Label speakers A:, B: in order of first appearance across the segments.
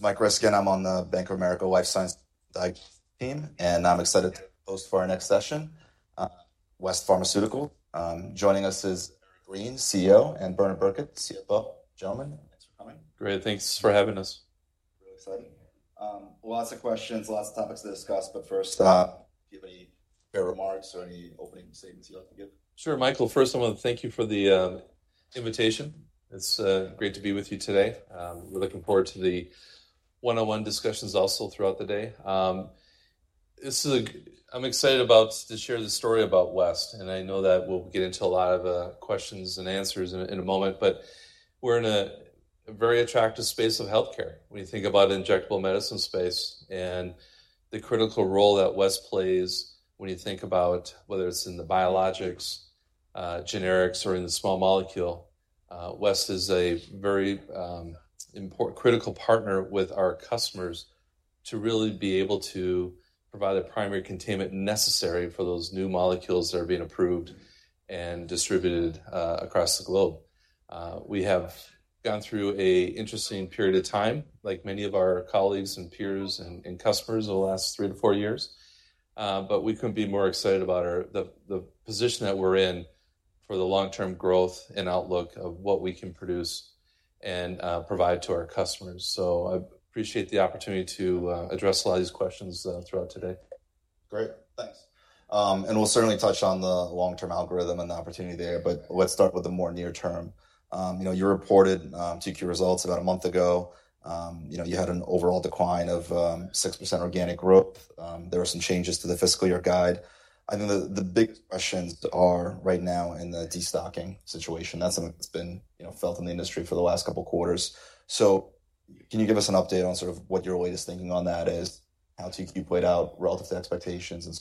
A: Mike Ryskin. I'm on the Bank of America Life Sciences team, and I'm excited to host for our next session, West Pharmaceutical. Joining us is Eric Green, CEO, and Bernard Birkett, CFO. Gentlemen, thanks for coming.
B: Great, thanks for having us.
A: Really exciting. Lots of questions, lots of topics to discuss, but first, do you have any opening remarks or any opening statements you'd like to give?
B: Sure, Michael, first I want to thank you for the invitation. It's great to be with you today. We're looking forward to the one-on-one discussions also throughout the day. I'm excited about to share the story about West, and I know that we'll get into a lot of questions and answers in a moment. But we're in a very attractive space of healthcare. When you think about injectable medicine space and the critical role that West plays, when you think about whether it's in the biologics, generics, or in the small molecule, West is a very important, critical partner with our customers to really be able to provide a primary containment necessary for those new molecules that are being approved and distributed across the globe. We have gone through an interesting period of time, like many of our colleagues and peers and customers over the last three to four years, but we couldn't be more excited about the position that we're in for the long-term growth and outlook of what we can produce and provide to our customers. I appreciate the opportunity to address a lot of these questions throughout today.
A: Great, thanks, and we'll certainly touch on the long-term algorithm and the opportunity there, but let's start with the more near-term. You know, you reported 2Q results about a month ago. You know, you had an overall decline of 6% organic growth. There were some changes to the fiscal year guide. I think the big questions are right now in the destocking situation, that's something that's been, you know, felt in the industry for the last couple of quarters. So can you give us an update on sort of what your latest thinking on that is, how 2Q played out relative to expectations, and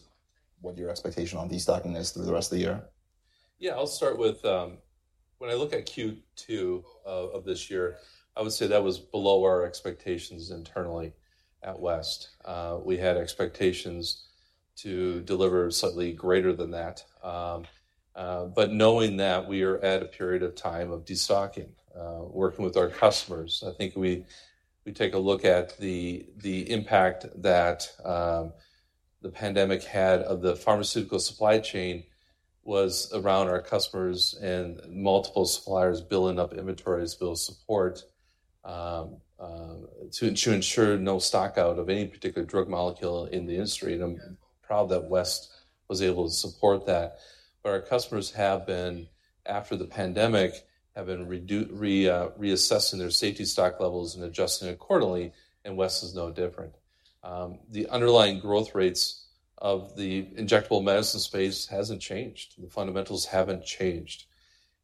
A: what your expectation on destocking is through the rest of the year?
B: Yeah, I'll start with. When I look at Q2 of this year, I would say that was below our expectations internally at West. We had expectations to deliver slightly greater than that, but knowing that we are at a period of time of destocking, working with our customers, I think we take a look at the impact that the pandemic had on the pharmaceutical supply chain was around our customers and multiple suppliers building up inventories to build support, to ensure no stock out of any particular drug molecule in the industry. And I'm proud that West was able to support that. But our customers have been, after the pandemic, reassessing their safety stock levels and adjusting accordingly, and West is no different. The underlying growth rates of the injectable medicine space hasn't changed. The fundamentals haven't changed,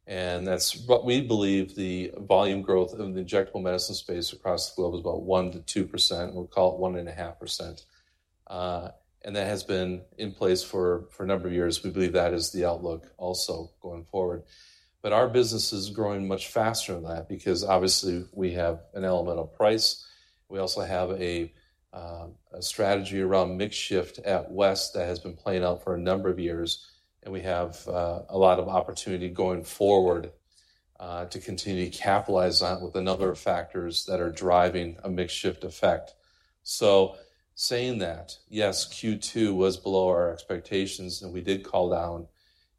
B: and that's what we believe the volume growth of the injectable medicine space across the globe is about 1% to 2%. We'll call it 1.5%. And that has been in place for a number of years. We believe that is the outlook also going forward. But our business is growing much faster than that because obviously we have an element of price. We also have a strategy around mix shift at West that has been playing out for a number of years, and we have a lot of opportunity going forward to continue to capitalize on with a number of factors that are driving a mix shift effect. So saying that, yes, Q2 was below our expectations, and we did call down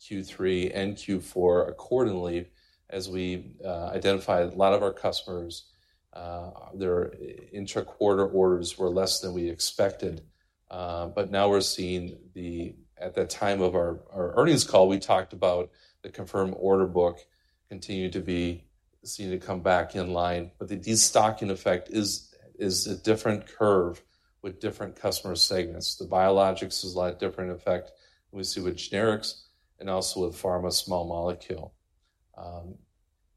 B: Q3 and Q4 accordingly, as we identified a lot of our customers their intra-quarter orders were less than we expected. But now we're seeing the. At the time of our earnings call, we talked about the confirmed order book continued to be seen to come back in line, but the destocking effect is a different curve with different customer segments. The biologics is a lot different effect than we see with generics and also with pharma small molecule.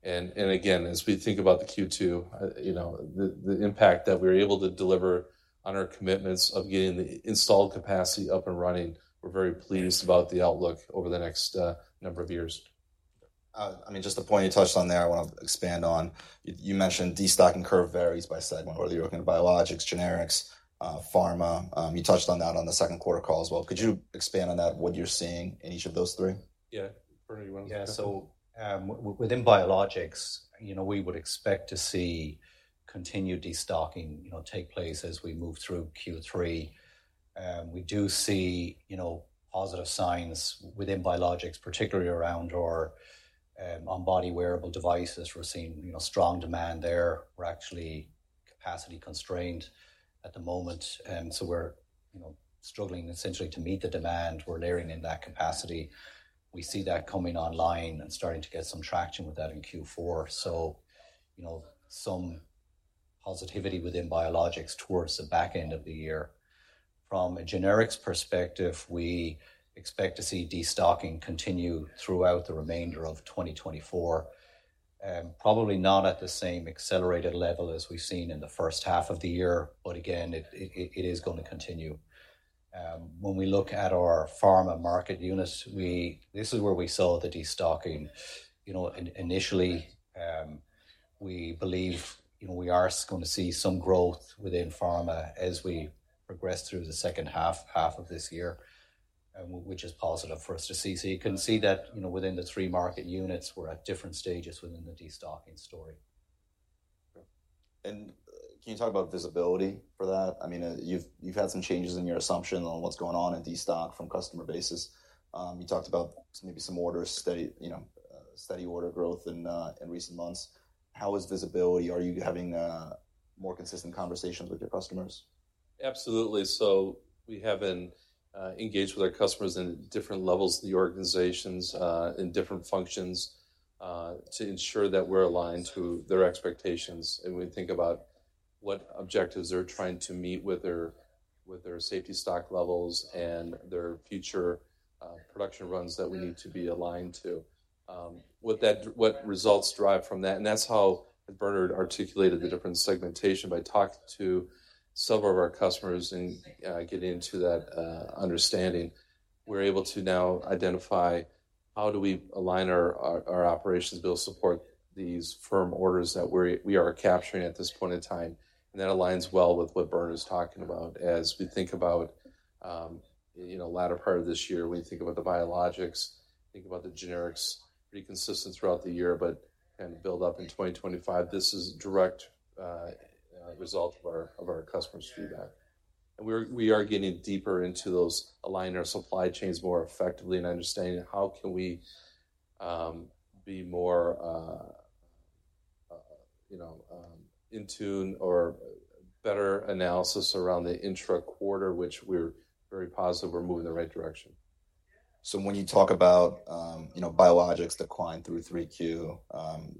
B: And again, as we think about the Q2, you know, the impact that we're able to deliver on our commitments of getting the installed capacity up and running, we're very pleased about the outlook over the next number of years.
A: I mean, just the point you touched on there, I want to expand on. You mentioned destocking curve varies by segment, whether you're looking at biologics, generics, pharma. You touched on that on the second quarter call as well. Could you expand on that, what you're seeing in each of those three?
B: Yeah. Bernard, you want to-
C: Yeah. So, within biologics, you know, we would expect to see continued destocking, you know, take place as we move through Q3. We do see, you know, positive signs within biologics, particularly around our on-body wearable devices. We're seeing, you know, strong demand there. We're actually capacity constrained at the moment, and so we're, you know, struggling essentially to meet the demand. We're layering in that capacity. We see that coming online and starting to get some traction with that in Q4. So, you know, some positivity within biologics towards the back end of the year. From a generics perspective, we expect to see destocking continue throughout the remainder of 2024, probably not at the same accelerated level as we've seen in the first half of the year, but again, it is going to continue. When we look at our pharma market units, this is where we saw the destocking. You know, initially, we believe, you know, we are gonna see some growth within pharma as we progress through the second half of this year, which is positive for us to see. So you can see that, you know, within the three market units, we're at different stages within the destocking story.
A: Can you talk about visibility for that? I mean, you've had some changes in your assumption on what's going on in destocking on a customer basis. You talked about maybe some steady order growth, you know, in recent months. How is visibility? Are you having more consistent conversations with your customers?
B: Absolutely. So we have been engaged with our customers in different levels of the organizations in different functions to ensure that we're aligned to their expectations. And we think about what objectives they're trying to meet with their safety stock levels and their future production runs that we need to be aligned to. What results drive from that, and that's how Bernard articulated the different segmentation. By talking to some of our customers and getting into that understanding, we're able to now identify how do we align our operations to be able to support these firm orders that we're capturing at this point in time, and that aligns well with what Bernard is talking about. As we think about, you know, latter part of this year, when you think about the biologics, think about the generics, pretty consistent throughout the year, but and build up in 2025, this is a direct result of our customers' feedback. And we are getting deeper into those, align our supply chains more effectively and understanding how can we be more, you know, in tune or better analysis around the intra-quarter, which we're very positive we're moving in the right direction.
A: So when you talk about, you know, biologics decline through 3Q,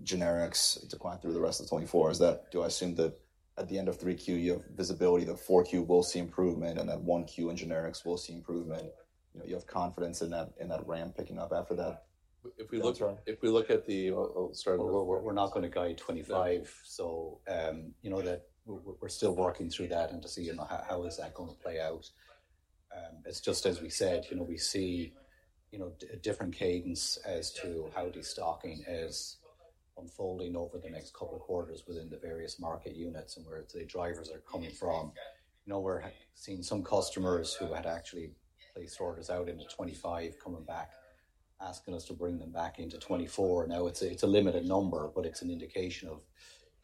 A: generics decline through the rest of twenty-four, is that, do I assume that at the end of 3Q, you have visibility, that 4Q will see improvement and that 1Q in generics will see improvement? You know, you have confidence in that, in that ramp picking up after that?
D: If we look at the. Sorry, we're not going to guide 2025, so you know that we're still working through that and to see you know how is that going to play out. It's just as we said, you know, we see you know a different cadence as to how destocking is unfolding over the next couple of quarters within the various market units and where the drivers are coming from. You know, we're seeing some customers who had actually placed orders out into 2025, coming back, asking us to bring them back into 2024. Now, it's a limited number, but it's an indication of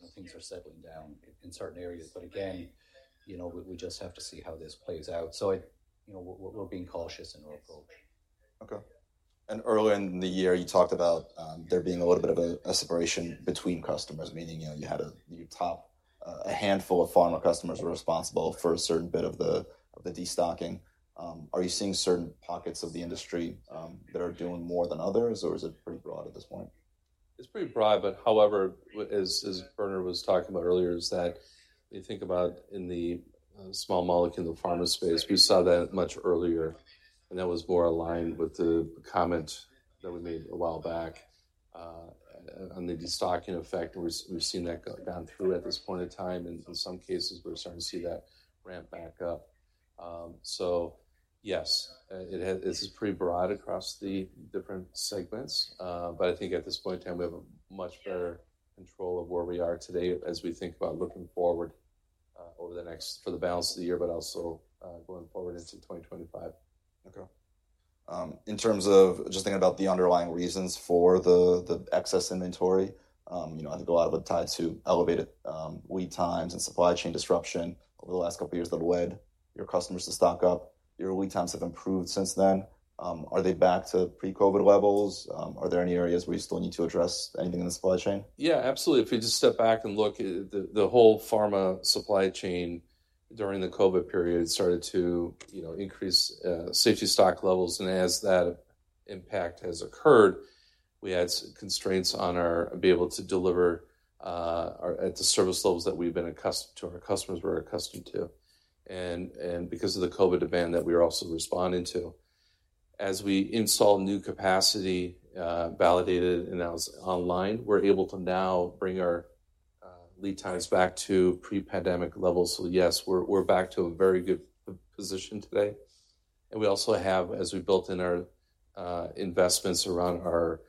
D: how things are settling down in certain areas. But again, you know, we just have to see how this plays out. So you know, we're being cautious in our approach.
A: Okay. And earlier in the year, you talked about there being a little bit of a separation between customers, meaning, you know, you had your top handful of pharma customers were responsible for a certain bit of the destocking. Are you seeing certain pockets of the industry that are doing more than others, or is it pretty broad at this point?
B: It's pretty broad, but however, as Bernard was talking about earlier, is that when you think about in the small molecule, in the pharma space, we saw that much earlier, and that was more aligned with the comment that we made a while back on the destocking effect, and we've seen that down through at this point in time, and in some cases, we're starting to see that ramp back up. So yes, it has. This is pretty broad across the different segments, but I think at this point in time, we have a much better control of where we are today as we think about looking forward over the next for the balance of the year, but also going forward into 2025.
A: Okay. In terms of just thinking about the underlying reasons for the excess inventory, you know, I think a lot of it tied to elevated lead times and supply chain disruption over the last couple of years that led your customers to stock up. Your lead times have improved since then. Are they back to pre-COVID levels? Are there any areas where you still need to address anything in the supply chain?
B: Yeah, absolutely. If we just step back and look at the whole pharma supply chain during the COVID period started to, you know, increase safety stock levels, and as that impact has occurred, we had some constraints on our ability to deliver at the service levels that we've been accustomed to, our customers were accustomed to, and because of the COVID demand that we were also responding to. As we install new capacity, validated and that was online, we're able to now bring our lead times back to pre-pandemic levels. So yes, we're back to a very good position today, and we also have, as we built in our investments around our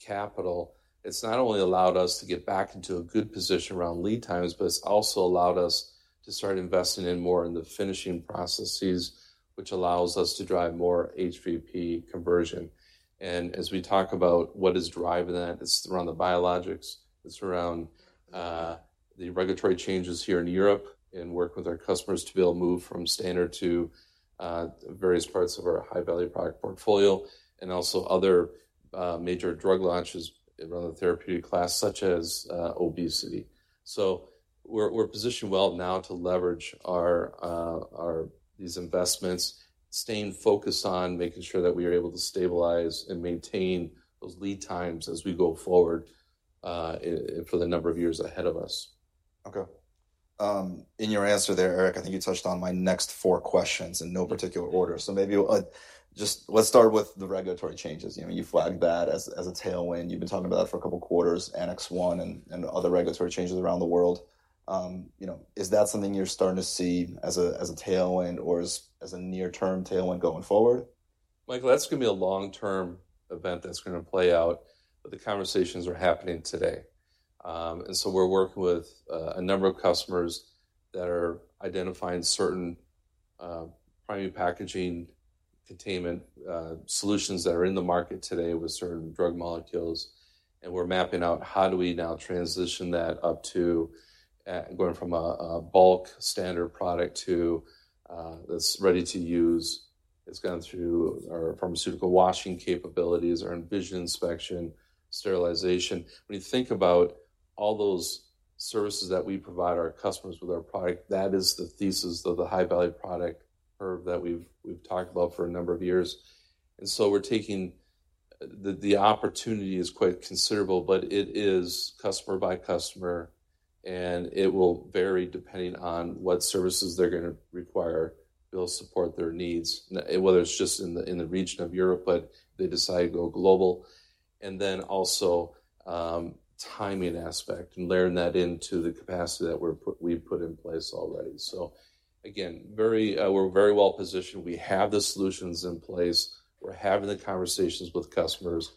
B: capital, it's not only allowed us to get back into a good position around lead times, but it's also allowed us to start investing in more in the finishing processes, which allows us to drive more HVP conversion. And as we talk about what is driving that, it's around the biologics, it's around the regulatory changes here in Europe and work with our customers to be able to move from standard to various parts of our high-value product portfolio and also other major drug launches around the therapeutic class, such as obesity. We're positioned well now to leverage our these investments, staying focused on making sure that we are able to stabilize and maintain those lead times as we go forward, for the number of years ahead of us.
A: Okay. In your answer there, Eric, I think you touched on my next four questions in no particular order. So maybe, just let's start with the regulatory changes. You know, you flagged that as, as a tailwind. You've been talking about it for a couple of quarters, Annex 1 and, and other regulatory changes around the world. You know, is that something you're starting to see as a, as a near-term tailwind going forward?...
B: Michael, that's going to be a long-term event that's going to play out, but the conversations are happening today. And so we're working with a number of customers that are identifying certain primary packaging containment solutions that are in the market today with certain drug molecules, and we're mapping out how do we now transition that up to going from a bulk standard product to that's ready to use. It's gone through our pharmaceutical washing capabilities, our Envision inspection, sterilization. When you think about all those services that we provide our customers with our product, that is the thesis of the high-value product curve that we've talked about for a number of years. And so we're taking the opportunity is quite considerable, but it is customer by customer, and it will vary depending on what services they're gonna require. We'll support their needs, whether it's just in the region of Europe, but they decide to go global. And then also the timing aspect and layering that into the capacity that we've put in place already. So again, we're very well positioned. We have the solutions in place. We're having the conversations with customers,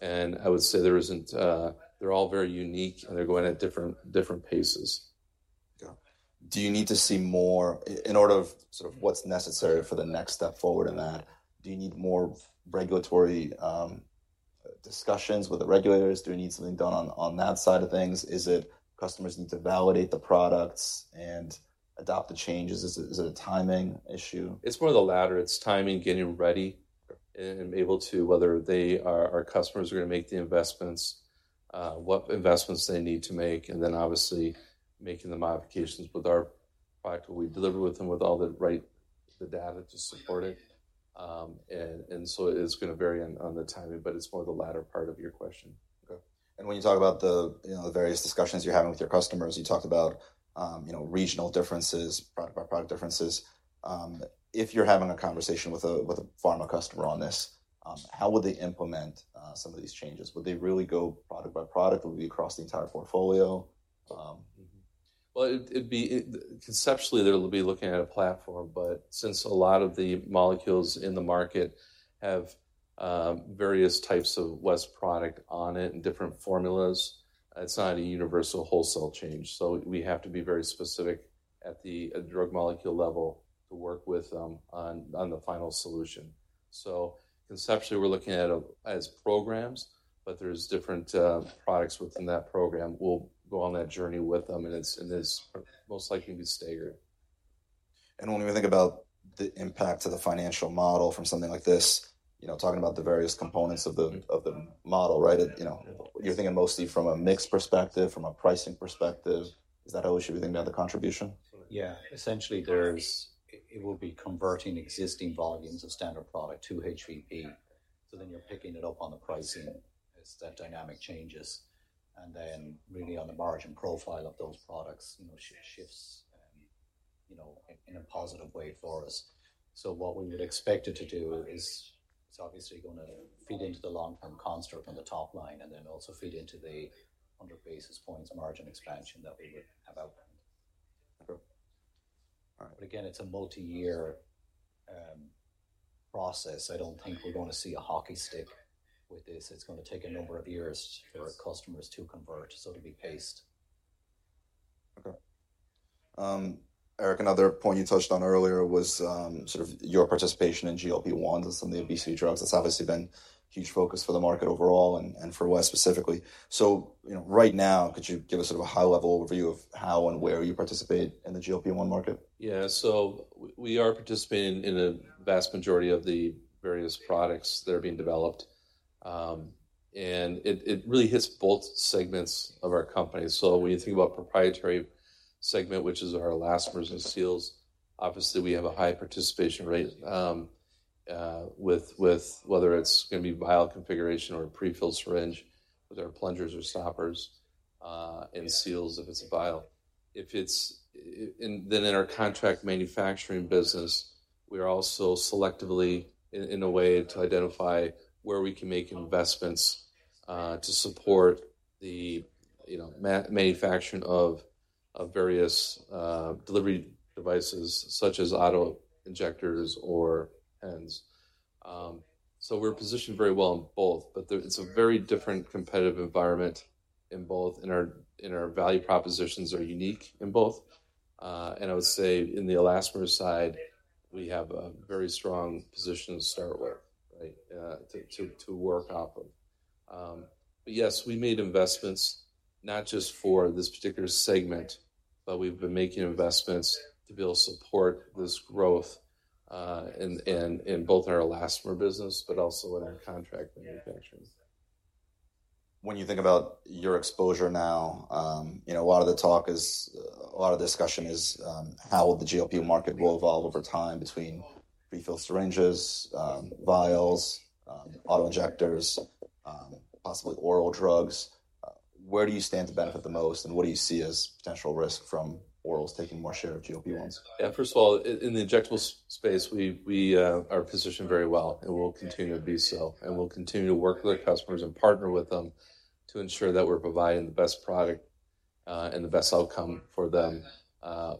B: and I would say there isn't. They're all very unique, and they're going at different paces.
A: Yeah. Do you need to see more in order of sort of what's necessary for the next step forward in that? Do you need more regulatory discussions with the regulators? Do we need something done on that side of things? Is it customers need to validate the products and adopt the changes? Is it a timing issue?
B: It's more of the latter. It's timing, getting ready and able to whether our customers are going to make the investments what investments they need to make, and then obviously making the modifications with our product that we deliver with them with all the right data to support it. And so it's gonna vary on the timing, but it's more the latter part of your question.
A: Okay. And when you talk about the, you know, the various discussions you're having with your customers, you talked about, you know, regional differences, product by product differences. If you're having a conversation with a pharma customer on this, how would they implement some of these changes? Would they really go product by product, or would it be across the entire portfolio?
B: It'd be conceptually, they'll be looking at a platform, but since a lot of the molecules in the market have various types of West product on it and different formulas, it's not a universal wholesale change. So we have to be very specific at the drug molecule level to work with them on the final solution. So conceptually, we're looking at it as programs, but there's different products within that program. We'll go on that journey with them, and it's most likely to be staggered.
A: And when we think about the impact to the financial model from something like this, you know, talking about the various components of the-
B: Mm-hmm.
A: of the model, right? You know, you're thinking mostly from a mix perspective, from a pricing perspective. Is that how we should be thinking about the contribution?
C: Yeah. Essentially, it will be converting existing volumes of standard product to HVP. So then you're picking it up on the pricing as that dynamic changes, and then really on the margin profile of those products, you know, shifts, you know, in a positive way for us. So what we would expect it to do is, it's obviously gonna feed into the long-term construct on the top line, and then also feed into the hundred basis points of margin expansion that we would have outlined.
A: Okay. All right.
C: But again, it's a multiyear process. I don't think we're gonna see a hockey stick with this. It's gonna take a number of years for customers to convert, so it'll be paced.
A: Okay. Eric, another point you touched on earlier was, sort of your participation in GLP-1 with some of the obesity drugs. That's obviously been a huge focus for the market overall and for West specifically. So, you know, right now, could you give us a high-level overview of how and where you participate in the GLP-1 market?
B: Yeah. So we are participating in a vast majority of the various products that are being developed, and it really hits both segments of our company. So when you think about proprietary segment, which is our elastomers and seals, obviously, we have a high participation rate with whether it's gonna be vial configuration or a prefilled syringe with our plungers or stoppers, and seals, if it's a vial. And then in our contract manufacturing business, we are also selectively in a way to identify where we can make investments to support the, you know, manufacturing of various delivery devices, such as autoinjectors or pens. So we're positioned very well in both, but there it's a very different competitive environment in both, and our value propositions are unique in both. And I would say in the elastomer side, we have a very strong position to start with, right, to work off of. But yes, we made investments not just for this particular segment, but we've been making investments to be able to support this growth, in both our elastomer business but also in our contract manufacturing.
A: When you think about your exposure now, you know, a lot of discussion is how the GLP market will evolve over time between prefilled syringes, vials, autoinjectors, possibly oral drugs. Where do you stand to benefit the most, and what do you see as potential risk from orals taking more share of GLP-1s?
B: Yeah, first of all, in the injectable space, we are positioned very well, and we'll continue to be so, and we'll continue to work with our customers and partner with them to ensure that we're providing the best product and the best outcome for them,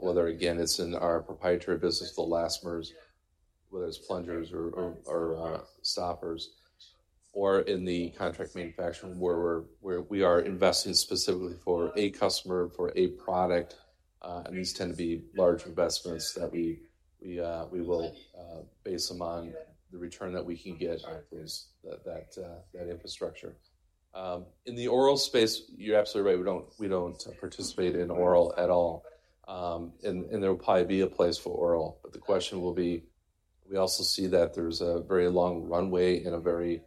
B: whether again, it's in our proprietary business, the elastomers, whether it's plungers or stoppers, or in the contract manufacturing, where we are investing specifically for a customer, for a product. And these tend to be large investments that we will base them on the return that we can get out of this, that infrastructure. In the oral space, you're absolutely right. We don't participate in oral at all. And there will probably be a place for oral, but the question will be. We also see that there's a very long runway and a very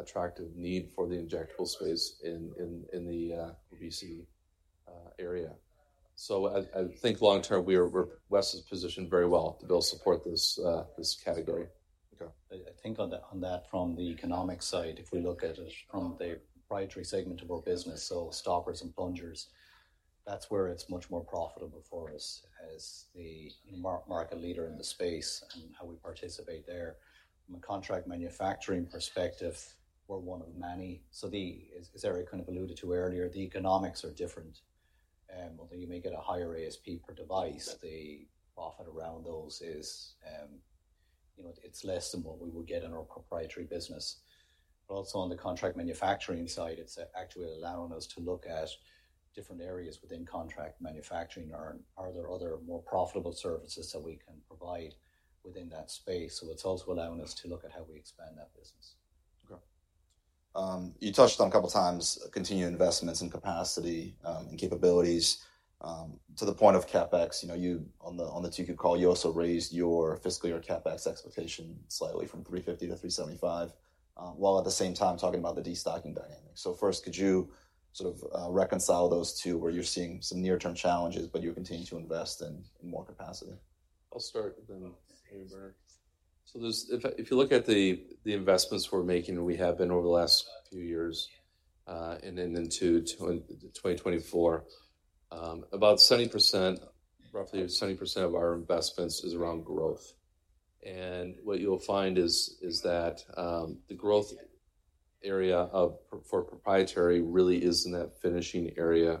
B: attractive need for the injectable space in the BC area. So I think long term, West is positioned very well to build support this category. Okay.
C: I think on that from the economic side, if we look at it from the proprietary segment of our business, so stoppers and plungers, that's where it's much more profitable for us as the market leader in the space and how we participate there. From a contract manufacturing perspective, we're one of many. So as Eric kind of alluded to earlier, the economics are different, and although you may get a higher ASP per device, the profit around those is, you know, it's less than what we would get in our proprietary business. But also on the contract manufacturing side, it's actually allowing us to look at different areas within contract manufacturing. Are there other more profitable services that we can provide within that space? So it's also allowing us to look at how we expand that business.
A: Okay. You touched on a couple of times continued investments in capacity and capabilities. To the point of CapEx, you know, you on the 2Q call, you also raised your fiscal year CapEx expectation slightly from $350 to $375 while at the same time talking about the destocking dynamic. So first, could you sort of reconcile those two, where you're seeing some near-term challenges, but you continue to invest in more capacity?
B: I'll start, and then Bernard. So there's if I if you look at the investments we're making, and we have been over the last few years, and then into 2024, about 70%, roughly 70% of our investments is around growth. And what you'll find is that the growth area of for proprietary really is in that finishing area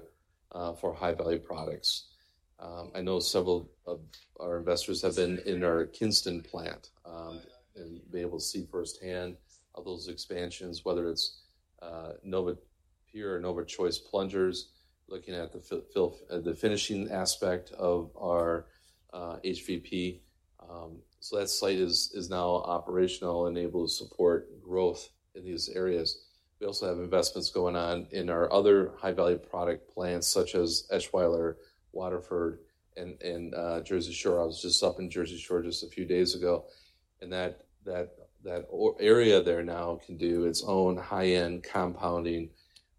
B: for high-value products. I know several of our investors have been in our Kinston plant and be able to see firsthand of those expansions, whether it's NovaPure or NovaChoice plungers, looking at the finishing aspect of our HVP. So that site is now operational and able to support growth in these areas. We also have investments going on in our other high-value product plants, such as Eschweiler, Waterford, and Jersey Shore. I was just up in Jersey Shore just a few days ago, and that area there now can do its own high-end compounding.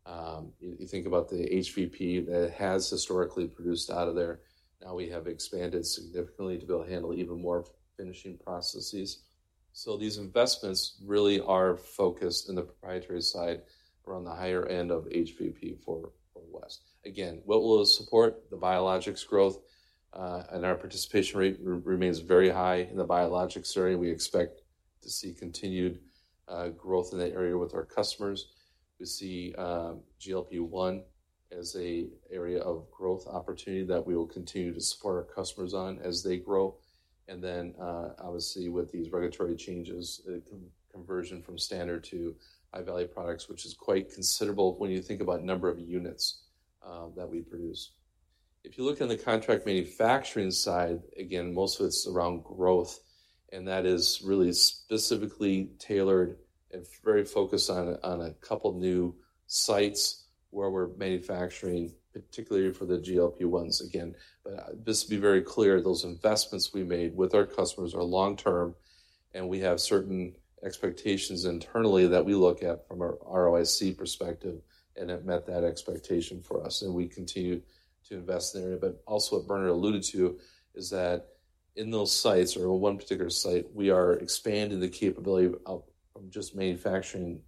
B: You think about the HVP that has historically produced out of there. Now we have expanded significantly to be able to handle even more finishing processes. So these investments really are focused in the proprietary side, around the higher end of HVP for West. Again, what will support the biologics growth, and our participation rate remains very high in the biologics area. We expect to see continued growth in that area with our customers. We see GLP-1 as a area of growth opportunity that we will continue to support our customers on as they grow. And then, obviously, with these regulatory changes, the conversion from standard to high-value products, which is quite considerable when you think about number of units that we produce. If you look on the contract manufacturing side, again, most of it's around growth, and that is really specifically tailored and very focused on a couple new sites where we're manufacturing, particularly for the GLP-1s. Again, but just to be very clear, those investments we made with our customers are long term, and we have certain expectations internally that we look at from our ROIC perspective, and it met that expectation for us, and we continue to invest in the area. But also what Bernard alluded to is that in those sites or one particular site, we are expanding the capability of just manufacturing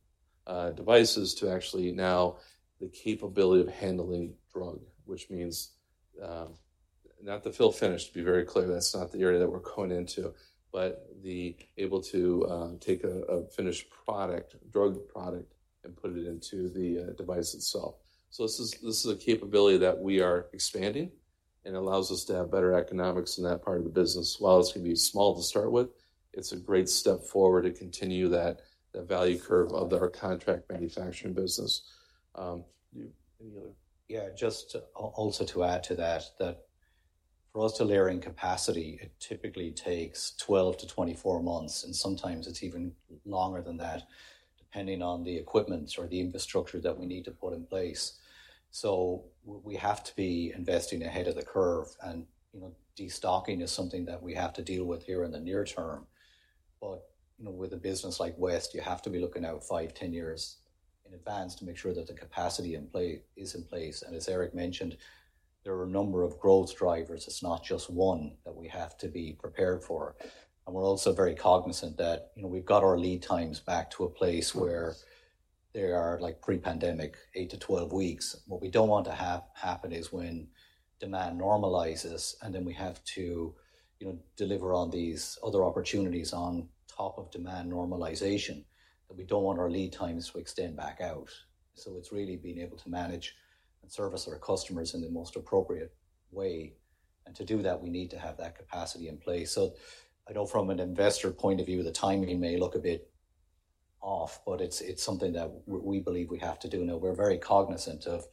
B: devices to actually now the capability of handling drug. Which means, not the fill-finish, to be very clear, that's not the area that we're going into, but the ability to take a finished product, drug product, and put it into the device itself. So this is a capability that we are expanding and allows us to have better economics in that part of the business. While it's gonna be small to start with, it's a great step forward to continue that value curve of our contract manufacturing business. You have any other?
D: Yeah, just to also add to that, that for us to layer in capacity, it typically takes 12-24 months, and sometimes it's even longer than that, depending on the equipment or the infrastructure that we need to put in place. So we have to be investing ahead of the curve, and, you know, destocking is something that we have to deal with here in the near term. But, you know, with a business like West, you have to be looking out 5, 10 years in advance to make sure that the capacity in play is in place. And as Eric mentioned, there are a number of growth drivers. It's not just one that we have to be prepared for. And we're also very cognizant that, you know, we've got our lead times back to a place where they are like pre-pandemic, 8-12 weeks.
C: What we don't want to have happen is when demand normalizes, and then we have to, you know, deliver on these other opportunities on top of demand normalization, that we don't want our lead times to extend back out. So it's really being able to manage and service our customers in the most appropriate way... and to do that, we need to have that capacity in place, so I know from an investor point of view, the timing may look a bit off, but it's something that we believe we have to do. Now, we're very cognizant of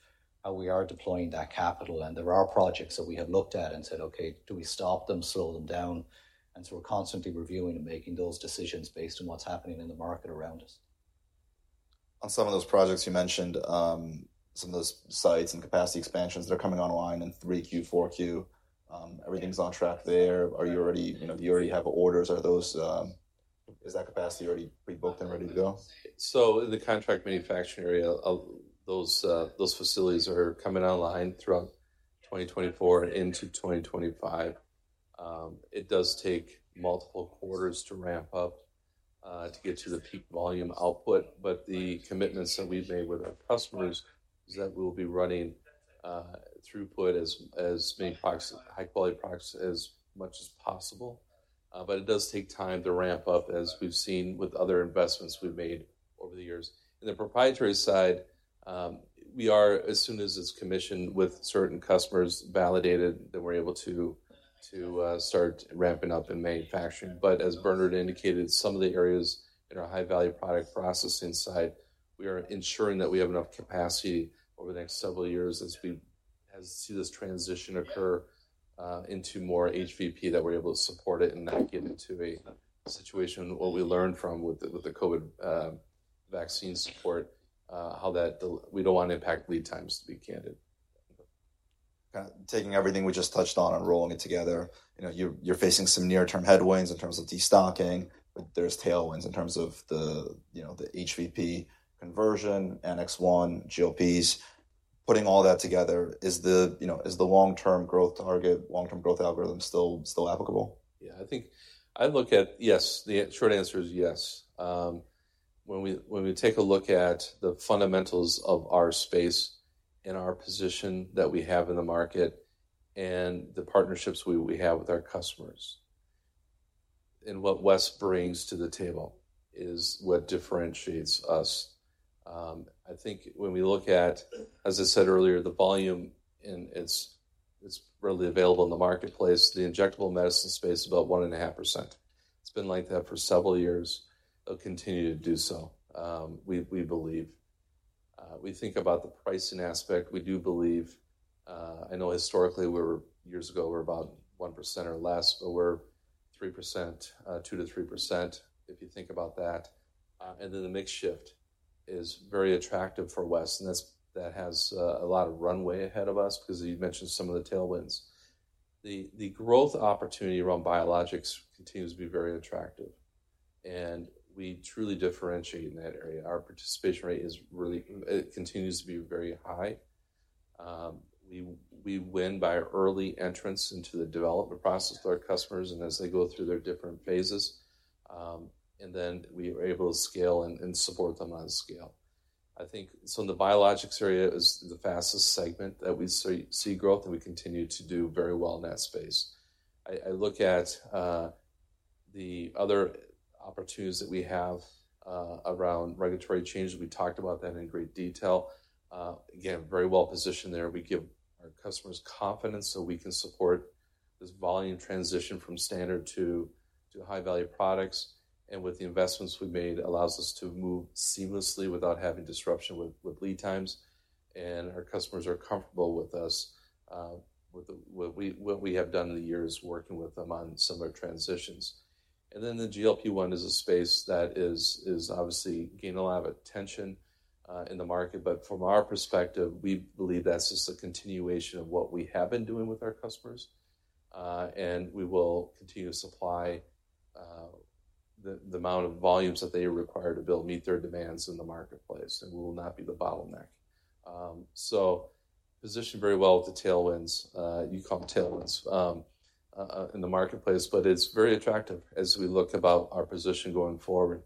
C: how we are deploying that capital, and there are projects that we have looked at and said, "Okay, do we stop them, slow them down?" and so we're constantly reviewing and making those decisions based on what's happening in the market around us.
A: On some of those projects you mentioned, some of those sites and capacity expansions that are coming online in 3Q, 4Q, everything's on track there. Are you already, you know, do you already have orders? Are those, is that capacity already pre-booked and ready to go?
B: The contract manufacturing area of those facilities are coming online throughout 2024 into 2025. It does take multiple quarters to ramp up to get to the peak volume output, but the commitments that we've made with our customers is that we'll be running throughput as making products, high-quality products as much as possible. But it does take time to ramp up, as we've seen with other investments we've made over the years. In the proprietary side, we are as soon as it's commissioned with certain customers, validated, then we're able to start ramping up in manufacturing. But as Bernard indicated, some of the areas in our high-value product processing side, we are ensuring that we have enough capacity over the next several years as we see this transition occur into more HVP, that we're able to support it and not get into a situation what we learned from with the COVID vaccine support, how that we don't want to impact lead times, to be candid.
A: Kind of taking everything we just touched on and rolling it together. You know, you're facing some near-term headwinds in terms of destocking, but there's tailwinds in terms of the, you know, the HVP conversion, Annex 1, GLPs. Putting all that together, you know, is the long-term growth target, long-term growth algorithm still applicable?
B: Yeah, I think I look at... Yes, the short answer is yes. When we take a look at the fundamentals of our space and our position that we have in the market and the partnerships we have with our customers, and what West brings to the table is what differentiates us. I think when we look at, as I said earlier, the volume and it's readily available in the Marketplace, the injectable medicine space is about 1.5%. It's been like that for several years, it'll continue to do so, we believe. We think about the pricing aspect. We do believe, I know historically we were, years ago, we were about 1% or less, but we're 3%, 2%-3%, if you think about that. And then the mix shift is very attractive for West, and that has a lot of runway ahead of us because you mentioned some of the tailwinds. The growth opportunity around biologics continues to be very attractive, and we truly differentiate in that area. Our participation rate is really high. It continues to be very high. We win by early entrance into the development process with our customers and as they go through their different phases, and then we are able to scale and support them on scale. So the biologics area is the fastest segment that we see growth, and we continue to do very well in that space. I look at the other opportunities that we have around regulatory changes. We talked about that in great detail. Again, very well positioned there. We give our customers confidence so we can support this volume transition from standard to high-value products, and with the investments we've made, allows us to move seamlessly without having disruption with lead times, and our customers are comfortable with us, with what we have done in the years working with them on similar transitions, and then the GLP-1 is a space that is obviously gaining a lot of attention in the market, but from our perspective, we believe that's just a continuation of what we have been doing with our customers, and we will continue to supply the amount of volumes that they require to build, meet their demands in the Marketplace, and we will not be the bottleneck. So positioned very well with the tailwinds, you call them tailwinds, in the Marketplace, but it's very attractive as we look about our position going forward.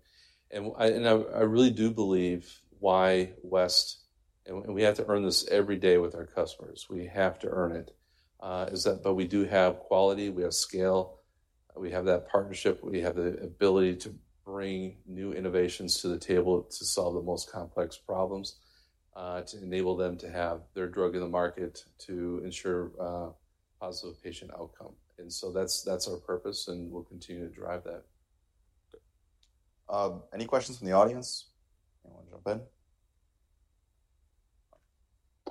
B: And I really do believe why West, and we have to earn this every day with our customers. We have to earn it. is that, but we do have quality, we have scale, we have that partnership, we have the ability to bring new innovations to the table to solve the most complex problems, to enable them to have their drug in the market, to ensure a positive patient outcome. And so that's our purpose, and we'll continue to drive that.
A: Any questions from the audience? Anyone want to jump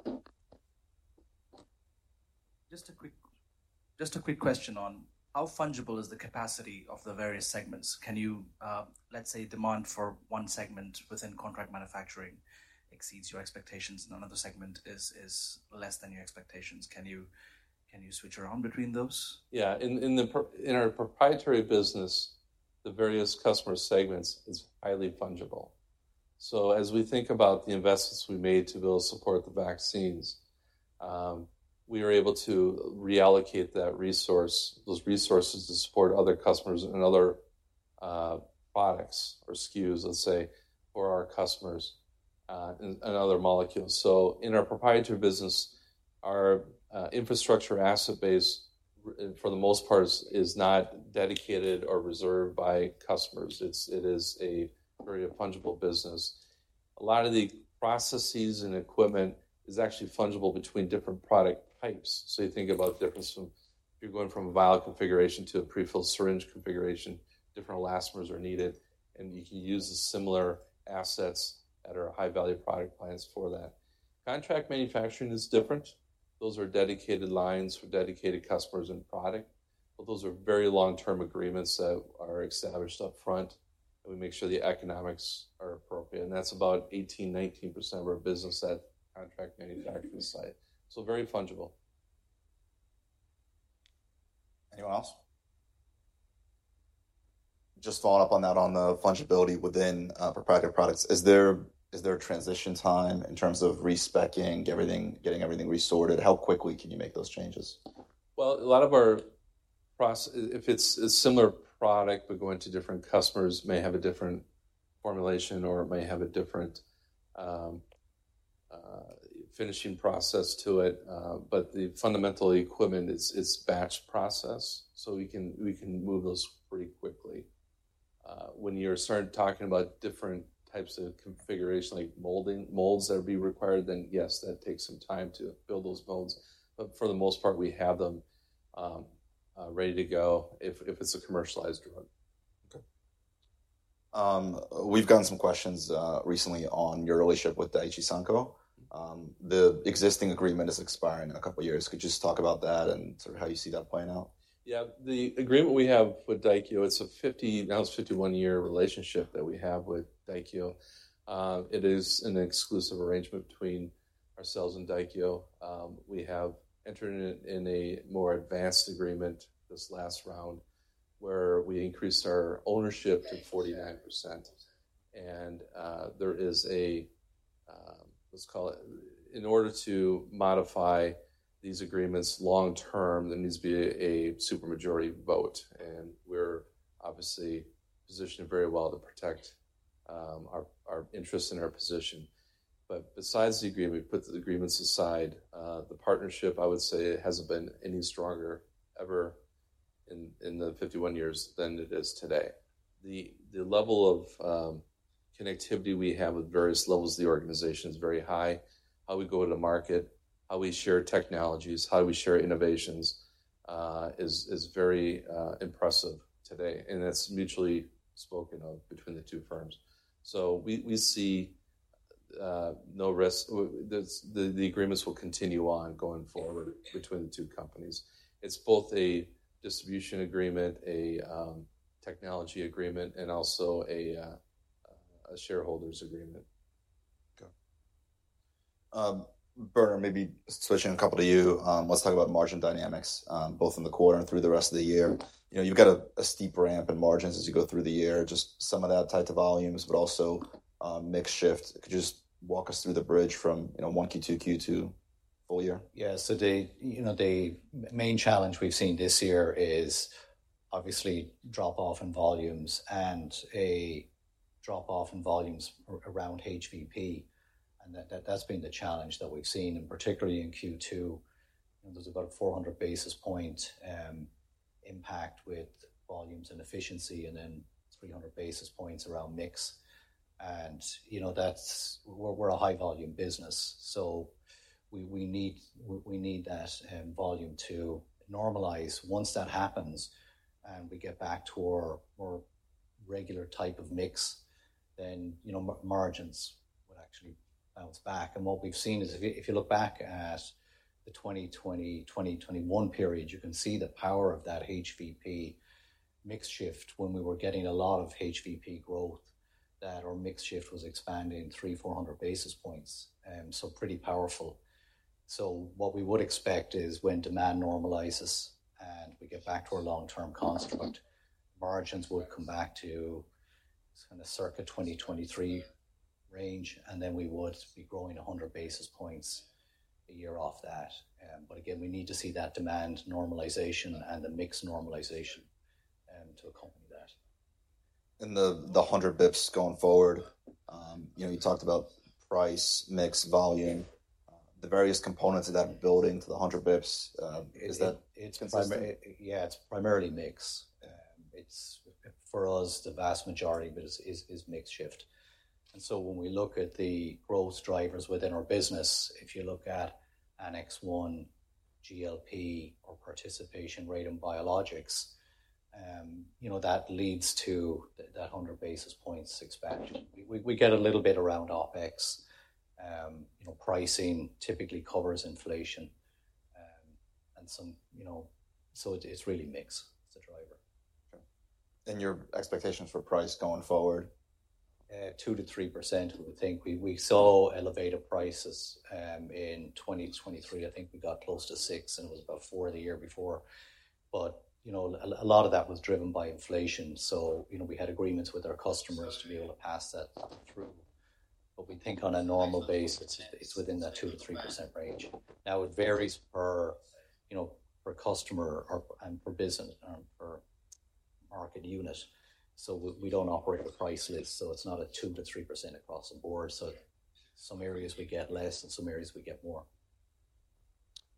A: in?
E: Just a quick question on how fungible is the capacity of the various segments? Can you, let's say, demand for one segment within contract manufacturing exceeds your expectations, and another segment is less than your expectations. Can you switch around between those?
B: Yeah. In our proprietary business, the various customer segments is highly fungible. So as we think about the investments we made to build support the vaccines, we were able to reallocate that resource, those resources to support other customers and other products or SKUs, let's say, for our customers, and other molecules. So in our proprietary business, our infrastructure asset base, for the most part, is not dedicated or reserved by customers. It is a very fungible business.... A lot of the processes and equipment is actually fungible between different product types. So you think about the difference from if you're going from a vial configuration to a prefilled syringe configuration, different elastomers are needed, and you can use the similar assets that are high-value product lines for that. Contract manufacturing is different. Those are dedicated lines for dedicated customers and product, but those are very long-term agreements that are established up front, and we make sure the economics are appropriate and that's about 18%-19% of our business at contract manufacturing site, so very fungible.
A: Anyone else? Just following up on that, on the fungibility within proprietary products, is there a transition time in terms of re-speccing everything, getting everything resorted? How quickly can you make those changes?
B: A lot of our process, if it's a similar product but going to different customers may have a different formulation or may have a different finishing process to it. But the fundamental equipment is batch process, so we can move those pretty quickly. When you start talking about different types of configuration, like molding, molds that would be required, then yes, that takes some time to build those molds, but for the most part, we have them ready to go if it's a commercialized drug.
A: Okay. We've gotten some questions recently on your relationship with Daikyo Seiko. The existing agreement is expiring in a couple of years. Could you just talk about that and sort of how you see that playing out?
B: Yeah. The agreement we have with Daikyo, it's a 51-year relationship that we have with Daikyo. It is an exclusive arrangement between ourselves and Daikyo. We have entered in a more advanced agreement this last round, where we increased our ownership to 49%, and there is a, let's call it. In order to modify these agreements long term, there needs to be a supermajority vote, and we're obviously positioned very well to protect our interests and our position. But besides the agreement, we put the agreements aside, the partnership, I would say, hasn't been any stronger ever in the 51 years than it is today. The level of connectivity we have with various levels of the organization is very high. How we go to market, how we share technologies, how we share innovations, is very impressive today, and it's mutually spoken of between the two firms. So we see no risk. The agreements will continue on going forward between the two companies. It's both a distribution agreement, a technology agreement, and also a shareholders agreement.
A: Okay. Bernard, maybe switching a couple to you. Let's talk about margin dynamics, both in the quarter and through the rest of the year. You know, you've got a steep ramp in margins as you go through the year. Just some of that tied to volumes, but also, mix shift. Could you just walk us through the bridge from, you know, one Q2 to full year?
C: Yeah. So the, you know, the main challenge we've seen this year is obviously drop-off in volumes and a drop-off in volumes around HVP. And that, that's been the challenge that we've seen, and particularly in Q2, there's about 400 basis points impact with volumes and efficiency, and then 300 basis points around mix. And, you know, that's. We're a high-volume business, so we need that volume to normalize. Once that happens and we get back to our more regular type of mix, then, you know, margins will actually bounce back. What we've seen is if you look back at the 2020, 2021 period, you can see the power of that HVP mix shift when we were getting a lot of HVP growth, that our mix shift was expanding 300-400 basis points, so pretty powerful. So what we would expect is when demand normalizes and we get back to our long-term construct, margins will come back to kinda circa 2023 range, and then we would be growing 100 basis points a year off that. But again, we need to see that demand normalization and the mix normalization to accompany that.
A: The 100 basis points going forward, you know, you talked about price, mix, volume, the various components of that building to the 100 basis points, is that consistent?
C: Yeah, it's primarily mix. It's for us, the vast majority, but is mix shift. And so when we look at the growth drivers within our business, if you look at Annex 1, GLP-1, or participation rate in biologics, you know, that leads to that 100 basis points expansion. We get a little bit around OpEx. You know, pricing typically covers inflation, and some, you know, so it's really mix, it's the driver.
A: Okay. And your expectations for price going forward?
C: 2%-3%, I would think. We saw elevated prices in 2023. I think we got close to 6%, and it was about 4% the year before. But you know, a lot of that was driven by inflation. So you know, we had agreements with our customers to be able to pass that through. But we think on a normal basis, it's within that 2%-3% range. Now, it varies per you know, per customer or and per business per market unit. So we don't operate a price list, so it's not a 2%-3% across the board. So some areas we get less, and some areas we get more....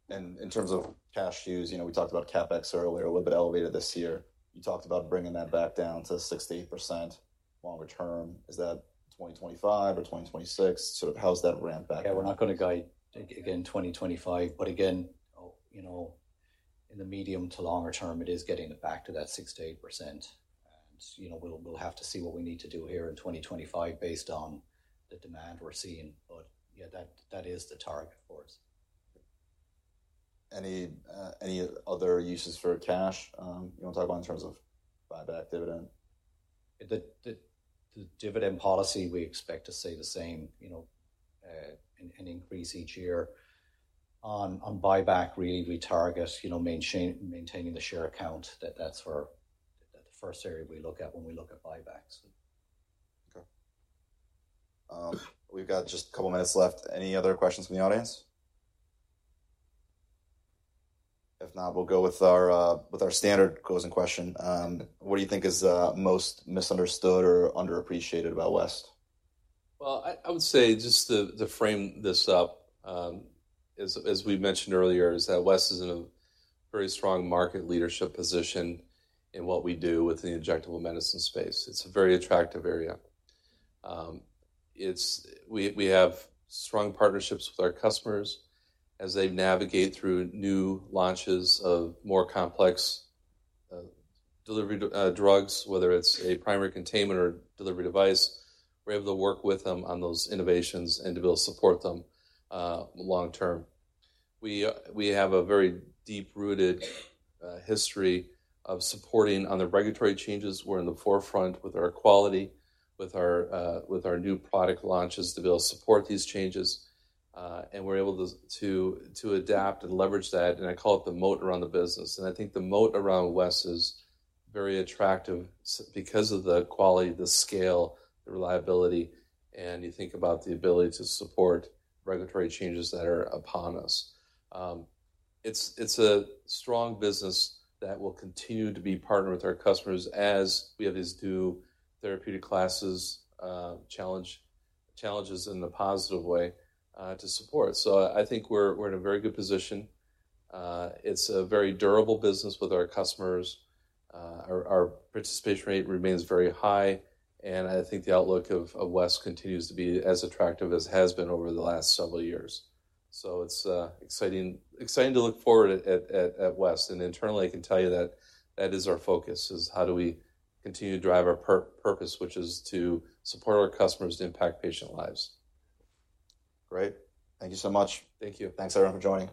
A: And in terms of cash use, you know, we talked about CapEx earlier, a little bit elevated this year. You talked about bringing that back down to 6%-8% longer term. Is that 2025 or 2026? Sort of how's that ramp back?
C: Yeah, we're not going to guide again in 2025. But again, you know, in the medium to longer term, it is getting it back to that 6%-8%. And, you know, we'll have to see what we need to do here in 2025 based on the demand we're seeing. But yeah, that is the target for us.
A: Any, any other uses for cash, you want to talk about in terms of buyback dividend?
C: The dividend policy, we expect to stay the same, you know, an increase each year. On buyback, really, we target, you know, maintaining the share account. That's our. That's the first area we look at when we look at buybacks.
A: Okay. We've got just a couple of minutes left. Any other questions from the audience? If not, we'll go with our standard closing question. What do you think is most misunderstood or underappreciated about West?
B: Well, I would say just to frame this up, as we mentioned earlier, is that West is in a very strong market leadership position in what we do with the injectable medicine space. It's a very attractive area. It's-- We have strong partnerships with our customers as they navigate through new launches of more complex delivery drugs, whether it's a primary containment or delivery device. We're able to work with them on those innovations and to be able to support them long term. We have a very deep-rooted history of supporting on the regulatory changes. We're in the forefront with our quality, with our new product launches to be able to support these changes, and we're able to adapt and leverage that, and I call it the moat around the business. And I think the moat around West is very attractive because of the quality, the scale, the reliability, and you think about the ability to support regulatory changes that are upon us. It's a strong business that will continue to be partnered with our customers as we have these new therapeutic classes, challenges in a positive way to support. So I think we're in a very good position. It's a very durable business with our customers. Our participation rate remains very high, and I think the outlook of West continues to be as attractive as it has been over the last several years. So it's exciting to look forward at West. Internally, I can tell you that that is our focus, is how do we continue to drive our purpose, which is to support our customers to impact patient lives.
A: Great. Thank you so much.
B: Thank you.
A: Thanks, everyone, for joining.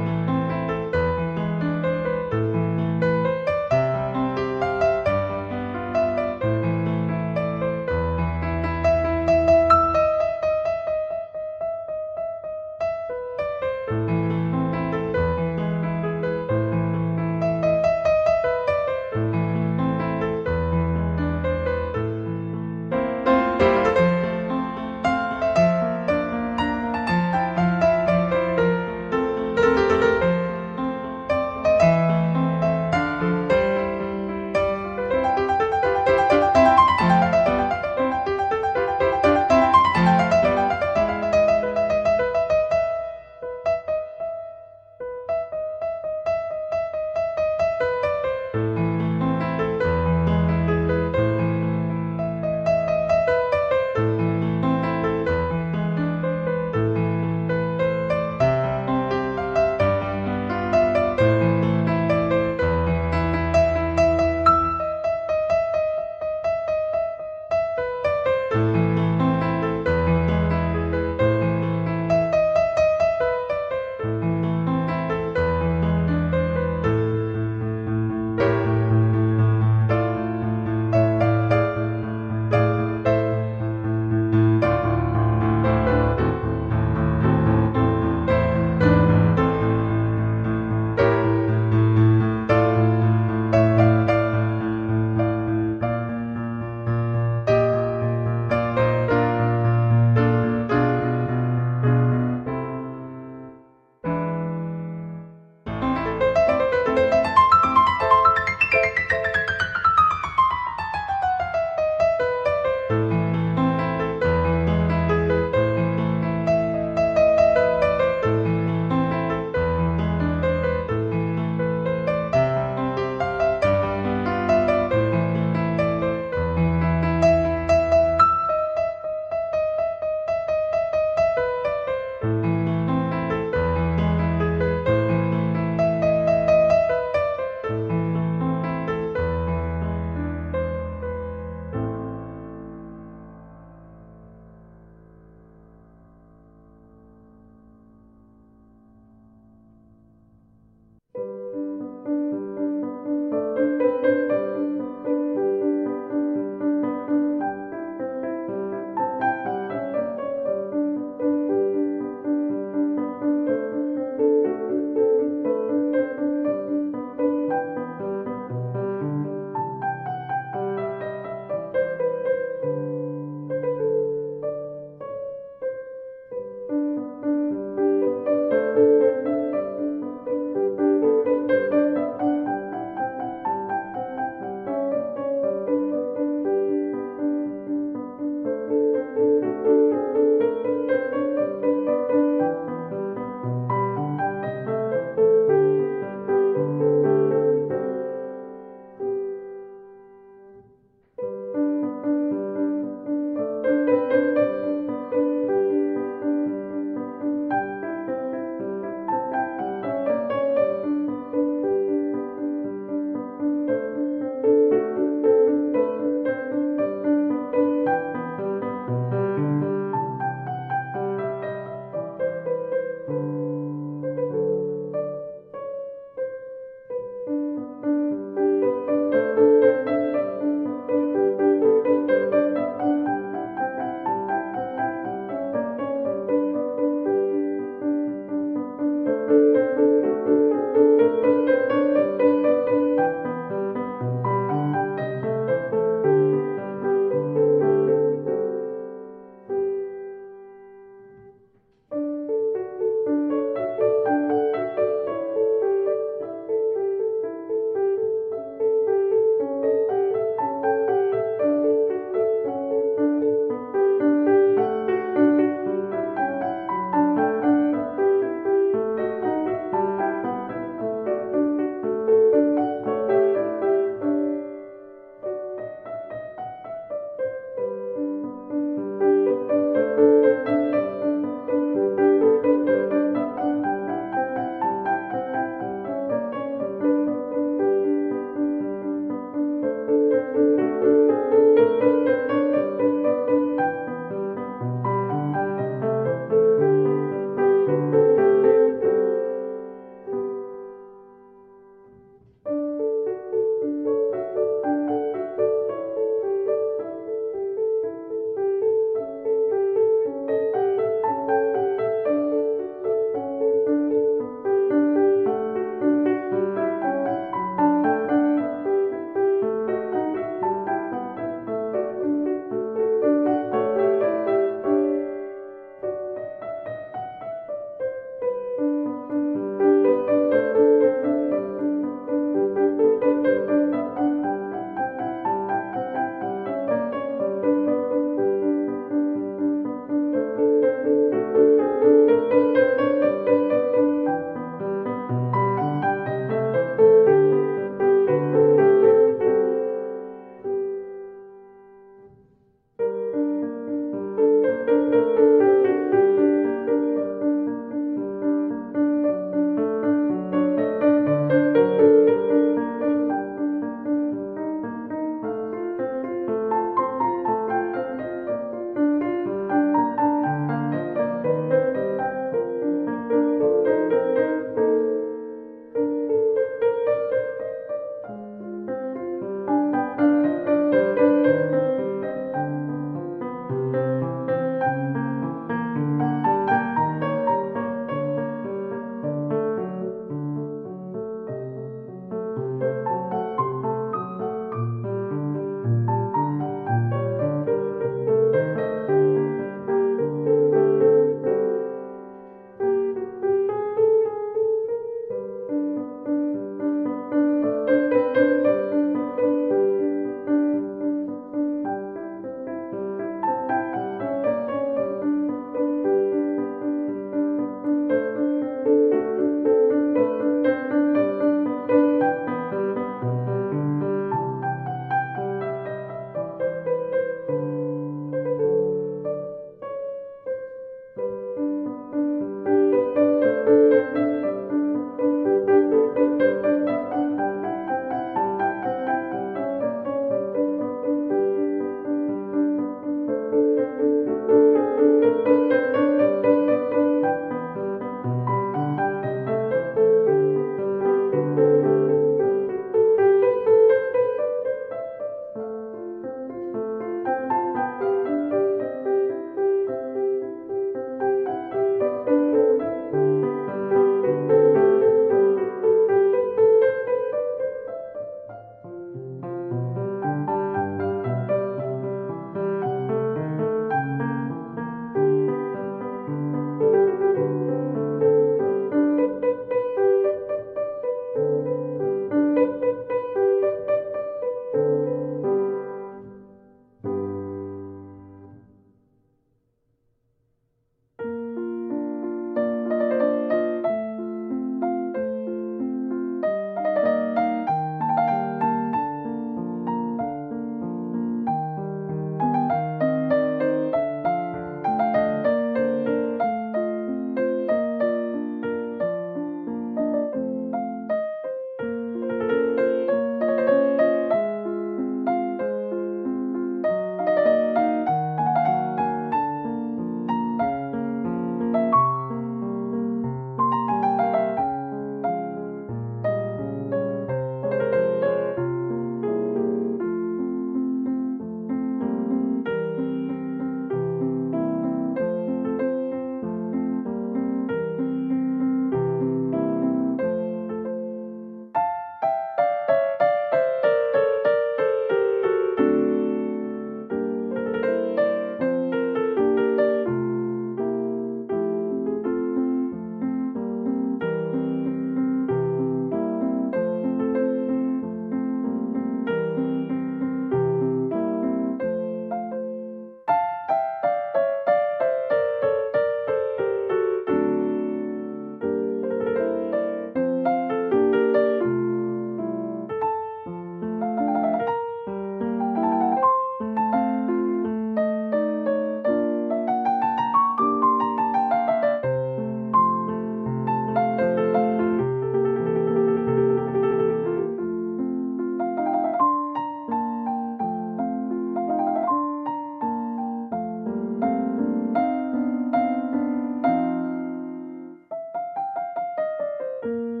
A: Thank you....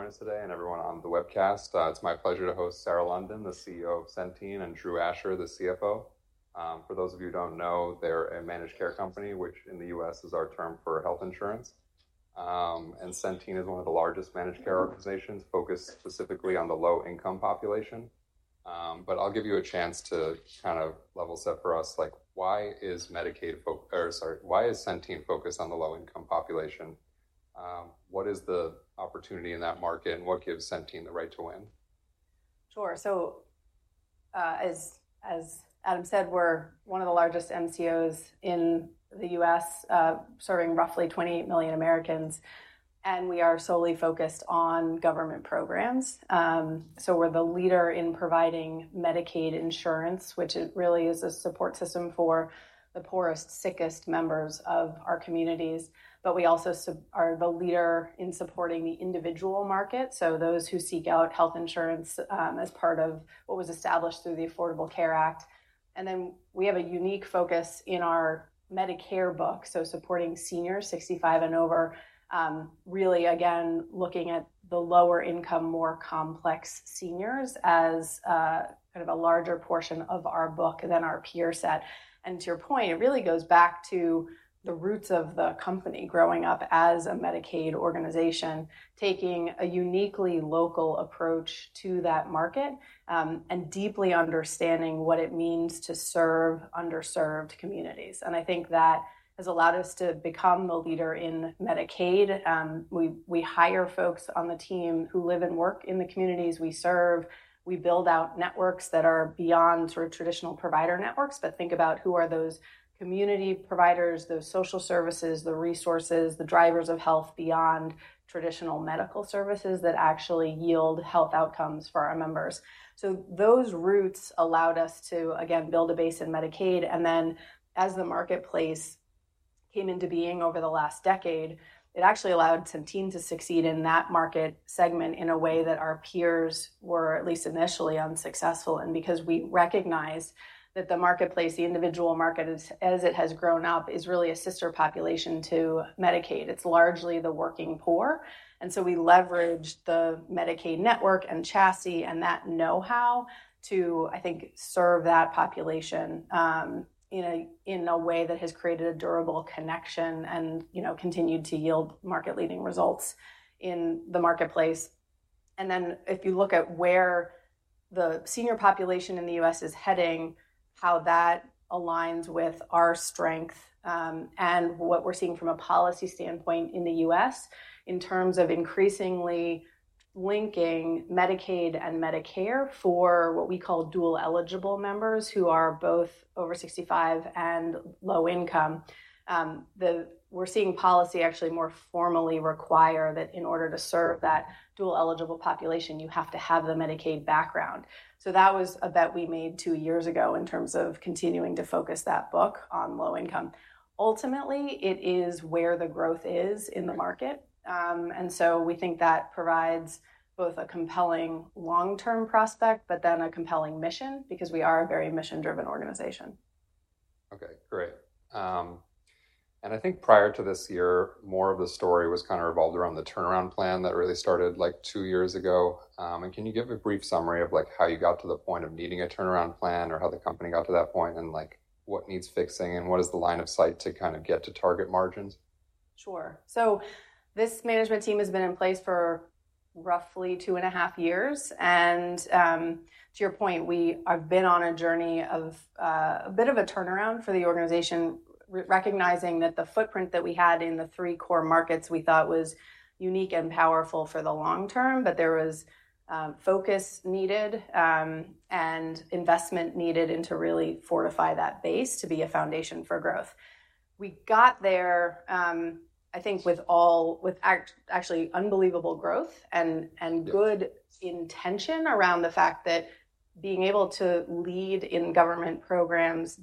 E: Thank you all for everyone in person who could join us today and everyone on the webcast. It's my pleasure to host Sarah London, the CEO of Centene, and Drew Asher, the CFO. For those of you who don't know, they're a managed care company, which in the U.S. is our term for health insurance. And Centene is one of the largest managed care organizations focused specifically on the low-income population. But I'll give you a chance to kind of level set for us, like, or sorry, why is Centene focused on the low-income population? What is the opportunity in that market, and what gives Centene the right to win?
F: Sure. So, as Adam said, we're one of the largest MCOs in the U.S., serving roughly 28 million Americans, and we are solely focused on government programs. So we're the leader in providing Medicaid insurance, which it really is a support system for the poorest, sickest members of our communities. But we also are the leader in supporting the individual market, so those who seek out health insurance, as part of what was established through the Affordable Care Act. And then we have a unique focus in our Medicare book, so supporting seniors 65 and over, really, again, looking at the lower income, more complex seniors as kind of a larger portion of our book than our peer set. And to your point, it really goes back to the roots of the company growing up as a Medicaid organization, taking a uniquely local approach to that market, and deeply understanding what it means to serve underserved communities. And I think that has allowed us to become the leader in Medicaid. We hire folks on the team who live and work in the communities we serve. We build out networks that are beyond sort of traditional provider networks, but think about who are those community providers, those social services, the resources, the drivers of health beyond traditional medical services that actually yield health outcomes for our members. So those routes allowed us to, again, build a base in Medicaid, and then as the Marketplace came into being over the last decade, it actually allowed Centene to succeed in that market segment in a way that our peers were at least initially unsuccessful in. Because we recognize that the Marketplace, the individual market, as it has grown up, is really a sister population to Medicaid. It's largely the working poor, and so we leveraged the Medicaid network and chassis and that know-how to, I think, serve that population in a way that has created a durable connection and, you know, continued to yield market-leading results in the Marketplace. And then if you look at where the senior population in the U.S. is heading, how that aligns with our strength, and what we're seeing from a policy standpoint in the U.S. in terms of increasingly linking Medicaid and Medicare for what we call dual-eligible members, who are both over sixty-five and low income. We're seeing policy actually more formally require that in order to serve that dual-eligible population, you have to have the Medicaid background. So that was a bet we made two years ago in terms of continuing to focus that book on low income. Ultimately, it is where the growth is in the market. And so we think that provides both a compelling long-term prospect, but then a compelling mission, because we are a very mission-driven organization.
E: Okay, great. And I think prior to this year, more of the story was kind of revolved around the turnaround plan that really started, like, two years ago. And can you give a brief summary of, like, how you got to the point of needing a turnaround plan or how the company got to that point, and, like, what needs fixing and what is the line of sight to kind of get to target margins?
F: Sure. So this management team has been in place for roughly two and a half years, and, to your point, we've been on a journey of a bit of a turnaround for the organization, recognizing that the footprint that we had in the three core markets we thought was unique and powerful for the long term, but there was focus needed, and investment needed, and to really fortify that base to be a foundation for growth. We got there, I think with actually unbelievable growth and, and-
E: Yeah...
F: good intention around the fact that being able to lead in government programs,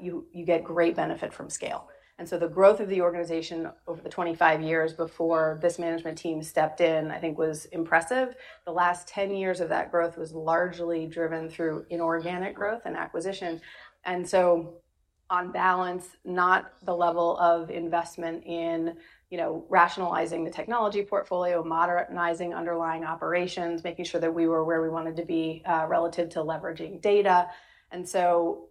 F: you get great benefit from scale. And so the growth of the organization over the 25 years before this management team stepped in, I think was impressive. The last 10 years of that growth was largely driven through inorganic growth and acquisition. And so on balance, not the level of investment in, you know, rationalizing the technology portfolio, modernizing underlying operations, making sure that we were where we wanted to be, relative to leveraging data. And so,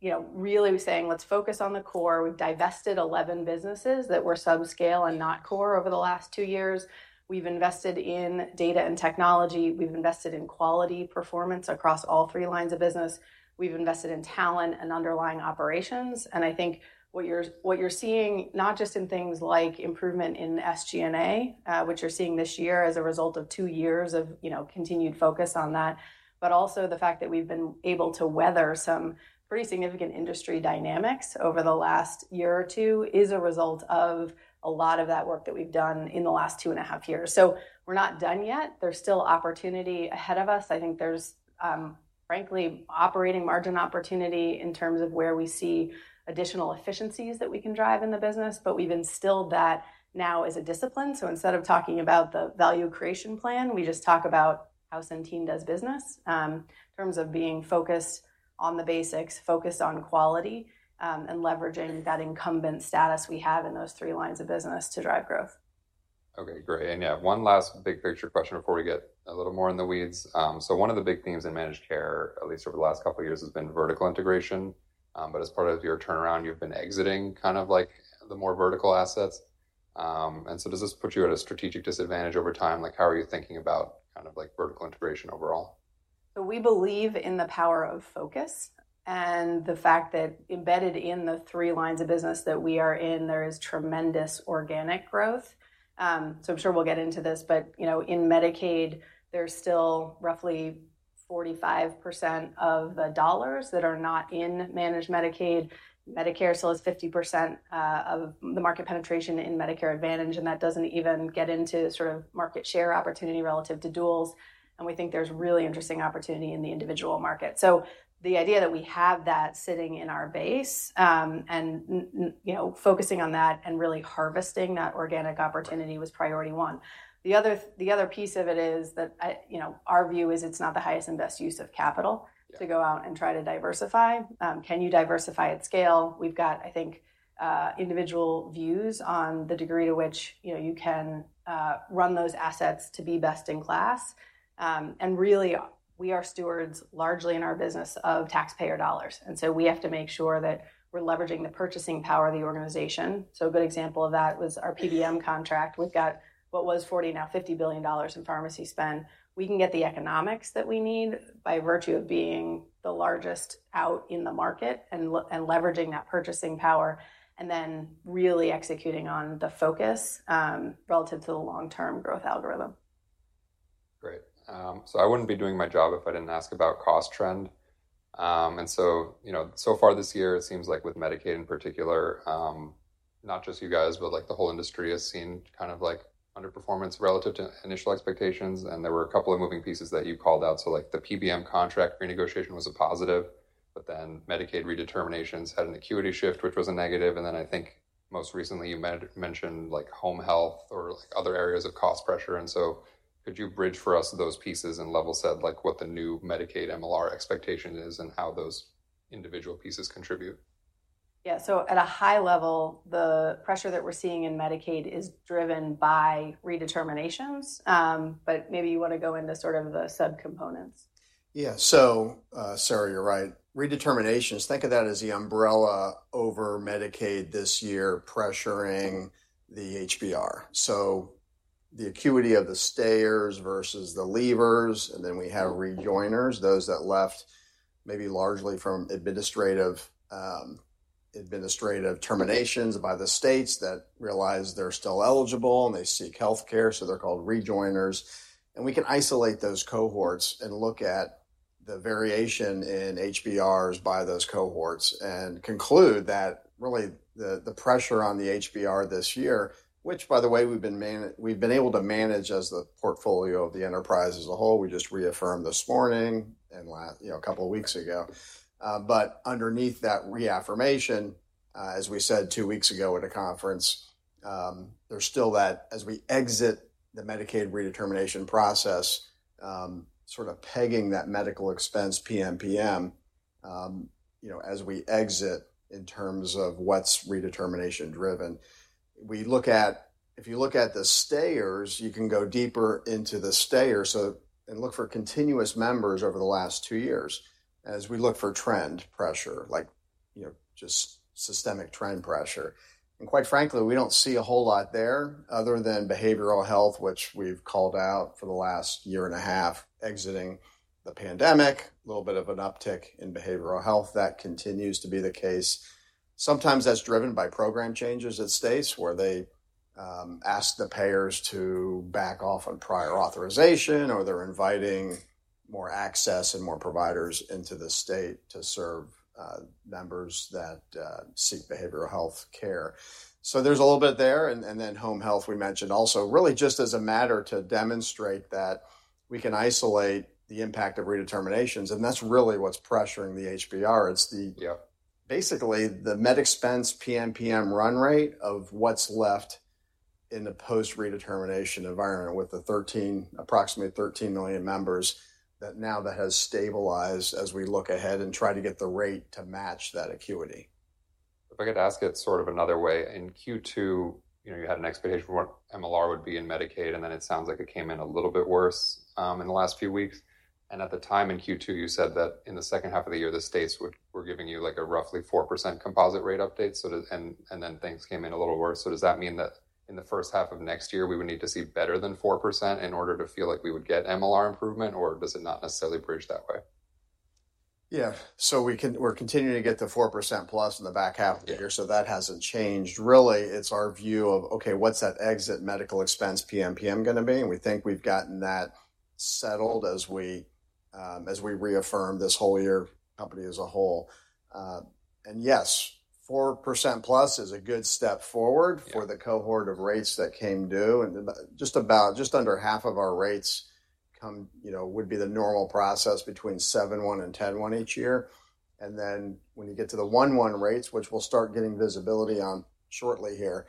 F: you know, really saying, let's focus on the core. We've divested 11 businesses that were subscale and not core over the last 2 years. We've invested in data and technology. We've invested in quality performance across all 3 lines of business. We've invested in talent and underlying operations, and I think what you're seeing, not just in things like improvement in SG&A, which you're seeing this year as a result of two years of, you know, continued focus on that, but also the fact that we've been able to weather some pretty significant industry dynamics over the last year or two is a result of a lot of that work that we've done in the last two and a half years. So we're not done yet. There's still opportunity ahead of us. I think there's, frankly, operating margin opportunity in terms of where we see additional efficiencies that we can drive in the business, but we've instilled that now as a discipline. So instead of talking about the Value Creation Plan, we just talk about how Centene does business, in terms of being focused on the basics, focused on quality, and leveraging that incumbent status we have in those three lines of business to drive growth.
E: Okay, great. And yeah, one last big picture question before we get a little more in the weeds. So one of the big themes in managed care, at least over the last couple of years, has been vertical integration. But as part of your turnaround, you've been exiting kind of like the more vertical assets. And so does this put you at a strategic disadvantage over time? Like, how are you thinking about kind of like vertical integration overall?
F: So we believe in the power of focus and the fact that embedded in the three lines of business that we are in, there is tremendous organic growth. So I'm sure we'll get into this, but you know, in Medicaid, there's still roughly 45% of the dollars that are not in managed Medicaid. Medicare still has 50% of the market penetration in Medicare Advantage, and that doesn't even get into sort of market share opportunity relative to duals. And we think there's really interesting opportunity in the individual market. So the idea that we have that sitting in our base, and you know, focusing on that and really harvesting that organic opportunity was priority one. The other piece of it is that you know, our view is it's not the highest and best use of capital-
E: Yeah...
F: to go out and try to diversify. Can you diversify at scale? We've got, I think, individual views on the degree to which, you know, you can run those assets to be best in class, and really, we are stewards largely in our business of taxpayer dollars, and so we have to make sure that we're leveraging the purchasing power of the organization. So a good example of that was our PBM contract. We've got what was 40, now $50 billion in pharmacy spend. We can get the economics that we need by virtue of being the largest out in the market and leveraging that purchasing power, and then really executing on the focus relative to the long-term growth algorithm.
E: Great. So I wouldn't be doing my job if I didn't ask about cost trend. And so, you know, so far this year, it seems like with Medicaid in particular, not just you guys, but, like, the whole industry has seen kind of like, underperformance relative to initial expectations, and there were a couple of moving pieces that you called out. So, like, the PBM contract renegotiation was a positive, but then Medicaid redeterminations had an acuity shift, which was a negative. And then I think most recently you mentioned, like, home health or, like, other areas of cost pressure. And so could you bridge for us those pieces and level set, like what the new Medicaid MLR expectation is and how those individual pieces contribute?
F: Yeah. So at a high level, the pressure that we're seeing in Medicaid is driven by redeterminations, but maybe you want to go into sort of the subcomponents.
G: Yeah. So, Sarah, you're right. Redeterminations, think of that as the umbrella over Medicaid this year, pressuring the HBR. So the acuity of the stayers versus the leavers, and then we have rejoiners, those that left, maybe largely from administrative terminations by the states that realize they're still eligible and they seek healthcare, so they're called rejoiners. And we can isolate those cohorts and look at the variation in HBRs by those cohorts and conclude that really the pressure on the HBR this year, which by the way, we've been able to manage as the portfolio of the enterprise as a whole. We just reaffirmed this morning and you know, a couple of weeks ago. But underneath that reaffirmation, as we said two weeks ago at a conference, there's still that as we exit the Medicaid redetermination process, sort of pegging that medical expense PMPM, you know, as we exit in terms of what's redetermination driven. We look at. If you look at the stayers, you can go deeper into the stayers, so, and look for continuous members over the last two years as we look for trend pressure, like, you know, just systemic trend pressure. And quite frankly, we don't see a whole lot there other than behavioral health, which we've called out for the last year and a half, exiting the pandemic. Little bit of an uptick in behavioral health. That continues to be the case. Sometimes that's driven by program changes at states where they ask the payers to back off on prior authorization, or they're inviting more access and more providers into the state to serve members that seek behavioral health care. So there's a little bit there, and then home health we mentioned also, really just as a matter to demonstrate that we can isolate the impact of redeterminations, and that's really what's pressuring the HBR. It's the-
E: Yeah...
G: basically, the med expense PMPM run rate of what's left in the post redetermination environment with the 13, approximately 13 million members, that now that has stabilized as we look ahead and try to get the rate to match that acuity....
E: If I could ask it sort of another way. In Q2, you know, you had an expectation of what MLR would be in Medicaid, and then it sounds like it came in a little bit worse in the last few weeks. And at the time, in Q2, you said that in the second half of the year, the states were giving you, like, a roughly 4% composite rate update. And then things came in a little worse. So does that mean that in the first half of next year, we would need to see better than 4% in order to feel like we would get MLR improvement, or does it not necessarily bridge that way?
G: Yeah. So we can, we're continuing to get the 4% plus in the back half of the year.
E: Yeah.
G: So that hasn't changed. Really, it's our view of, okay, what's that exit medical expense PMPM gonna be? And we think we've gotten that settled as we reaffirm this whole year, company as a whole. And yes, 4% plus is a good step forward.
E: Yeah...
G: for the cohort of rates that came due. And about just under half of our rates come, you know, would be the normal process between seven one and ten one each year. And then when you get to the one-one rates, which we'll start getting visibility on shortly here,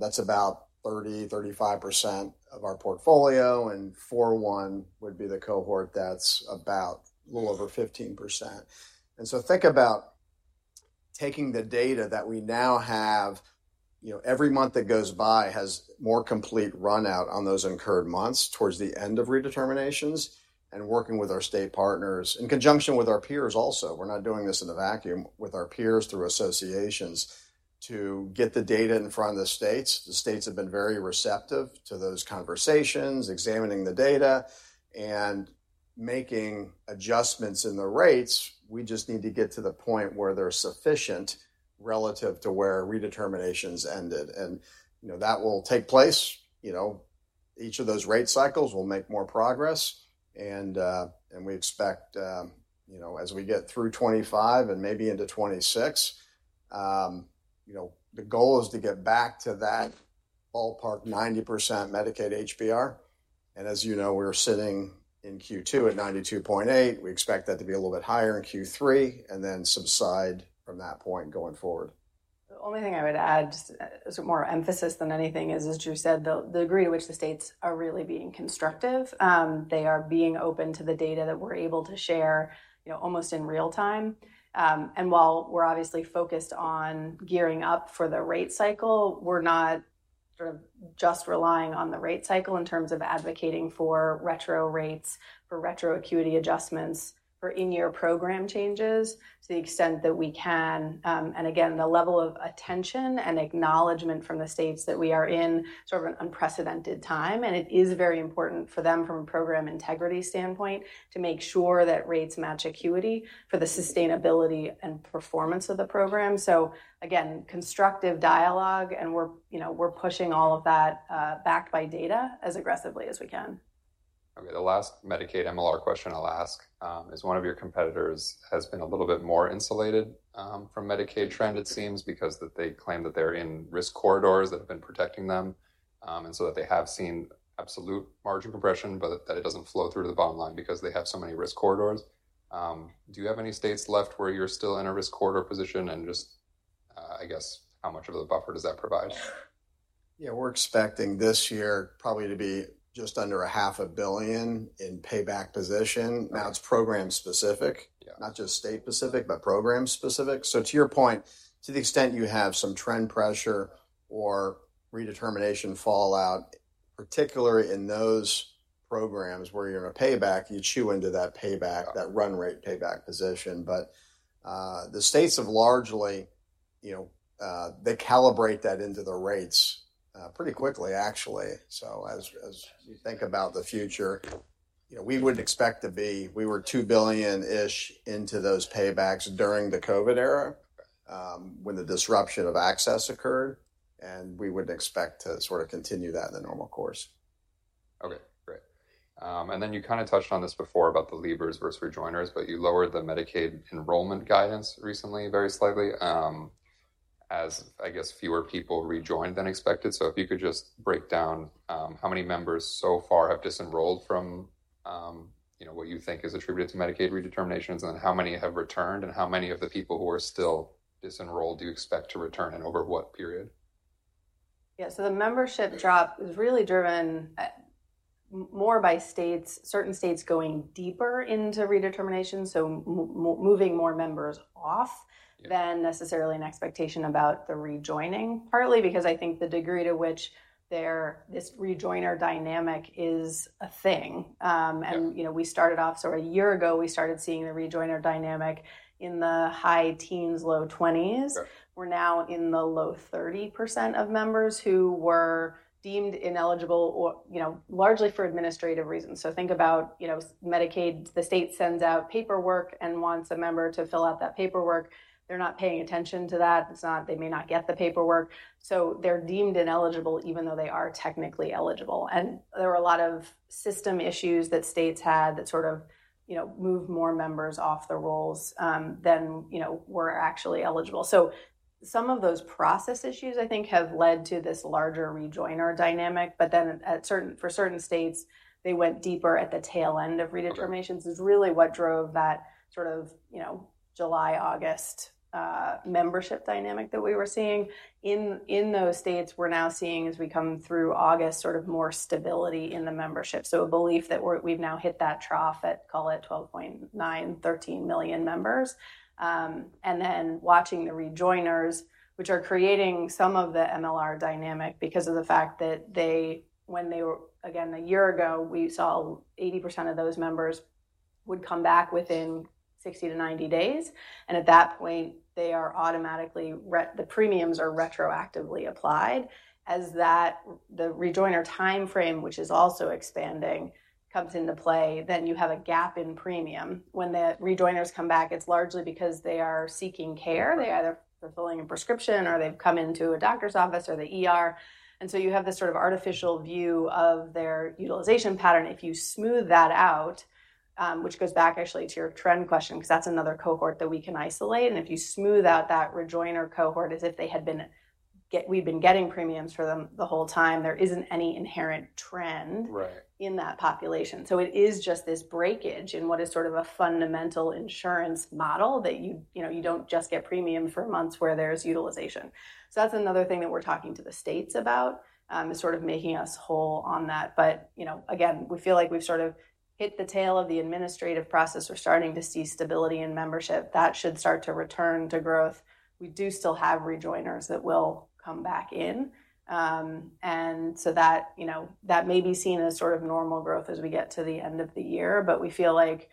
G: that's about 30-35% of our portfolio, and four one would be the cohort that's about a little over 15%. And so think about taking the data that we now have. You know, every month that goes by has more complete runout on those incurred months towards the end of redeterminations and working with our state partners, in conjunction with our peers also. We're not doing this in a vacuum, with our peers through associations, to get the data in front of the states. The states have been very receptive to those conversations, examining the data and making adjustments in the rates. We just need to get to the point where they're sufficient relative to where redeterminations ended, and, you know, that will take place. You know, each of those rate cycles will make more progress, and, and we expect, you know, as we get through 2025 and maybe into 2026, you know, the goal is to get back to that ballpark, 90% Medicaid HBR. And as you know, we're sitting in Q2 at 92.8. We expect that to be a little bit higher in Q3 and then subside from that point going forward.
F: The only thing I would add, just as more emphasis than anything, is, as Drew said, the degree to which the states are really being constructive. They are being open to the data that we're able to share, you know, almost in real time. And while we're obviously focused on gearing up for the rate cycle, we're not sort of just relying on the rate cycle in terms of advocating for retro rates, for retro acuity adjustments, for in-year program changes to the extent that we can. And again, the level of attention and acknowledgment from the states that we are in sort of an unprecedented time, and it is very important for them, from a program integrity standpoint, to make sure that rates match acuity for the sustainability and performance of the program. So again, constructive dialogue, and we're, you know, we're pushing all of that, backed by data as aggressively as we can.
E: Okay, the last Medicaid MLR question I'll ask is one of your competitors has been a little bit more insulated from Medicaid trend, it seems, because that they claim that they're in risk corridors that have been protecting them. And so that they have seen absolute margin compression, but that it doesn't flow through to the bottom line because they have so many risk corridors. Do you have any states left where you're still in a risk corridor position? And just, I guess, how much of a buffer does that provide?
G: Yeah, we're expecting this year probably to be just under $500 million in payback position. Now, it's program specific-
E: Yeah...
G: not just state specific, but program specific. So to your point, to the extent you have some trend pressure or redetermination fallout, particularly in those programs where you're in a payback, you chew into that payback, that run rate payback position. But, the states have largely, you know, they calibrate that into the rates, pretty quickly, actually. So as you think about the future, you know, we would expect to be-- we were $2 billion-ish into those paybacks during the COVID era-
E: Right...
G: when the disruption of access occurred, and we wouldn't expect to sort of continue that in the normal course.
E: Okay, great. And then you kind of touched on this before about the leavers versus joiners, but you lowered the Medicaid enrollment guidance recently, very slightly, as I guess fewer people rejoined than expected. So if you could just break down how many members so far have disenrolled from, you know, what you think is attributed to Medicaid redeterminations and how many have returned, and how many of the people who are still disenrolled do you expect to return, and over what period?
F: Yeah, so the membership drop is really driven more by states, certain states going deeper into redetermination, so moving more members off-
E: Yeah...
F: than necessarily an expectation about the rejoining, partly because I think the degree to which their, this rejoiner dynamic is a thing. And-
E: Yeah...
F: you know, we started off, so a year ago, we started seeing the rejoiner dynamic in the high teens, low twenties.
E: Yeah.
F: We're now in the low 30% of members who were deemed ineligible or, you know, largely for administrative reasons. So think about, you know, Medicaid. The state sends out paperwork and wants a member to fill out that paperwork. They're not paying attention to that. It's not. They may not get the paperwork, so they're deemed ineligible, even though they are technically eligible. And there are a lot of system issues that states had that sort of, you know, moved more members off the rolls than, you know, were actually eligible. So some of those process issues, I think, have led to this larger rejoiner dynamic. But then, for certain states, they went deeper at the tail end of redeterminations.
E: Okay...
F: is really what drove that sort of, you know, July, August membership dynamic that we were seeing. In those states, we're now seeing as we come through August, sort of more stability in the membership. So a belief that we've now hit that trough at, call it 12.9-13 million members. And then watching the rejoiners, which are creating some of the MLR dynamic because of the fact that they, when they were. Again, a year ago, we saw 80% of those members would come back within 60-90 days, and at that point, the premiums are retroactively applied. As the rejoiner timeframe, which is also expanding, comes into play, then you have a gap in premium. When the rejoiners come back, it's largely because they are seeking care. They either, they're filling a prescription, or they've come into a doctor's office or the ER, and so you have this sort of artificial view of their utilization pattern. If you smooth that out, which goes back actually to your trend question, 'cause that's another cohort that we can isolate, and if you smooth out that rejoiner cohort as if they had been getting, we've been getting premiums for them the whole time, there isn't any inherent trend-
H: Right.
F: in that population. So it is just this breakage in what is sort of a fundamental insurance model that you, you know, you don't just get premium for months where there's utilization. So that's another thing that we're talking to the states about, is sort of making us whole on that. But, you know, again, we feel like we've sort of hit the tail of the administrative process. We're starting to see stability in membership. That should start to return to growth. We do still have rejoiners that will come back in, and so that, you know, that may be seen as sort of normal growth as we get to the end of the year. But we feel like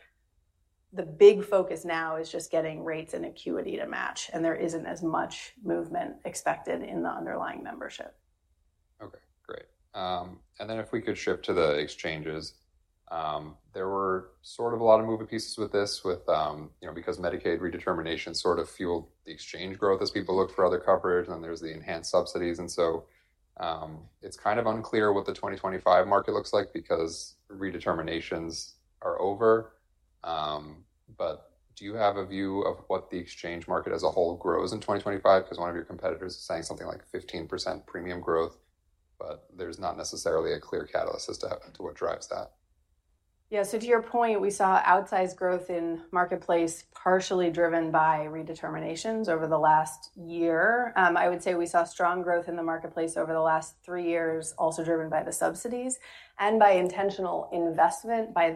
F: the big focus now is just getting rates and acuity to match, and there isn't as much movement expected in the underlying membership.
E: Okay, great. And then if we could shift to the exchanges. There were sort of a lot of moving pieces with this, with you know, because Medicaid redetermination sort of fueled the exchange growth as people looked for other coverage, and there was the enhanced subsidies. And so, it's kind of unclear what the 2025 market looks like because redeterminations are over. But do you have a view of what the exchange market as a whole grows in 2025? 'Cause one of your competitors is saying something like 15% premium growth, but there's not necessarily a clear catalyst as to what drives that.
F: Yeah, so to your point, we saw outsized growth in Marketplace, partially driven by redeterminations over the last year. I would say we saw strong growth in the Marketplace over the last three years, also driven by the subsidies and by intentional investment by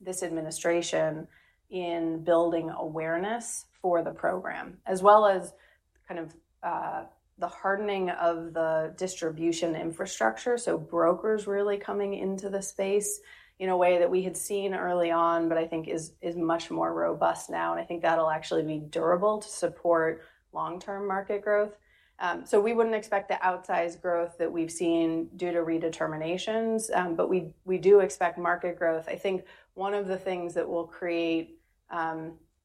F: this administration in building awareness for the program, as well as kind of the hardening of the distribution infrastructure. So brokers really coming into the space in a way that we had seen early on, but I think is much more robust now, and I think that'll actually be durable to support long-term market growth. So we wouldn't expect the outsized growth that we've seen due to redeterminations, but we do expect market growth. I think one of the things that will create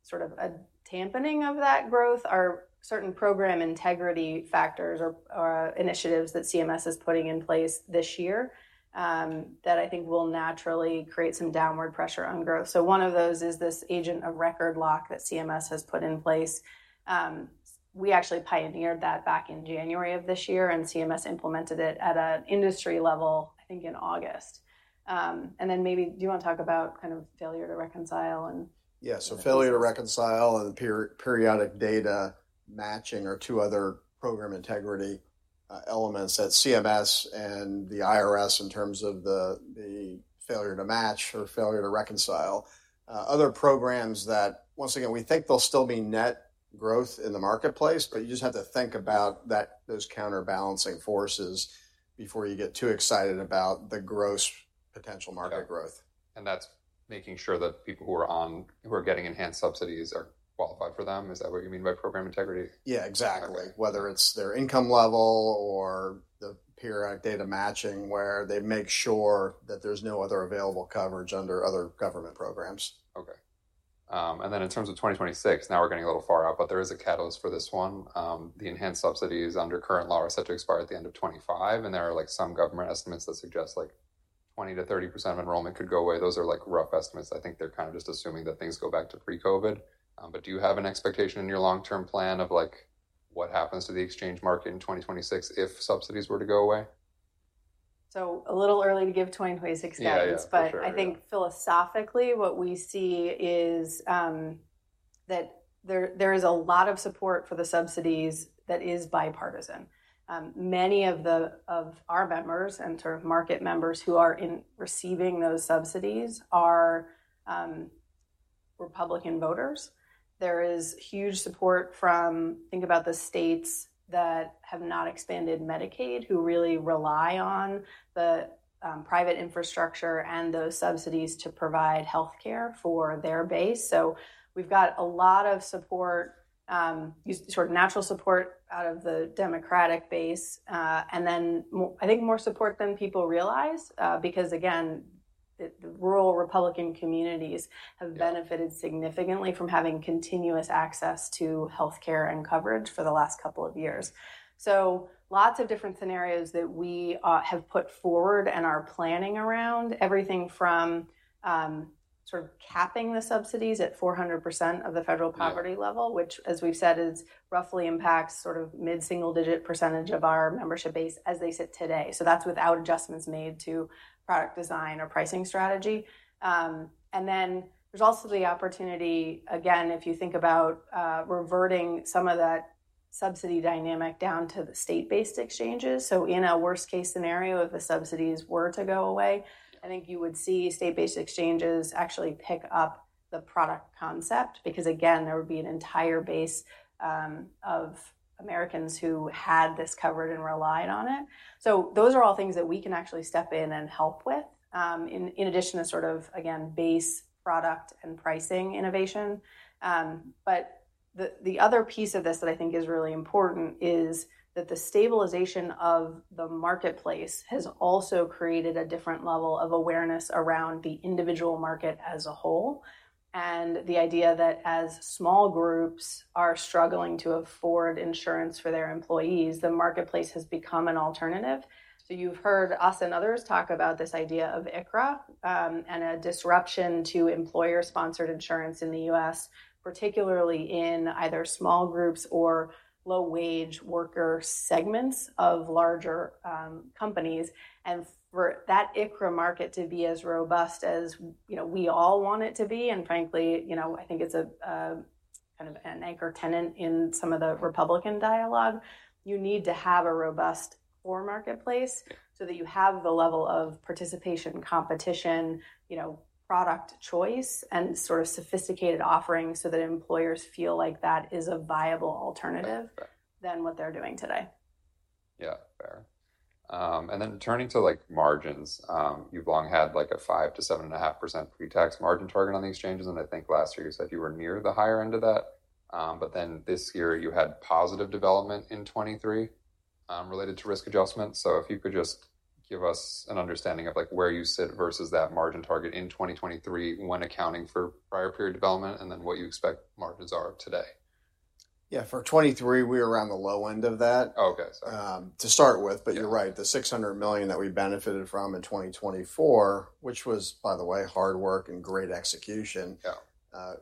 F: sort of a tempering of that growth are certain program integrity factors or initiatives that CMS is putting in place this year that I think will naturally create some downward pressure on growth, so one of those is this agent of record lock that CMS has put in place. We actually pioneered that back in January of this year, and CMS implemented it at an industry level, I think, in August, and then maybe, do you want to talk about kind of failure to reconcile and-
G: Yeah, so failure to reconcile and periodic data matching are two other program integrity elements that CMS and the IRS, in terms of the, the failure to match or failure to reconcile. Other programs that, once again, we think there'll still be net growth in the Marketplace, but you just have to think about that, those counterbalancing forces before you get too excited about the gross potential market growth.
E: And that's making sure that people who are getting enhanced subsidies are qualified for them? Is that what you mean by program integrity?
G: Yeah, exactly.
E: Okay.
G: Whether it's their income level or the periodic data matching, where they make sure that there's no other available coverage under other government programs.
E: Okay, and then in terms of 2026, now we're getting a little far out, but there is a catalyst for this one. The enhanced subsidies under current law are set to expire at the end of 2025, and there are, like, some government estimates that suggest, like, 20% to 30% of enrollment could go away. Those are, like, rough estimates. I think they're kind of just assuming that things go back to pre-COVID. But do you have an expectation in your long-term plan of, like, what happens to the exchange market in 2026 if subsidies were to go away?
F: A little early to give 2026 guidance-
H: Yeah, yeah, for sure.
F: But I think philosophically, what we see is that there is a lot of support for the subsidies that is bipartisan. Many of our members and sort of market members who are receiving those subsidies are Republican voters. There is huge support. Think about the states that have not expanded Medicaid, who really rely on the private infrastructure and those subsidies to provide healthcare for their base. So we've got a lot of support, sort of natural support out of the Democratic base, and then, I think, more support than people realize, because, again, the rural Republican communities have benefited significantly from having continuous access to healthcare and coverage for the last couple of years. So lots of different scenarios that we have put forward and are planning around, everything from sort of capping the subsidies at 400% of the federal poverty-
E: Right...
F: level, which, as we've said, is roughly impacts sort of mid-single-digit % of our membership base as they sit today. So that's without adjustments made to product design or pricing strategy. And then there's also the opportunity, again, if you think about, reverting some of that subsidy dynamic down to the state-based exchanges. So in a worst-case scenario, if the subsidies were to go away, I think you would see state-based exchanges actually pick up the product concept, because again, there would be an entire base of Americans who had this covered and relied on it. So those are all things that we can actually step in and help with, in addition to sort of, again, base product and pricing innovation. But-... The other piece of this that I think is really important is that the stabilization of the Marketplace has also created a different level of awareness around the individual market as a whole, and the idea that as small groups are struggling to afford insurance for their employees, the Marketplace has become an alternative. So you've heard us and others talk about this idea of ICHRA, and a disruption to employer-sponsored insurance in the U.S., particularly in either small groups or low-wage worker segments of larger companies. And for that ICHRA market to be as robust as, you know, we all want it to be, and frankly, you know, I think it's a kind of an anchor tenant in some of the Republican dialogue. You need to have a robust core Marketplace so that you have the level of participation, competition, you know, product choice and sort of sophisticated offerings so that employers feel like that is a viable alternative.
E: Right.
F: -than what they're doing today.
E: Yeah, fair. And then turning to, like, margins, like, you've long had, like, a 5%-7.5% pre-tax margin target on the exchanges, and I think last year you said you were near the higher end of that. But then this year you had positive development in 2023, related to risk adjustment. So if you could just give us an understanding of, like, where you sit versus that margin target in 2023, when accounting for prior period development, and then what you expect margins are today?
G: Yeah, for 2023, we are around the low end of that.
E: Okay, sorry.
G: To start with.
E: Yeah.
G: But you're right, the $600 million that we benefited from in 2024, which was, by the way, hard work and great execution-
E: Yeah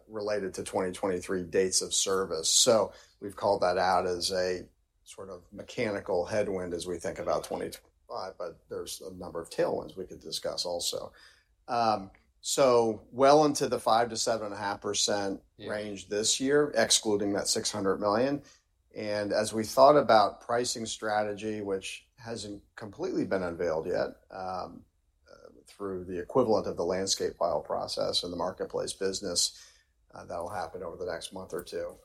G: related to 2023 dates of service. So we've called that out as a sort of mechanical headwind as we think about 2025, but there's a number of tailwinds we could discuss also. So well into the 5%-7.5%
E: Yeah
G: -range this year, excluding that $600 million. And as we thought about pricing strategy, which hasn't completely been unveiled yet, through the equivalent of the landscape file process and the Marketplace business, that will happen over the next month or two.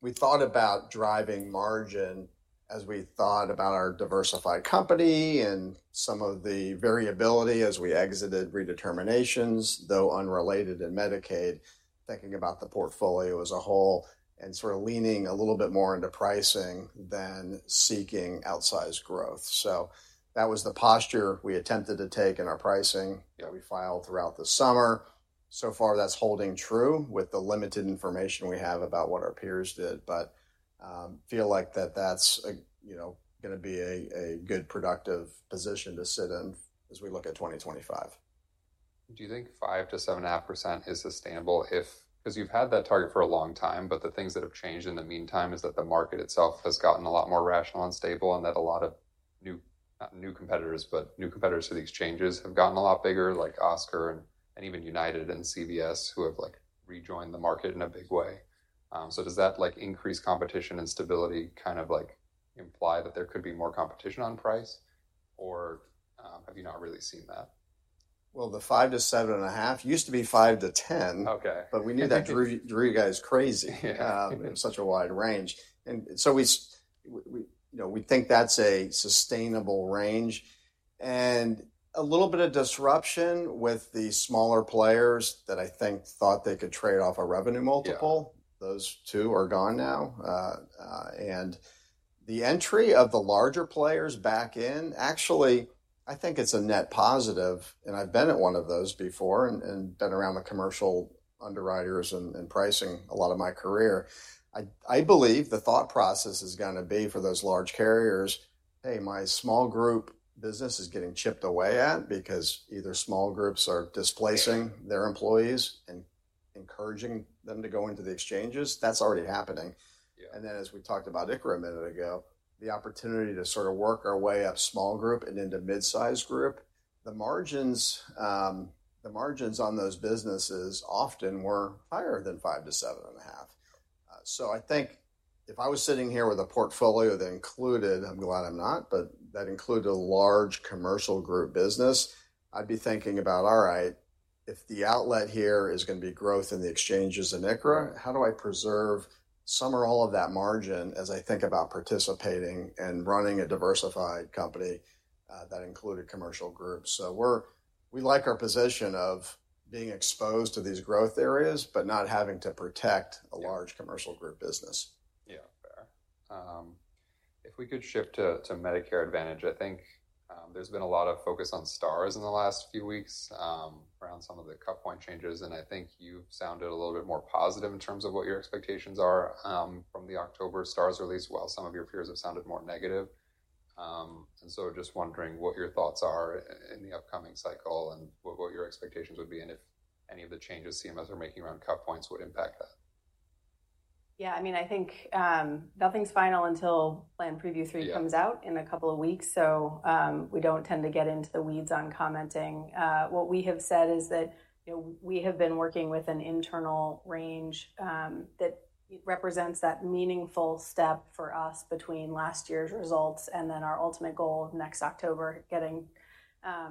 G: We thought about driving margin as we thought about our diversified company and some of the variability as we exited redeterminations, though unrelated in Medicaid. Thinking about the portfolio as a whole and sort of leaning a little bit more into pricing than seeking outsized growth. So that was the posture we attempted to take in our pricing-
E: Yeah
G: that we filed throughout the summer. So far, that's holding true with the limited information we have about what our peers did, but feel like that's a, you know, gonna be a good, productive position to sit in as we look at 2025.
E: Do you think 5%-7.5% is sustainable if, because you've had that target for a long time, but the things that have changed in the meantime is that the market itself has gotten a lot more rational and stable, and that a lot of new, not new competitors, but new competitors to the exchanges have gotten a lot bigger, like Oscar and even United and CVS, who have, like, rejoined the market in a big way. So does that, like, increase competition and stability, kind of like imply that there could be more competition on price, or, have you not really seen that?
G: The five to seven and a half used to be five to 10.
E: Okay.
G: But we knew that drove you guys crazy.
E: Yeah.
G: such a wide range, and so we, you know, we think that's a sustainable range and a little bit of disruption with the smaller players that I think thought they could trade off a revenue multiple.
E: Yeah.
G: Those two are gone now. And the entry of the larger players back in, actually, I think it's a net positive, and I've been at one of those before and been around the commercial underwriters and pricing a lot of my career. I believe the thought process is gonna be for those large carriers, "Hey, my small group business is getting chipped away at, because either small groups are displacing their employees and encouraging them to go into the exchanges." That's already happening.
E: Yeah.
G: As we talked about ICHRA a minute ago, the opportunity to sort of work our way up small group and into mid-size group, the margins on those businesses often were higher than 5%-7.5%. So I think if I was sitting here with a portfolio that included, I'm glad I'm not, but that included a large commercial group business, I'd be thinking about, all right, if the outlet here is gonna be growth in the exchanges in ICHRA, how do I preserve some or all of that margin as I think about participating and running a diversified company that included commercial groups? So we like our position of being exposed to these growth areas, but not having to protect-
E: Yeah
G: a large commercial group business.
E: Yeah, fair. If we could shift to Medicare Advantage. I think there's been a lot of focus on Stars in the last few weeks around some of the cut point changes, and I think you've sounded a little bit more positive in terms of what your expectations are from the October Stars release, while some of your peers have sounded more negative. And so just wondering what your thoughts are in the upcoming cycle and what your expectations would be, and if any of the changes CMS are making around cut points would impact that.
F: Yeah, I mean, I think, nothing's final until Plan Preview 3-
E: Yeah
F: -comes out in a couple of weeks, so we don't tend to get into the weeds on commenting. What we have said is that, you know, we have been working with an internal range that represents that meaningful step for us between last year's results and then our ultimate goal of next October, getting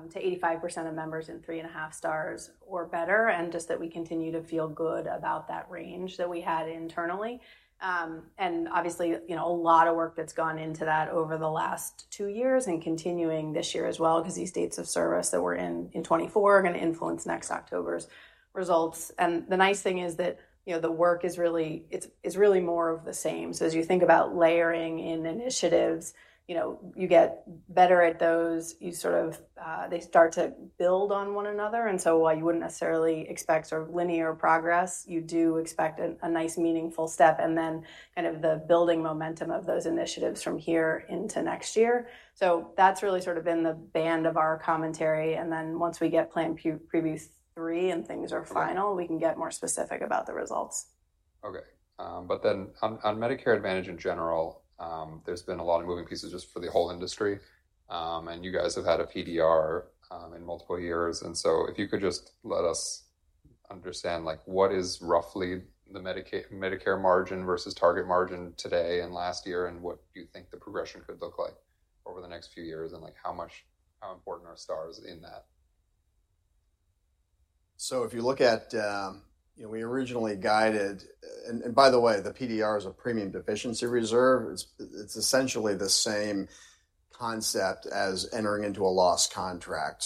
F: to 85% of members in three and a half Stars or better, and just that we continue to feel good about that range that we had internally... and obviously, you know, a lot of work that's gone into that over the last two years and continuing this year as well, because these states of service that we're in in 2024 are going to influence next October's results. The nice thing is that, you know, the work is really; it's really more of the same. As you think about layering in initiatives, you know, you get better at those, you sort of, they start to build on one another. While you wouldn't necessarily expect sort of linear progress, you do expect a nice, meaningful step and then kind of the building momentum of those initiatives from here into next year. That's really sort of been the band of our commentary. Once we get Plan Preview 3 and things are final, we can get more specific about the results.
E: Okay, but then on, on Medicare Advantage in general, there's been a lot of moving pieces just for the whole industry. And you guys have had a PDR in multiple years. And so if you could just let us understand, like what is roughly the Medicare margin versus target margin today and last year, and what do you think the progression could look like over the next few years? And like how important are Stars in that?
G: If you look at, you know, we originally guided, and by the way, the PDR is a premium deficiency reserve. It's essentially the same concept as entering into a loss contract.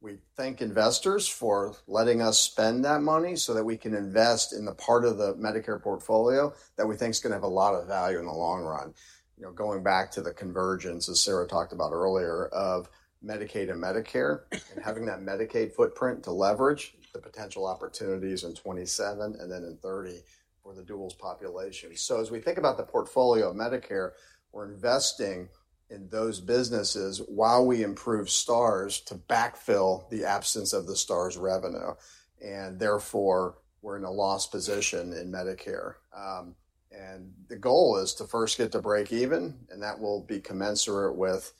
G: We thank investors for letting us spend that money so that we can invest in the part of the Medicare portfolio that we think is going to have a lot of value in the long run. You know, going back to the convergence, as Sarah talked about earlier, of Medicaid and Medicare, and having that Medicaid footprint to leverage the potential opportunities in 2027 and then in 2030 for the duals population. As we think about the portfolio of Medicare, we're investing in those businesses while we improve Stars to backfill the absence of the Stars' revenue, and therefore, we're in a loss position in Medicare. And the goal is to first get to break even, and that will be commensurate with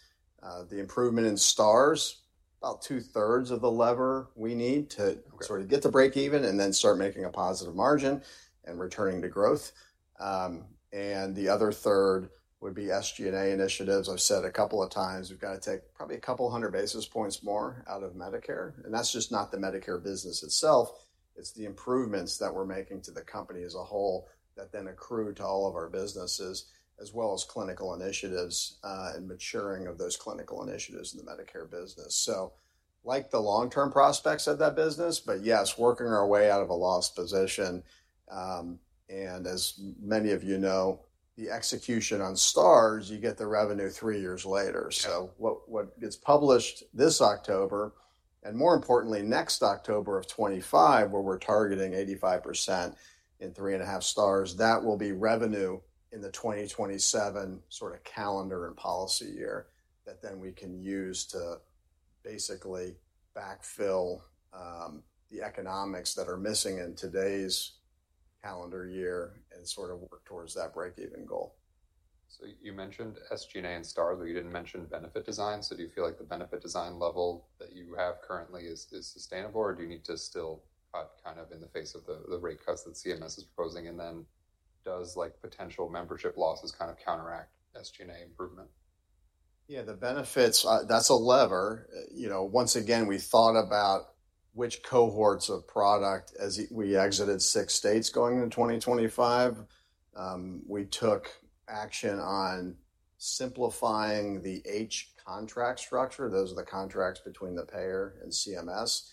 G: the improvement in Stars. About two-thirds of the lever we need to-
E: Okay...
G: sort of get to break even and then start making a positive margin and returning to growth. And the other third would be SG&A initiatives. I've said a couple of times, we've got to take probably a couple of hundred basis points more out of Medicare, and that's just not the Medicare business itself, it's the improvements that we're making to the company as a whole that then accrue to all of our businesses, as well as clinical initiatives, and maturing of those clinical initiatives in the Medicare business. So like the long-term prospects of that business but, yes, working our way out of a loss position, and as many of you know, the execution on Stars, you get the revenue three years later.
E: Yeah.
G: So what, what gets published this October, and more importantly, next October of 2025, where we're targeting 85% in three and a half Stars, that will be revenue in the 2027 sort of calendar and policy year, that then we can use to basically backfill the economics that are missing in today's calendar year and sort of work towards that break-even goal.
E: You mentioned SG&A and Stars, but you didn't mention benefit design. Do you feel like the benefit design level that you have currently is sustainable, or do you need to still cut kind of in the face of the rate cuts that CMS is proposing, and then does like potential membership losses kind of counteract SG&A improvement?
G: Yeah, the benefits, that's a lever. You know, once again, we thought about which cohorts of product as we exited six states going into 2025. We took action on simplifying the H contract structure. Those are the contracts between the payer and CMS,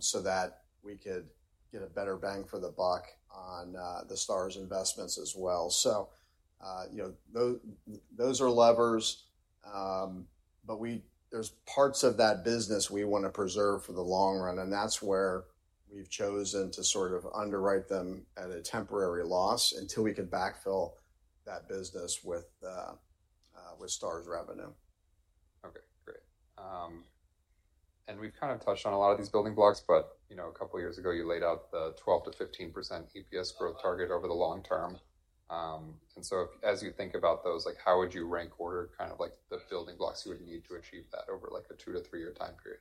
G: so that we could get a better bang for the buck on the Stars' investments as well. So, you know, those are levers, but there's parts of that business we want to preserve for the long run, and that's where we've chosen to sort of underwrite them at a temporary loss until we can backfill that business with Stars' revenue.
E: Okay, great, and we've kind of touched on a lot of these building blocks, but, you know, a couple of years ago, you laid out the 12-15% EPS growth target over the long term, and so as you think about those, like, how would you rank order, kind of like the building blocks you would need to achieve that over, like, a 2-3-year time period?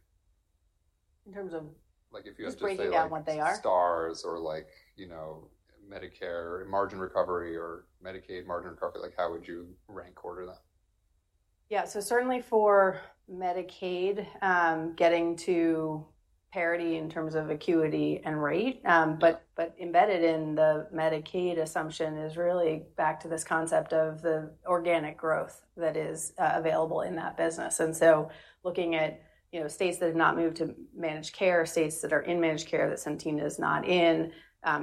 F: In terms of-
E: Like, if you had to say, like-
F: Breaking out what they are?
E: Stars or like, you know, Medicare margin recovery or Medicaid margin recovery, like, how would you rank order them?
F: Yeah. So certainly for Medicaid, getting to parity in terms of acuity and rate, but, but embedded in the Medicaid assumption is really back to this concept of the organic growth that is, available in that business. And so looking at, you know, states that have not moved to managed care, states that are in managed care, that Centene is not in,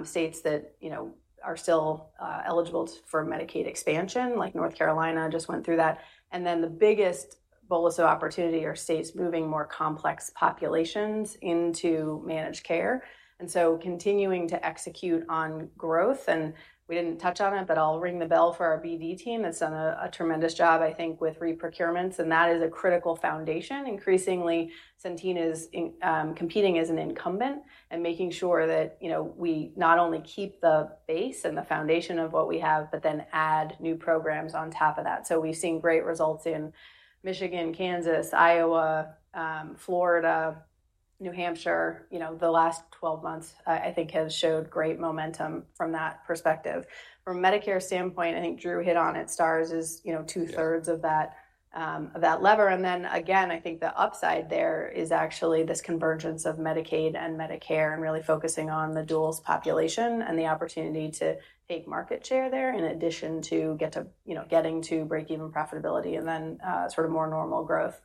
F: states that, you know, are still, eligible for Medicaid expansion, like North Carolina just went through that. And then the biggest bolus of opportunity are states moving more complex populations into managed care. And so continuing to execute on growth, and we didn't touch on it, but I'll ring the bell for our BD team that's done a tremendous job, I think, with reprocurements, and that is a critical foundation. Increasingly, Centene is competing as an incumbent and making sure that, you know, we not only keep the base and the foundation of what we have, but then add new programs on top of that. So we've seen great results in Michigan, Kansas, Iowa, Florida, New Hampshire, you know, the last twelve months, I think has showed great momentum from that perspective. From Medicare standpoint, I think Drew hit on it. Stars is, you know, two-thirds of that, of that lever. And then again, I think the upside there is actually this convergence of Medicaid and Medicare, and really focusing on the duals population and the opportunity to take market share there, in addition to get to, you know, getting to break even profitability and then, sort of more normal growth.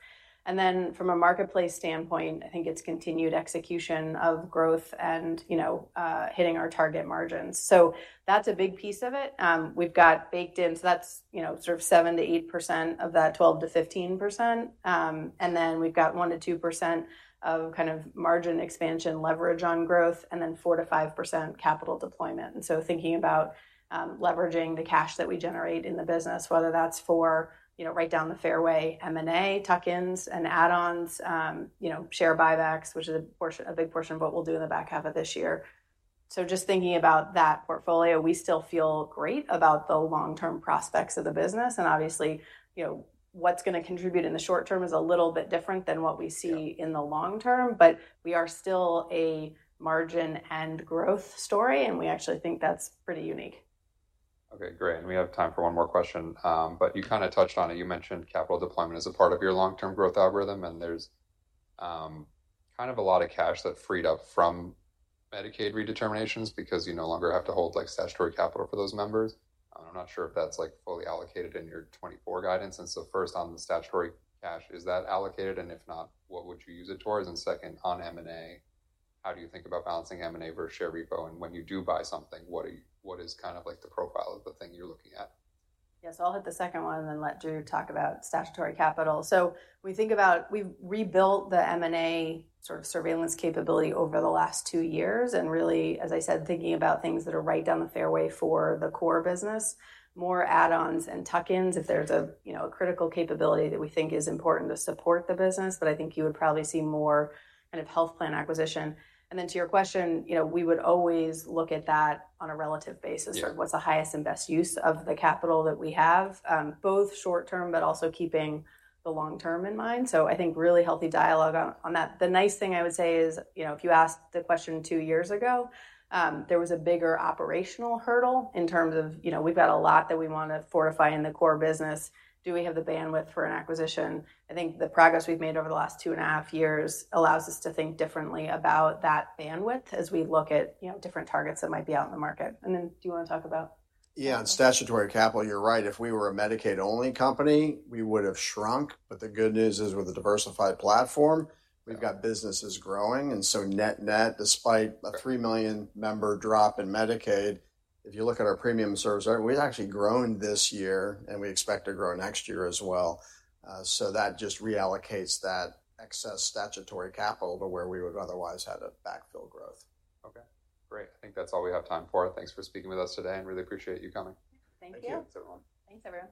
F: And then from a Marketplace standpoint, I think it's continued execution of growth and, you know, hitting our target margins. So that's a big piece of it. We've got baked in, so that's, you know, sort of 7%-8% of that 12%-15%. And then we've got 1%-2% of kind of margin expansion leverage on growth, and then 4%-5% capital deployment. And so thinking about leveraging the cash that we generate in the business, whether that's for, you know, right down the fairway, M&A, tuck-ins and add-ons, you know, share buybacks, which is a portion, a big portion of what we'll do in the back half of this year. So just thinking about that portfolio, we still feel great about the long-term prospects of the business. Obviously, you know, what's gonna contribute in the short term is a little bit different than what we see-
E: Yeah...
F: in the long term, but we are still a margin and growth story, and we actually think that's pretty unique.
E: Okay, great. And we have time for one more question. But you kind of touched on it. You mentioned capital deployment as a part of your long-term growth algorithm, and there's kind of a lot of cash that freed up from Medicaid redeterminations because you no longer have to hold, like, statutory capital for those members. I'm not sure if that's, like, fully allocated in your twenty-four guidance. And so first, on the statutory cash, is that allocated, and if not, what would you use it towards? And second, on M&A, how do you think about balancing M&A versus share repo? And when you do buy something, what is kind of like the profile of the thing you're looking at?
F: Yes, I'll hit the second one and then let Drew talk about statutory capital. So we think about... We've rebuilt the M&A sort of surveillance capability over the last two years, and really, as I said, thinking about things that are right down the fairway for the core business, more add-ons and tuck-ins, if there's a, you know, a critical capability that we think is important to support the business. But I think you would probably see more kind of health plan acquisition. And then to your question, you know, we would always look at that on a relative basis.
E: Yeah.
F: Sort of what's the highest and best use of the capital that we have, both short term, but also keeping the long term in mind. So I think really healthy dialogue on that. The nice thing I would say is, you know, if you asked the question two years ago, there was a bigger operational hurdle in terms of, you know, we've got a lot that we want to fortify in the core business. Do we have the bandwidth for an acquisition? I think the progress we've made over the last two and a half years allows us to think differently about that bandwidth as we look at, you know, different targets that might be out in the market. And then, do you want to talk about-
G: Yeah, on statutory capital, you're right. If we were a Medicaid-only company, we would have shrunk. But the good news is, with the diversified platform, we've got businesses growing, and so net-net, despite a three million member drop in Medicaid, if you look at our premium service, we've actually grown this year, and we expect to grow next year as well. So that just reallocates that excess statutory capital to where we would otherwise had a backfill growth.
E: Okay, great. I think that's all we have time for. Thanks for speaking with us today, and really appreciate you coming.
F: Thank you.
G: Thank you.
E: Thanks, everyone.
F: Thanks, everyone. ...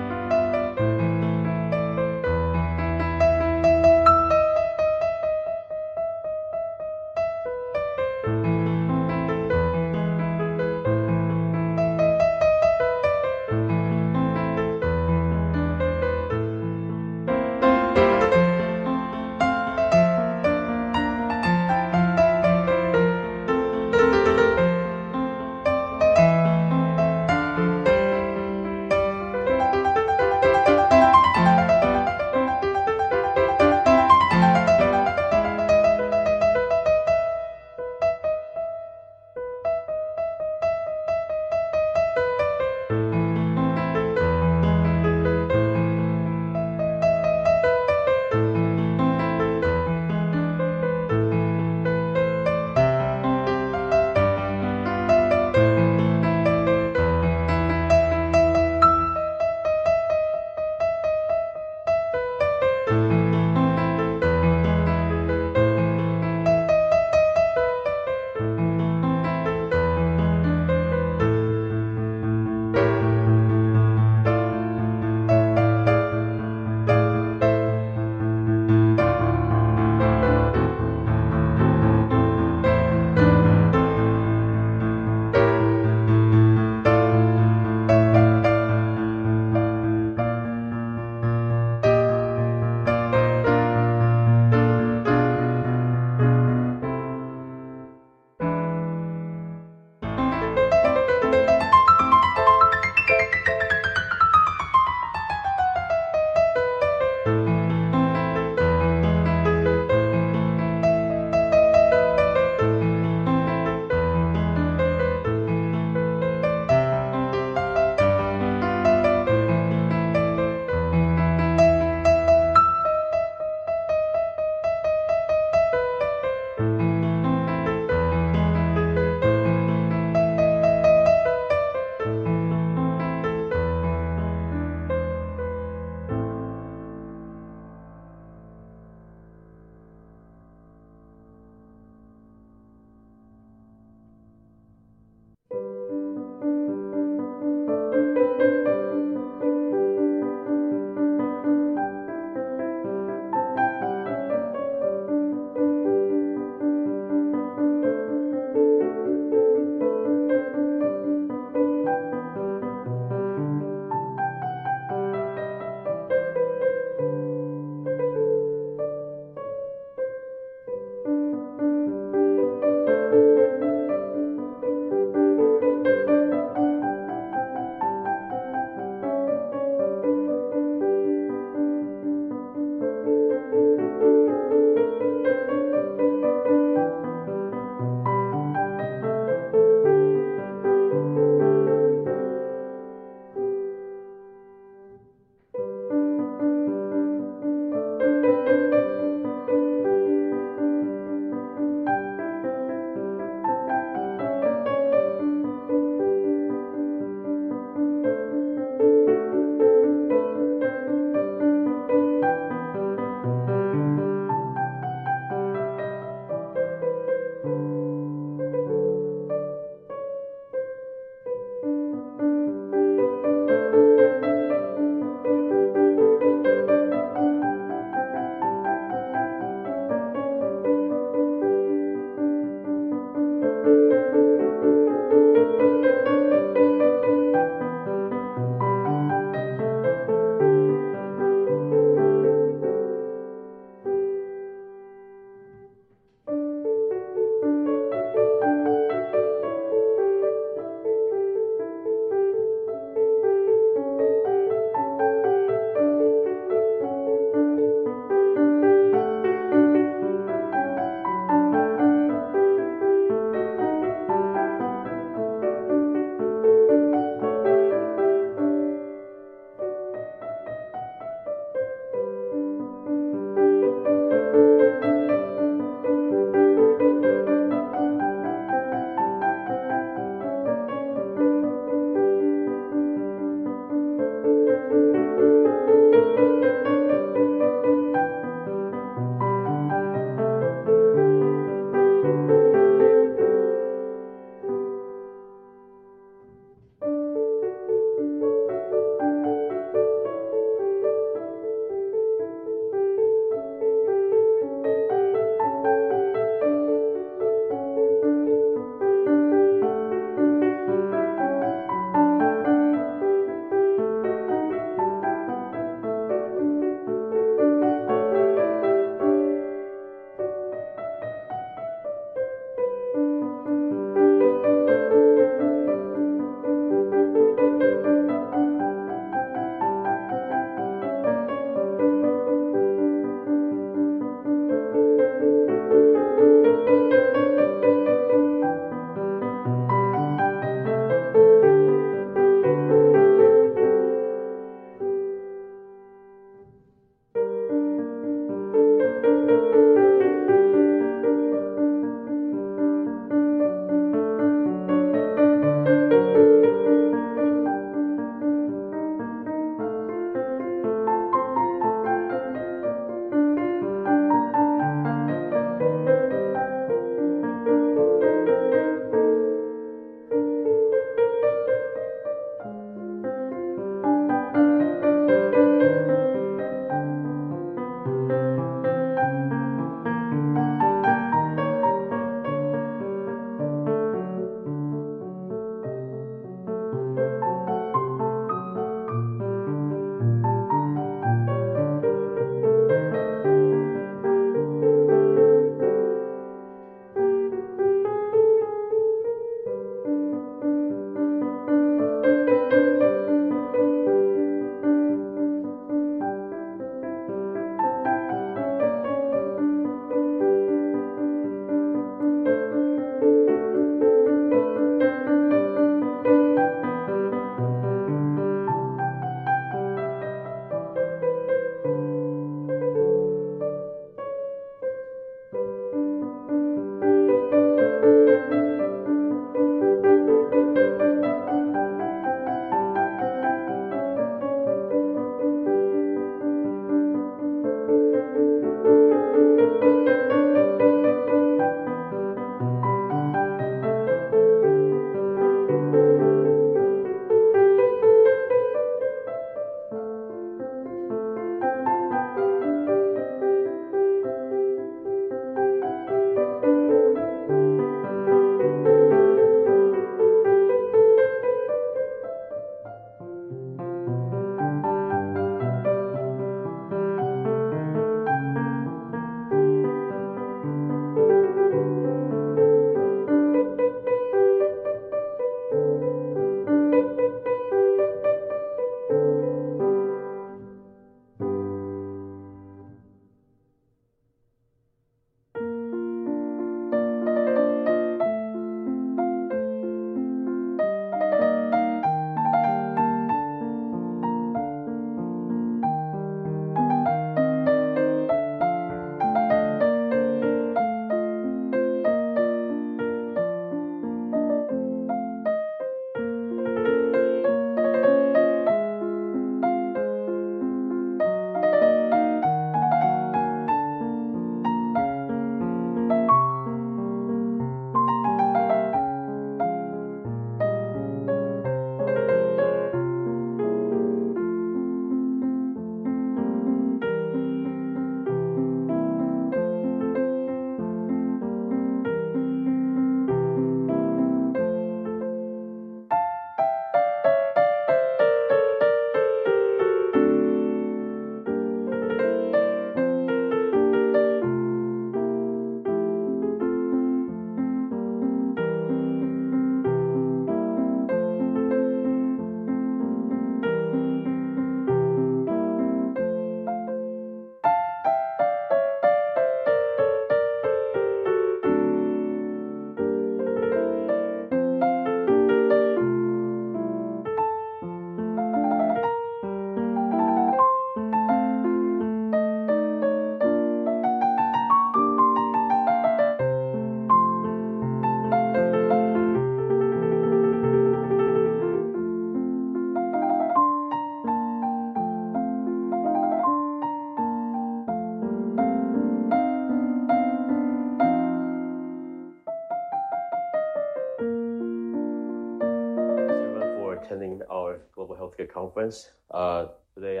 I: Thank you for attending our Global Healthcare Conference. Today,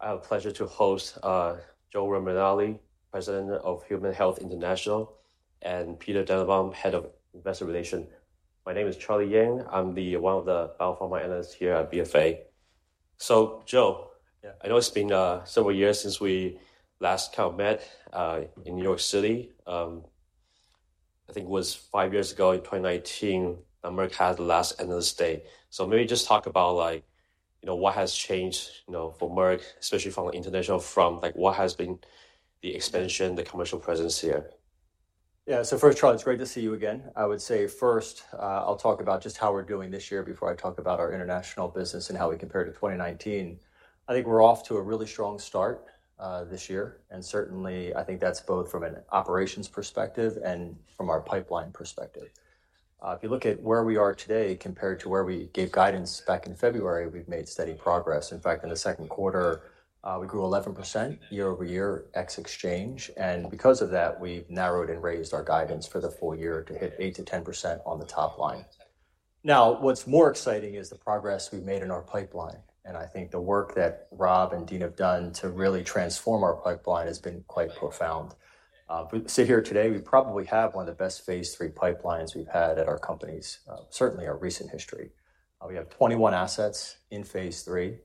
I: I have the pleasure to host Joe Romanelli, President of Human Health International, and Peter Dannenbaum, Head of Investor Relations. My name is Charlie Yang. I'm one of the biopharma analysts here at BofA. So, Joe-
J: Yeah.
I: I know it's been several years since we last kind of met in New York City. I think it was five years ago in twenty nineteen, Merck had the last Analyst Day. So maybe just talk about, like, you know, what has changed, you know, for Merck, especially from international, from, like, what has been the expansion, the commercial presence here?
J: Yeah. So first, Charlie, it's great to see you again. I would say first, I'll talk about just how we're doing this year before I talk about our international business and how we compare to 2019. I think we're off to a really strong start, this year, and certainly I think that's both from an operations perspective and from our pipeline perspective. If you look at where we are today compared to where we gave guidance back in February, we've made steady progress. In fact, in the second quarter, we grew 11% year over year ex-exchange, and because of that, we've narrowed and raised our guidance for the full year to hit 8%-10% on the top line. Now, what's more exciting is the progress we've made in our pipeline, and I think the work that Rob and Dean have done to really transform our pipeline has been quite profound. We sit here today, we probably have one of the best phase three pipelines we've had at our companies, certainly our recent history. We have twenty-one assets in phase three.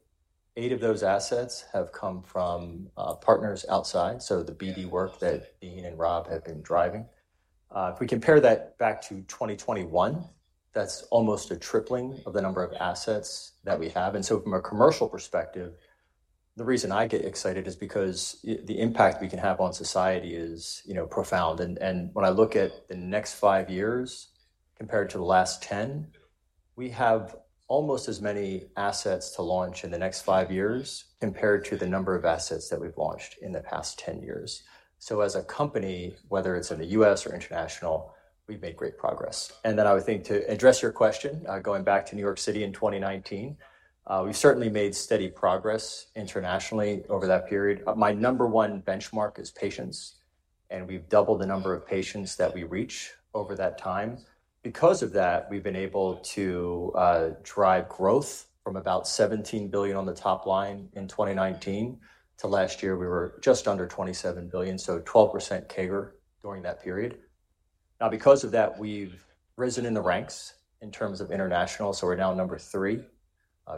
J: Eight of those assets have come from partners outside, so the BD work that Dean and Rob have been driving. If we compare that back to twenty twenty-one, that's almost a tripling of the number of assets that we have. And so from a commercial perspective, the reason I get excited is because the impact we can have on society is, you know, profound. When I look at the next five years compared to the last 10, we have almost as many assets to launch in the next five years compared to the number of assets that we've launched in the past 10 years. So as a company, whether it's in the U.S. or international, we've made great progress. And then I would think to address your question, going back to New York City in 2019, we've certainly made steady progress internationally over that period. My number one benchmark is patients, and we've doubled the number of patients that we reach over that time. Because of that, we've been able to drive growth from about $17 billion on the top line in 2019. To last year, we were just under $27 billion, so 12% CAGR during that period. Now, because of that, we've risen in the ranks in terms of international. So we're now number 3,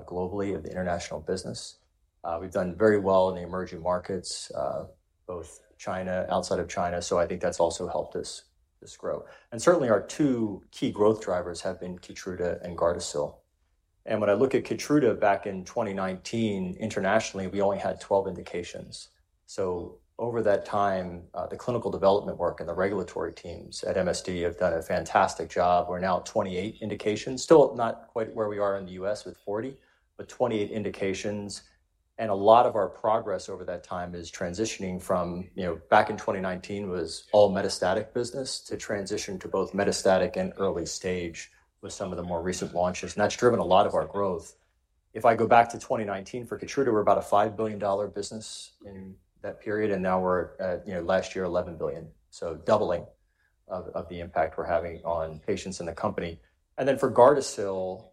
J: globally of the international business. We've done very well in the emerging markets, both China, outside of China, so I think that's also helped us grow. And certainly, our two key growth drivers have been Keytruda and Gardasil. And when I look at Keytruda back in 2019, internationally, we only had 12 indications. So over that time, the clinical development work and the regulatory teams at MSD have done a fantastic job. We're now at 28 indications. Still not quite where we are in the U.S. with 40, but 28 indications, and a lot of our progress over that time is transitioning from, you know, back in 2019 was all metastatic business, to transition to both metastatic and early stage with some of the more recent launches, and that's driven a lot of our growth. If I go back to 2019 for Keytruda, we're about a $5 billion business in that period, and now we're at, you know, last year, $11 billion. So doubling of the impact we're having on patients in the company. And then for Gardasil,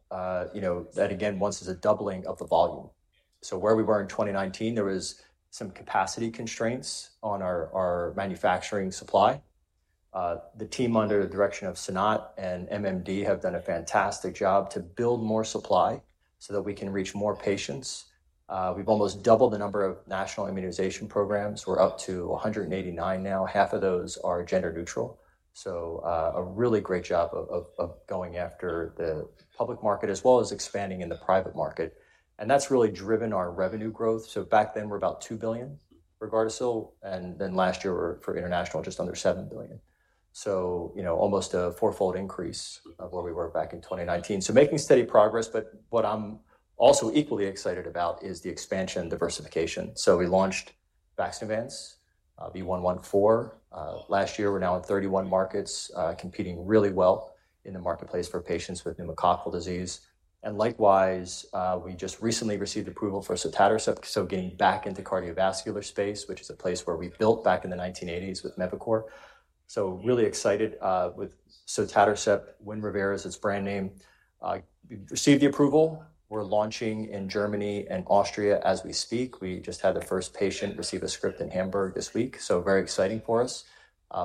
J: you know, that again, once is a doubling of the volume. So where we were in 2019, there was some capacity constraints on our manufacturing supply. The team, under the direction of Sanat and MMD, have done a fantastic job to build more supply so that we can reach more patients. We've almost doubled the number of national immunization programs. We're up to 189 now. Half of those are gender-neutral, so a really great job of going after the public market as well as expanding in the private market. And that's really driven our revenue growth. So back then, we're about $2 billion for Gardasil, and then last year for international, just under $7 billion. So, you know, almost a four-fold increase of where we were back in 2019. So making steady progress, but what I'm also equally excited about is the expansion and diversification. So we launched Vaxneuvance, V114, last year. We're now in 31 markets, competing really well in the Marketplace for patients with pneumococcal disease, and likewise, we just recently received approval for sotatercept, so getting back into cardiovascular space, which is a place where we built back in the 1980s with Mevacor, so really excited with sotatercept, Winrevair is its brand name. We've received the approval. We're launching in Germany and Austria as we speak. We just had the first patient receive a script in Hamburg this week, so very exciting for us.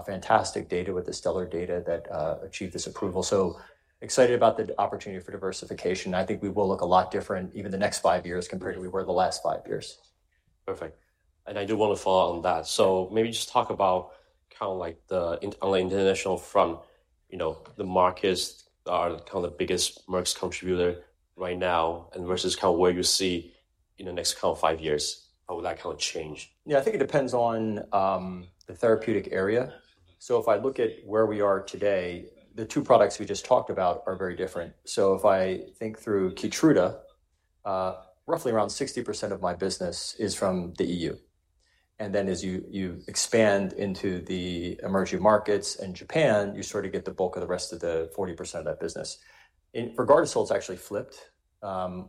J: Fantastic data with the STELLAR data that achieved this approval, so excited about the opportunity for diversification. I think we will look a lot different even the next five years compared to we were the last five years.
I: Perfect, and I do want to follow on that. So maybe just talk about kind of like the international front. You know, the markets are kind of the biggest Merck's contributor right now and versus kind of where you see in the next kind of five years, how will that kind of change?
J: Yeah, I think it depends on the therapeutic area. So if I look at where we are today, the two products we just talked about are very different. So if I think through Keytruda, roughly around 60% of my business is from the EU. And then as you expand into the emerging markets and Japan, you sort of get the bulk of the rest of the 40% of that business. Regardless, it's actually flipped,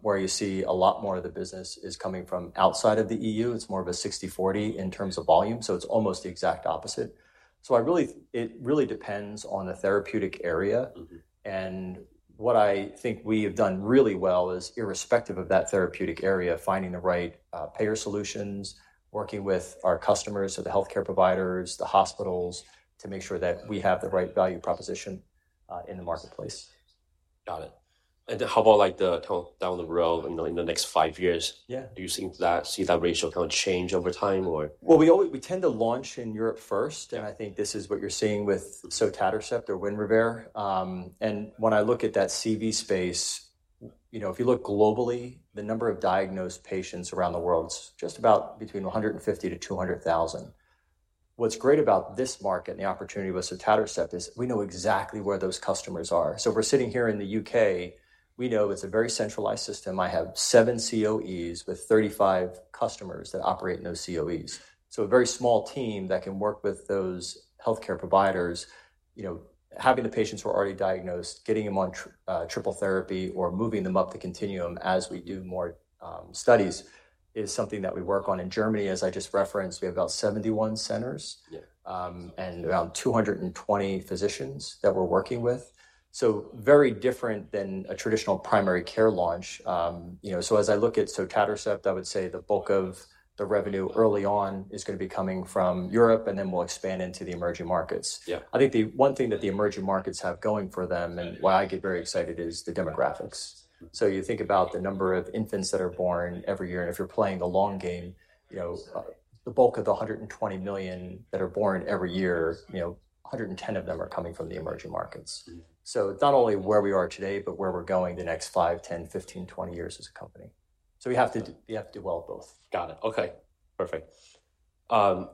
J: where you see a lot more of the business is coming from outside of the EU. It's more of a 60/40 in terms of volume, so it's almost the exact opposite. So it really depends on the therapeutic area.
I: Mm-hmm.
J: What I think we have done really well is, irrespective of that therapeutic area, finding the right payer solutions, working with our customers, so the healthcare providers, the hospitals, to make sure that we have the right value proposition in the Marketplace.
I: Got it. And how about, like, the kind of down the road, you know, in the next five years?
J: Yeah.
I: Do you think that see that ratio kind of change over time, or?
J: We always... We tend to launch in Europe first, and I think this is what you're seeing with sotatercept or Winrevair. And when I look at that CV space, you know, if you look globally, the number of diagnosed patients around the world is just about between 150 and 200 thousand. What's great about this market and the opportunity with sotatercept is we know exactly where those customers are. So if we're sitting here in the U.K., we know it's a very centralized system. I have 7 COEs with 35 customers that operate in those COEs. So a very small team that can work with those healthcare providers, you know, having the patients who are already diagnosed, getting them on tr, triple therapy or moving them up the continuum as we do more studies, is something that we work on in Germany. As I just referenced, we have about 71 centers-
I: Yeah...
J: and around 220 physicians that we're working with. So very different than a traditional primary care launch. You know, so as I look at sotatercept, I would say the bulk of the revenue early on is gonna be coming from Europe, and then we'll expand into the emerging markets.
I: Yeah.
J: I think the one thing that the emerging markets have going for them, and why I get very excited, is the demographics. So you think about the number of infants that are born every year, and if you're playing the long game, you know, the bulk of the hundred and twenty million that are born every year, you know, hundred and ten of them are coming from the emerging markets.
I: Mm-hmm.
J: So it's not only where we are today, but where we're going the next five, ten, fifteen, twenty years as a company. So we have to, we have to do well, both.
I: Got it. Okay, perfect, and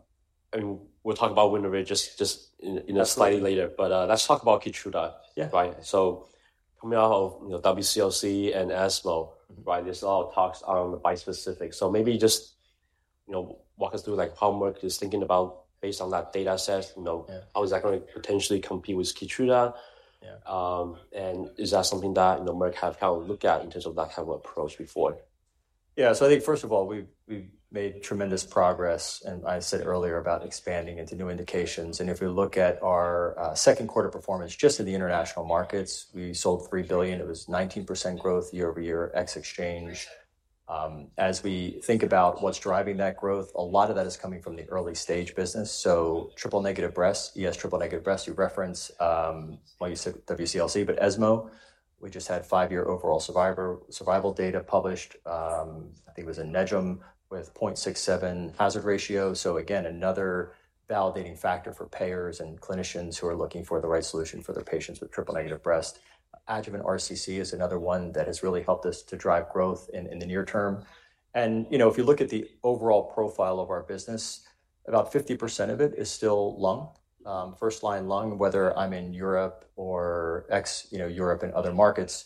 I: we'll talk about Winrevair just in a slightly later-
J: Yeah.
I: -but, let's talk about Keytruda.
J: Yeah.
I: Right. So coming out of, you know, WCLC and ESMO, right, there's a lot of talks on bispecific. So maybe just, you know, walk us through, like, how Merck is thinking about, based on that data set, you know?
J: Yeah...
I: how is that gonna potentially compete with Keytruda?
J: Yeah.
I: And is that something that, you know, Merck have, kind of looked at in terms of that type of approach before?
J: Yeah. I think, first of all, we've made tremendous progress, and I said earlier about expanding into new indications. If we look at our second quarter performance just in the international markets, we sold $3 billion. It was 19% growth year over year, ex-exchange. As we think about what's driving that growth, a lot of that is coming from the early-stage business. Triple-negative breast, yes, triple-negative breast, you referenced. You said WCLC, but ESMO, we just had five-year overall survival data published. I think it was in NEJM with 0.67 hazard ratio. Again, another validating factor for payers and clinicians who are looking for the right solution for their patients with triple-negative breast. Adjuvant RCC is another one that has really helped us to drive growth in the near term. You know, if you look at the overall profile of our business, about 50% of it is still lung, first-line lung, whether I'm in Europe or ex-Europe and other markets.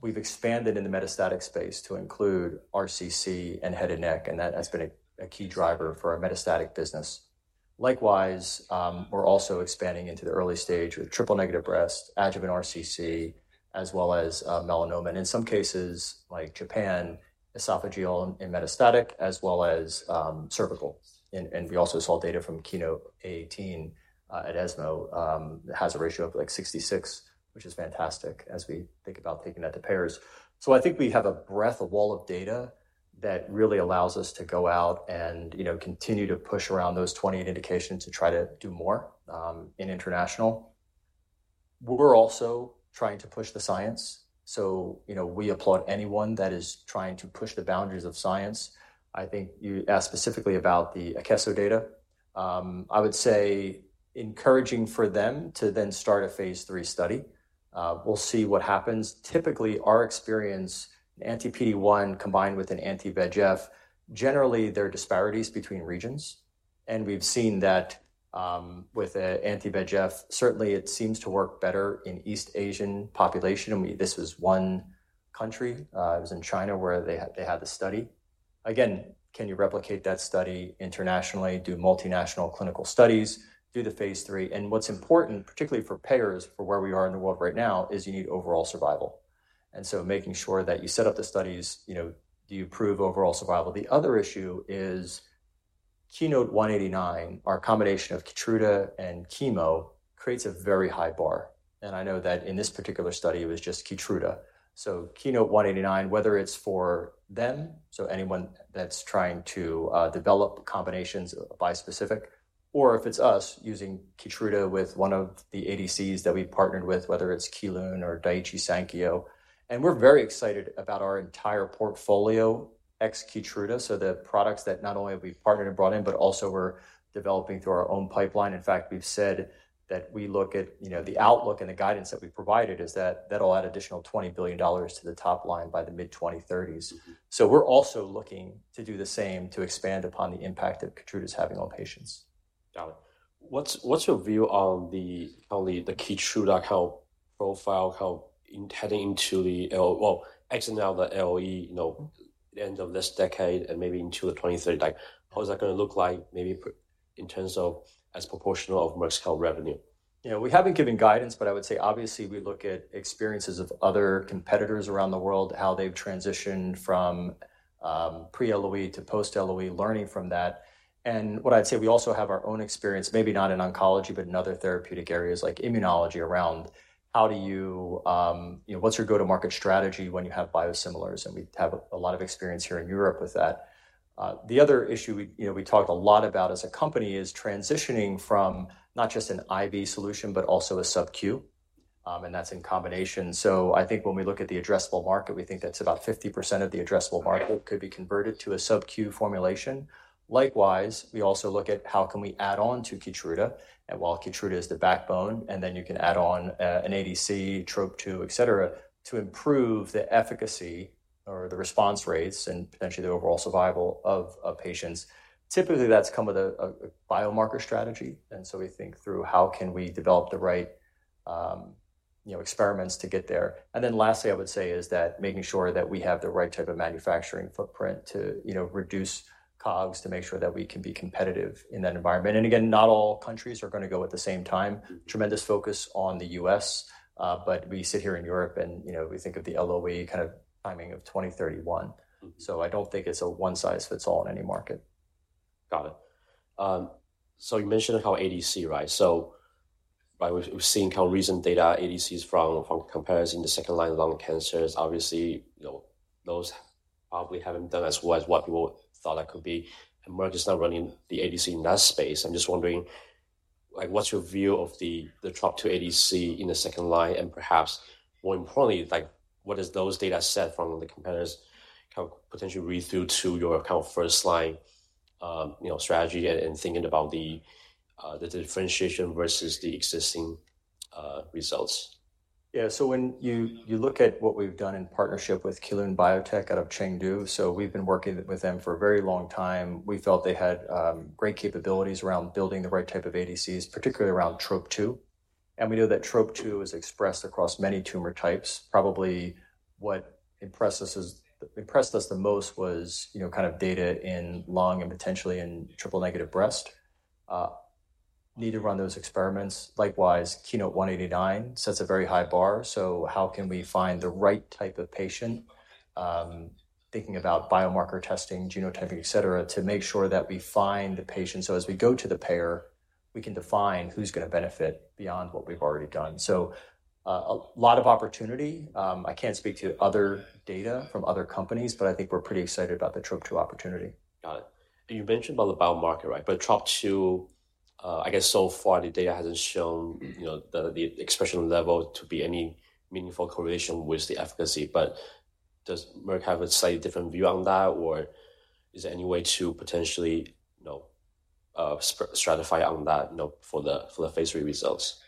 J: We've expanded in the metastatic space to include RCC and head and neck, and that has been a key driver for our metastatic business. Likewise, we're also expanding into the early stage with triple-negative breast, adjuvant RCC, as well as melanoma, and in some cases like Japan, esophageal and metastatic as well as cervical. We also saw data from KEYNOTE-A18 at ESMO that has a ratio of like 66, which is fantastic as we think about taking that to payers. So I think we have a breadth, a wall of data that really allows us to go out and, you know, continue to push around those twenty-eight indications to try to do more in international. We're also trying to push the science, so, you know, we applaud anyone that is trying to push the boundaries of science. I think you asked specifically about the Akeso data. I would say encouraging for them to then start a phase three study. We'll see what happens. Typically, our experience, an anti-PD-1, combined with an anti-VEGF, generally, there are disparities between regions, and we've seen that with a anti-VEGF. Certainly, it seems to work better in East Asian population, and this was one country. It was in China, where they had the study. Again, can you replicate that study internationally, do multinational clinical studies, do the phase 3? And what's important, particularly for payers, for where we are in the world right now, is you need overall survival. And so making sure that you set up the studies, you know, do you improve overall survival? The other issue is KEYNOTE-189, our combination of Keytruda and chemo creates a very high bar, and I know that in this particular study, it was just Keytruda. So KEYNOTE-189, whether it's for them, so anyone that's trying to develop combinations of bispecific, or if it's us using Keytruda with one of the ADCs that we've partnered with, whether it's Kelun or Daiichi Sankyo. We're very excited about our entire portfolio, ex-Keytruda, so the products that not only have we partnered and brought in, but also we're developing through our own pipeline. In fact, we've said that we look at, you know, the outlook and the guidance that we've provided is that that'll add additional $20 billion to the top line by the mid-2030s. We're also looking to do the same, to expand upon the impact that Keytruda is having on patients.
I: Got it. What's your view on the Keytruda, like how profitable, how it's heading into the LOE, well, actually now the LOE, you know, the end of this decade and maybe into 2030. Like, what is that gonna look like, maybe in terms of as a proportion of Merck's health revenue?
J: You know, we haven't given guidance, but I would say, obviously, we look at experiences of other competitors around the world, how they've transitioned from pre-LOE to post-LOE, learning from that, and what I'd say, we also have our own experience, maybe not in oncology, but in other therapeutic areas like immunology, around how do you, you know, what's your go-to-market strategy when you have biosimilars? And we have a lot of experience here in Europe with that. The other issue we, you know, we talked a lot about as a company is transitioning from not just an IV solution, but also a SubQ, and that's in combination, so I think when we look at the addressable market, we think that's about 50% of the addressable market-
I: Mm-hmm.
J: could be converted to a SubQ formulation. Likewise, we also look at how can we add on to Keytruda, and while Keytruda is the backbone, and then you can add on, an ADC, Trop2, et cetera, to improve the efficacy or the response rates and potentially the overall survival of patients. Typically, that's come with a biomarker strategy, and so we think through how can we develop the right, you know, experiments to get there. And then lastly, I would say, is that making sure that we have the right type of manufacturing footprint to, you know, reduce COGS, to make sure that we can be competitive in that environment. And again, not all countries are gonna go at the same time.
I: Mm-hmm.
J: Tremendous focus on the U.S., but we sit here in Europe and, you know, we think of the LOE kind of timing of 2031.
I: Mm-hmm.
J: I don't think it's a one-size-fits-all in any market.
I: Got it. So we've seen how recent data ADCs from comparison to second-line lung cancers. Obviously, you know, those probably haven't done as well as what people thought that could be, and Merck is now running the ADC in that space. I'm just wondering, like, what's your view of the Trop2 ADC in the second line? And perhaps more importantly, like, what is those data set from the competitors, how potentially read through to your kind of first line, you know, strategy and thinking about the, the differentiation versus the existing, results?
J: Yeah. So when you look at what we've done in partnership with Kelun-Biotech out of Chengdu, so we've been working with them for a very long time. We felt they had great capabilities around building the right type of ADCs, particularly around Trop2. And we know that Trop2 is expressed across many tumor types. Probably, what impressed us the most was, you know, kind of data in lung and potentially in triple-negative breast. Need to run those experiments. Likewise, KEYNOTE-189 sets a very high bar, so how can we find the right type of patient, thinking about biomarker testing, genotyping, et cetera, to make sure that we find the patient. So as we go to the payer, we can define who's gonna benefit beyond what we've already done. So, a lot of opportunity. I can't speak to other data from other companies, but I think we're pretty excited about the Trop2 opportunity.
I: Got it. And you mentioned about the biomarker, right? But Trop2, I guess so far the data hasn't shown-
J: Mm-hmm.
I: You know, the expression level to be any meaningful correlation with the efficacy. But does Merck have a slightly different view on that, or is there any way to potentially, you know, stratify on that, you know, for the phase III results?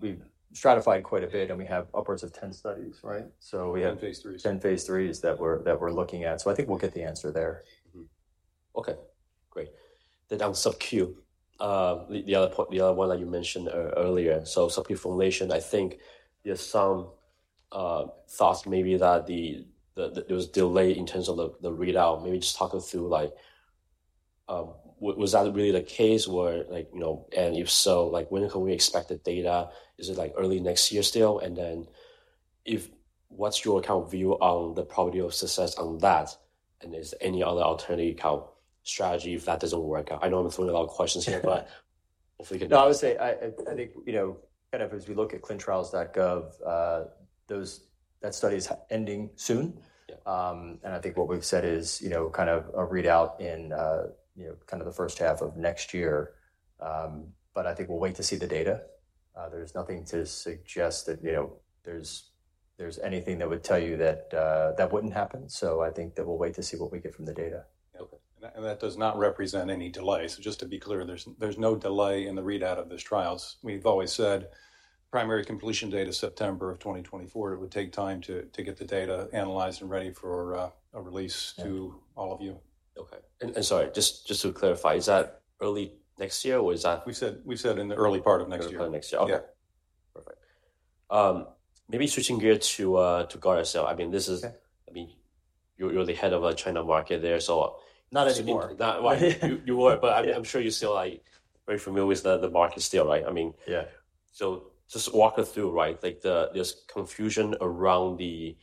J: We've stratified quite a bit, and we have upwards of 10 studies, right, so we have-
I: Ten phase IIIs.
J: Ten phase IIIs that we're looking at. So I think we'll get the answer there.
I: Mm-hmm. Okay, great. Then on subQ, the other one that you mentioned earlier. So subQ formulation, I think there's some thoughts maybe that it was delayed in terms of the readout. Maybe just talk us through like, was that really the case where like, you know... And if so, like, when can we expect the data? Is it, like, early next year still? And then if, what's your kind of view on the probability of success on that, and is there any other alternative kind of strategy if that doesn't work out? I know I'm throwing a lot of questions here, but if we could-
J: No, I would say, I think, you know, kind of as we look at clinicaltrials.gov, that study is ending soon.
I: Yeah.
J: And I think what we've said is, you know, kind of a readout in, you know, kind of the first half of next year. But I think we'll wait to see the data. There's nothing to suggest that, you know, there's anything that would tell you that, that wouldn't happen. So I think that we'll wait to see what we get from the data.
K: Okay, and that does not represent any delay. So just to be clear, there's no delay in the readout of these trials. We've always said primary completion date is September of 2024. It would take time to get the data analyzed and ready for a release to all of you.
I: Okay, and sorry, just to clarify, is that early next year, or is that-
K: We said in the early part of next year.
I: Early part of next year.
K: Yeah.
I: Perfect. Maybe switching gears to Gardasil. I mean, this is-
J: Okay.
I: I mean, you're the head of our China market there, so-
J: Not anymore.
I: Not well, you were, but I'm sure you're still, like, very familiar with the market still, right? I mean-
J: Yeah.
I: So just walk us through, right, like this confusion around the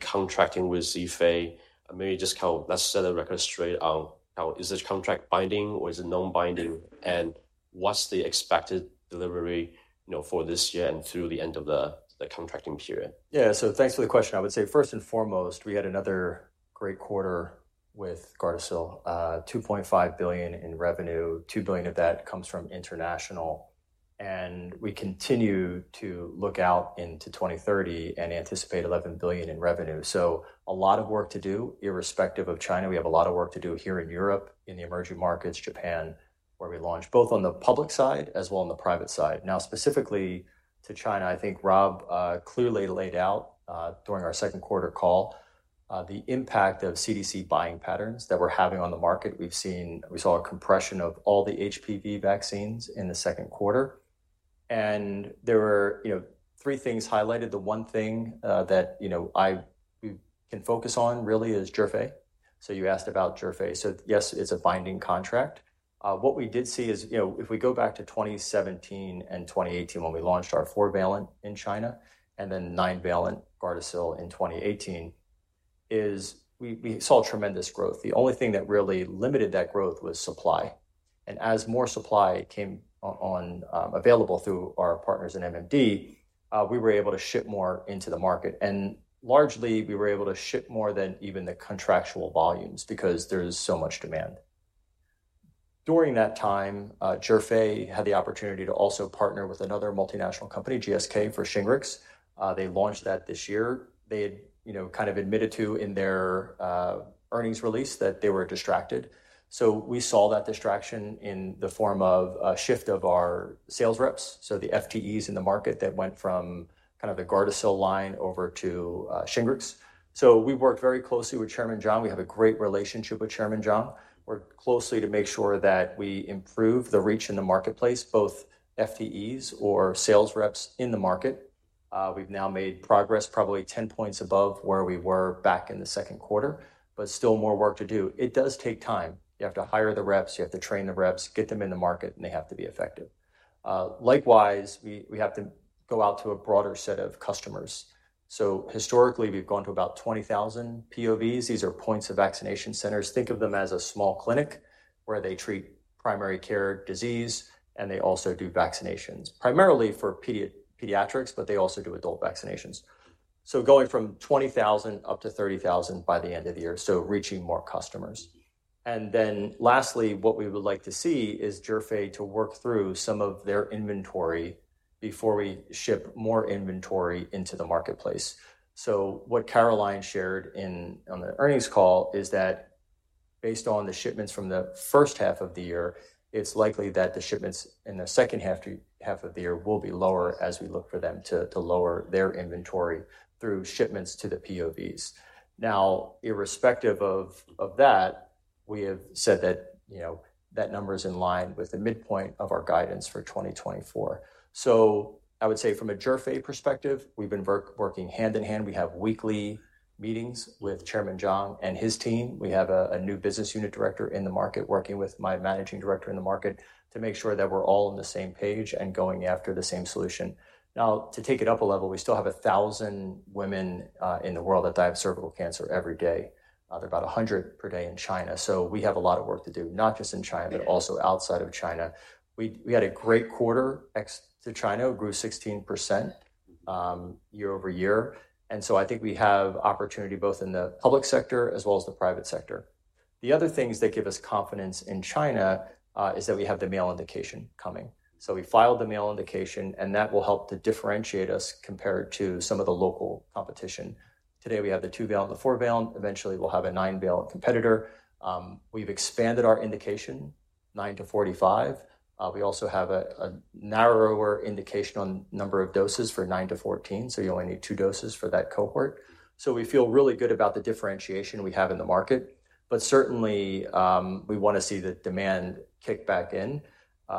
I: contracting with Zhifei. Maybe just kind of let's set the record straight on how is this contract binding or is it non-binding, and what's the expected delivery, you know, for this year and through the end of the contracting period?
J: Yeah. So thanks for the question. I would say, first and foremost, we had another great quarter with Gardasil, $2.5 billion in revenue. $2 billion of that comes from international, and we continue to look out into 2030 and anticipate $11 billion in revenue. So a lot of work to do irrespective of China. We have a lot of work to do here in Europe, in the emerging markets, Japan, where we launched, both on the public side as well on the private side. Now, specifically to China, I think Rob clearly laid out during our second quarter call the impact of CDC buying patterns that we're having on the market. We saw a compression of all the HPV vaccines in the second quarter, and there were, you know, three things highlighted. The one thing that, you know, we can focus on really is Zhifei. So you asked about Zhifei. So yes, it's a binding contract. What we did see is, you know, if we go back to 2017 and 2018, when we launched our four-valent in China, and then nine-valent Gardasil in 2018, we saw tremendous growth. The only thing that really limited that growth was supply, and as more supply came on, available through our partners in MMD, we were able to ship more into the market, and largely, we were able to ship more than even the contractual volumes because there's so much demand. During that time, Zhifei had the opportunity to also partner with another multinational company, GSK, for Shingrix. They launched that this year. They had, you know, kind of admitted to in their earnings release that they were distracted. So we saw that distraction in the form of a shift of our sales reps. So the FTEs in the market that went from kind of the Gardasil line over to Shingrix. So we worked very closely with Chairman Jiang. We have a great relationship with Chairman Jiang. Worked closely to make sure that we improve the reach in the Marketplace, both FTEs or sales reps in the market. We've now made progress probably 10 points above where we were back in the second quarter, but still more work to do. It does take time. You have to hire the reps, you have to train the reps, get them in the market, and they have to be effective. Likewise, we have to go out to a broader set of customers. Historically, we've gone to about 20,000 POVs. These are points of vaccination centers. Think of them as a small clinic where they treat primary care disease, and they also do vaccinations, primarily for pediatrics, but they also do adult vaccinations. Going from 20,000 up to 30,000 by the end of the year, reaching more customers. And then lastly, what we would like to see is Zhifei to work through some of their inventory before we ship more inventory into the Marketplace. So what Caroline shared on the earnings call is that based on the shipments from the first half of the year, it's likely that the shipments in the second half of the year will be lower as we look for them to lower their inventory through shipments to the POVs. Now, irrespective of that, we have said that, you know, that number is in line with the midpoint of our guidance for 2024. So I would say from a Zhifei perspective, we've been working hand in hand. We have weekly meetings with Chairman Jiang and his team. We have a new business unit director in the market, working with my managing director in the market to make sure that we're all on the same page and going after the same solution. Now, to take it up a level, we still have 1,000 women in the world that die of cervical cancer every day. They're about 100 per day in China, so we have a lot of work to do, not just in China, but also outside of China. We had a great quarter. Ex-China grew 16%, year over year, and so I think we have opportunity both in the public sector as well as the private sector. The other things that give us confidence in China is that we have the male indication coming. So we filed the male indication, and that will help to differentiate us compared to some of the local competition. Today, we have the 2-valent and the 4-valent. Eventually, we'll have a 9-valent competitor. We've expanded our indication, 9 to 45. We also have a narrower indication on number of doses for 9 to 14, so you only need two doses for that cohort, so we feel really good about the differentiation we have in the market, but certainly, we wanna see the demand kick back in.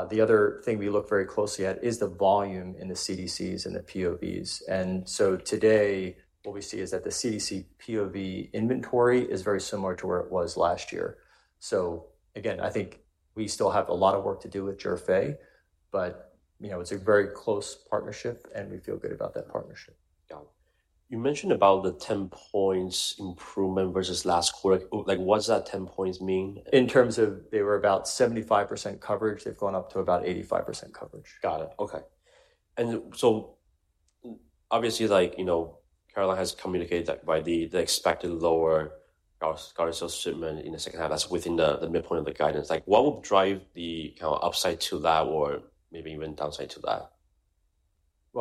J: The other thing we look very closely at is the volume in the CDCs and the POVs, and so today, what we see is that the CDC POV inventory is very similar to where it was last year, so again, I think we still have a lot of work to do with Zhifei, but you know, it's a very close partnership, and we feel good about that partnership.
I: Got it. You mentioned about the 10 points improvement versus last quarter. Like, what does that 10 points mean?
J: In terms of they were about 75% coverage, they've gone up to about 85% coverage.
I: Got it. Okay. And so obviously, like, you know, Caroline has communicated that by the expected lower Gardasil shipment in the second half, that's within the midpoint of the guidance. Like, what would drive the kind of upside to that or maybe even downside to that?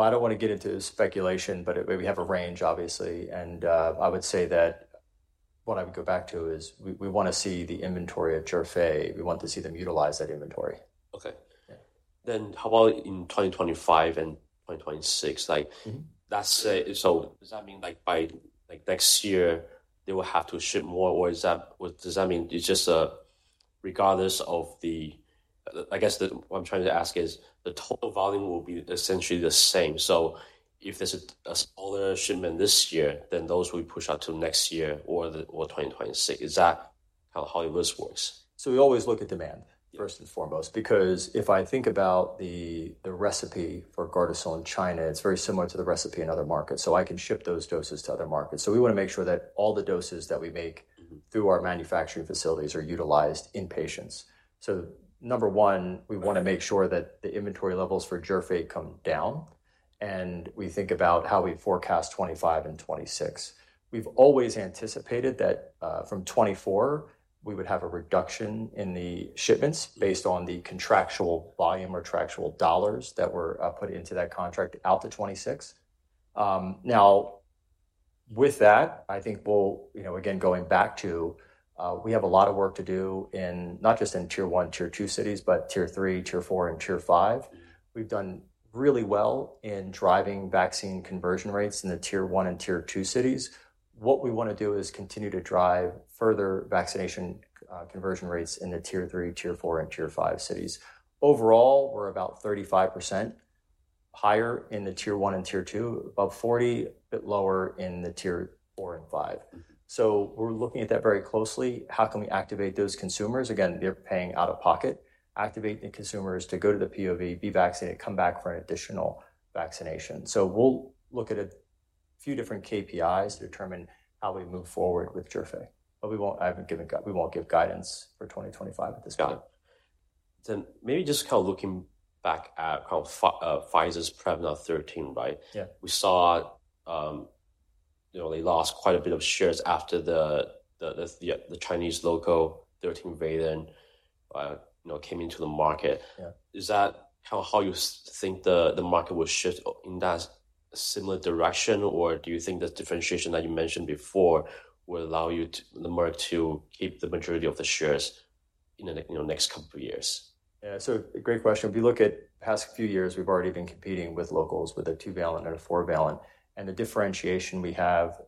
J: I don't want to get into speculation, but we have a range, obviously, and I would say that what I would go back to is we wanna see the inventory at Zhifei. We want to see them utilize that inventory.
I: Okay.
J: Yeah.
I: Then how about in 2025 and twenty twenty-six? Like-
J: Mm-hmm.
I: That's, so does that mean, like, by like next year they will have to ship more, or is that, does that mean it's just regardless of the... I guess what I'm trying to ask is, the total volume will be essentially the same. So if there's a smaller shipment this year, then those will be pushed out to next year or 2026. Is that how it works?
J: We always look at demand-
I: Yeah
J: First and foremost, because if I think about the recipe for Gardasil in China, it's very similar to the recipe in other markets, so I can ship those doses to other markets. So we wanna make sure that all the doses that we make-
I: Mm-hmm
J: through our manufacturing facilities are utilized in patients. So number one, we wanna make sure that the inventory levels for Zhifei come down, and we think about how we forecast 2025 and 2026. We've always anticipated that, from 2024 we would have a reduction in the shipments based on the contractual volume or contractual dollars that were, put into that contract out to 2026. Now, with that, I think we'll, you know, again, going back to, we have a lot of work to do in not just in Tier one, Tier two cities, but Tier three, Tier four, and Tier five.
I: Yeah.
J: We've done really well in driving vaccine conversion rates in the Tier one and Tier two cities. What we wanna do is continue to drive further vaccination, conversion rates in the Tier three, Tier four, and Tier five cities. Overall, we're about 35% higher in the Tier one and Tier two, about 40, a bit lower in the Tier four and five.
I: Mm-hmm.
J: We're looking at that very closely. How can we activate those consumers? Again, they're paying out of pocket. Activate the consumers to go to the POV, be vaccinated, come back for an additional vaccination. We'll look at a few different KPIs to determine how we move forward with Zhifei, but we won't give guidance for 2025 at this point.
I: Got it. Then maybe just kind of looking back at how, Pfizer's Prevnar 13, right?
J: Yeah.
I: We saw, you know, they lost quite a bit of shares after the Chinese local 13-valent, you know, came into the market.
J: Yeah.
I: Is that how you think the market will shift in that similar direction? Or do you think the differentiation that you mentioned before will allow you to— the market to keep the majority of the shares in the, you know, next couple of years?
J: Yeah, so great question. If you look at the past few years, we've already been competing with locals with a bivalent and a quadrivalent. And the differentiation we have,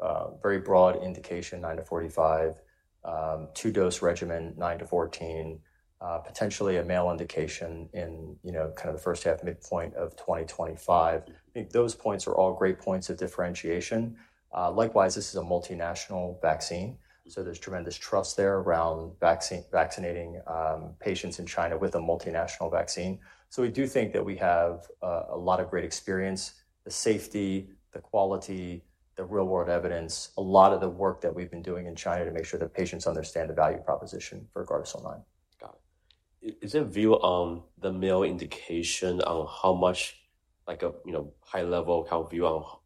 J: very broad indication, 9 to 45, two dose regimen, 9 to 14, potentially a male indication in, you know, kind of the first half midpoint of 2025.
I: Yeah.
J: I think those points are all great points of differentiation. Likewise, this is a multinational vaccine-
I: Mm-hmm...
J: so there's tremendous trust there around vaccine, vaccinating, patients in China with a multinational vaccine. So we do think that we have a lot of great experience, the safety, the quality, the real-world evidence, a lot of the work that we've been doing in China to make sure that patients understand the value proposition for Gardasil 9.
I: Got it. Is there a view on the male indication on how much, like a, you know, high level view on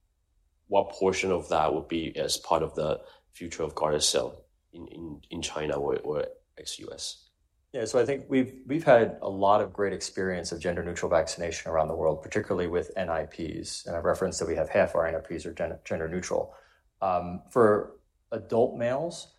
I: what portion of that would be as part of the future of Gardasil in China or ex-US?
J: Yeah. So I think we've had a lot of great experience of gender-neutral vaccination around the world, particularly with NIPs, and I've referenced that we have half our NIPs are gender-neutral. For adult males,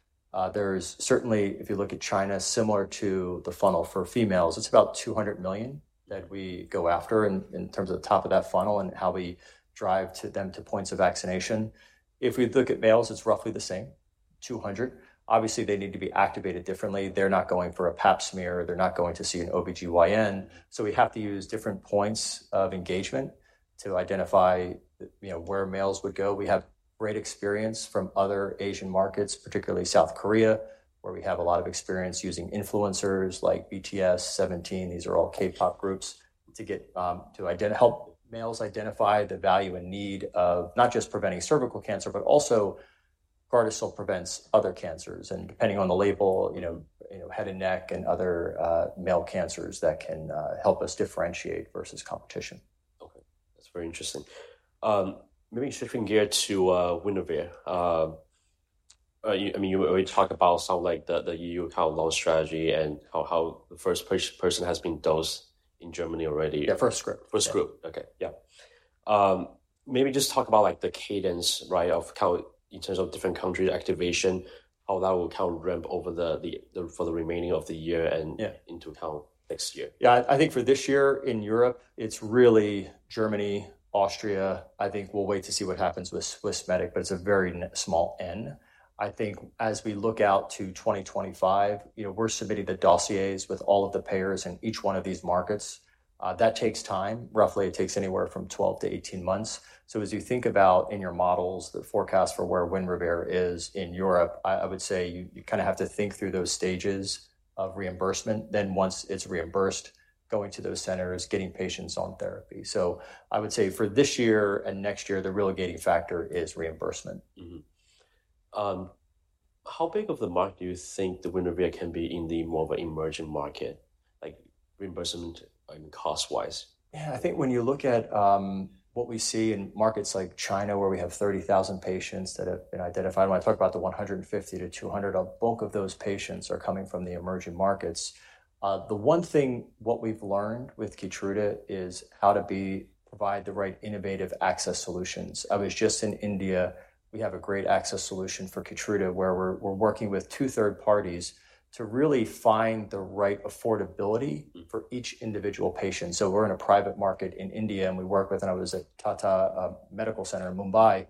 J: there's certainly, if you look at China, similar to the funnel for females, it's about two hundred million that we go after in terms of the top of that funnel and how we drive to them to points of vaccination. If we look at males, it's roughly the same, two hundred. Obviously, they need to be activated differently. They're not going for a Pap smear. They're not going to see an OBGYN. So we have to use different points of engagement to identify, you know, where males would go. We have great experience from other Asian markets, particularly South Korea, where we have a lot of experience using influencers like BTS, Seventeen, these are all K-pop groups, to get to help males identify the value and need of not just preventing cervical cancer, but also Gardasil prevents other cancers, and depending on the label, you know, head and neck and other male cancers that can help us differentiate versus competition.
I: Okay. That's very interesting. Maybe shifting gear to Winrevair. I mean, you already talk about sort of like the EU kind of launch strategy and how the first person has been dosed in Germany already.
J: Yeah, first group.
I: First group.
J: Yeah.
I: Okay. Yeah. Maybe just talk about, like, the cadence, right, of how, in terms of different country activation, how that will kind of ramp over the for the remaining of the year and-
J: Yeah
I: -into, kind of, next year.
J: Yeah. I think for this year in Europe, it's really Germany, Austria. I think we'll wait to see what happens with Swissmedic, but it's a very small N. I think as we look out to 2025, you know, we're submitting the dossiers with all of the payers in each one of these markets. That takes time. Roughly, it takes anywhere from 12 to 18 months. So as you think about in your models, the forecast for where Winrevair is in Europe, I would say you kinda have to think through those stages of reimbursement. Then once it's reimbursed, going to those centers, getting patients on therapy. So I would say for this year and next year, the real gating factor is reimbursement.
I: Mm-hmm. How big of the market do you think the Winrevair can be in the more of an emerging market? Like reimbursement and cost-wise?
J: Yeah, I think when you look at what we see in markets like China, where we have 30,000 patients that have been identified, when I talk about the 150 to 200, a bulk of those patients are coming from the emerging markets. The one thing, what we've learned with Keytruda is how to provide the right innovative access solutions. I was just in India. We have a great access solution for Keytruda, where we're working with two third parties to really find the right affordability-
I: Mm-hmm.
J: for each individual patient. So we're in a private market in India, and we work with, and I was at Tata Medical Center in Mumbai,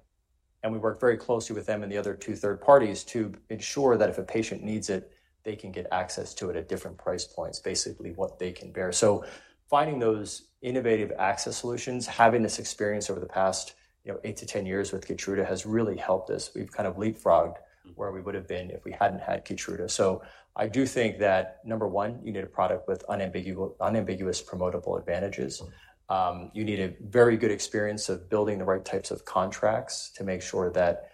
J: and we work very closely with them and the other two third parties to ensure that if a patient needs it, they can get access to it at different price points, basically, what they can bear. So finding those innovative access solutions, having this experience over the past, you know, eight to ten years with Keytruda has really helped us. We've kind of leapfrogged-
I: Mm.
J: -where we would have been if we hadn't had Keytruda. So I do think that, number one, you need a product with unambiguous promotable advantages. You need a very good experience of building the right types of contracts to make sure that,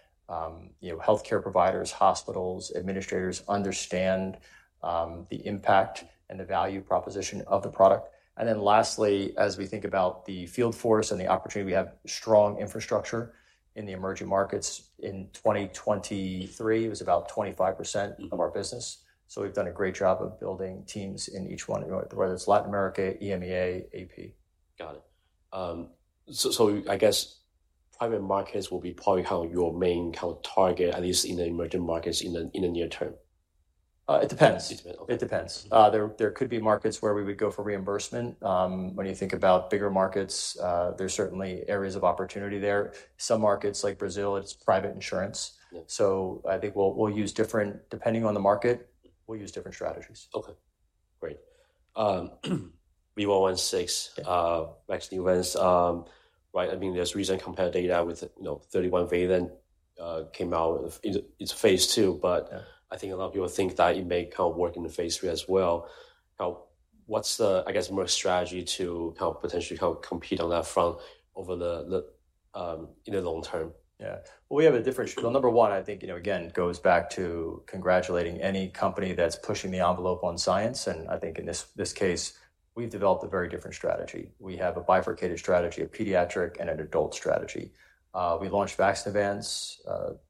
J: you know, healthcare providers, hospitals, administrators understand the impact and the value proposition of the product. And then lastly, as we think about the field force and the opportunity, we have strong infrastructure in the emerging markets. In 2023, it was about 25%-
I: Mm.
J: of our business. So we've done a great job of building teams in each one, whether it's Latin America, EMEA, AP.
I: Got it. So, I guess private markets will be probably how your main kind of target, at least in the emerging markets, in the near term.
J: It depends.
I: It depends.
J: It depends.
I: Mm.
J: There could be markets where we would go for reimbursement. When you think about bigger markets, there's certainly areas of opportunity there. Some markets, like Brazil, it's private insurance.
I: Yeah.
J: I think we'll use different, depending on the market, we'll use different strategies.
I: Okay, great. V116, Vaxneuvance, right, I mean, there's recent comparative data with, you know, 31-valent, came out. It's phase two-
J: Yeah...
I: but I think a lot of people think that it may kind of work in the phase 3 as well. Now, what's the, I guess, Merck strategy to help potentially help compete on that front over the, the, in the long term?
J: Yeah. Well, we have a different strategy. Number one, I think, you know, again, goes back to congratulating any company that's pushing the envelope on science, and I think in this case, we've developed a very different strategy. We have a bifurcated strategy, a pediatric and an adult strategy. We launched Vaxneuvance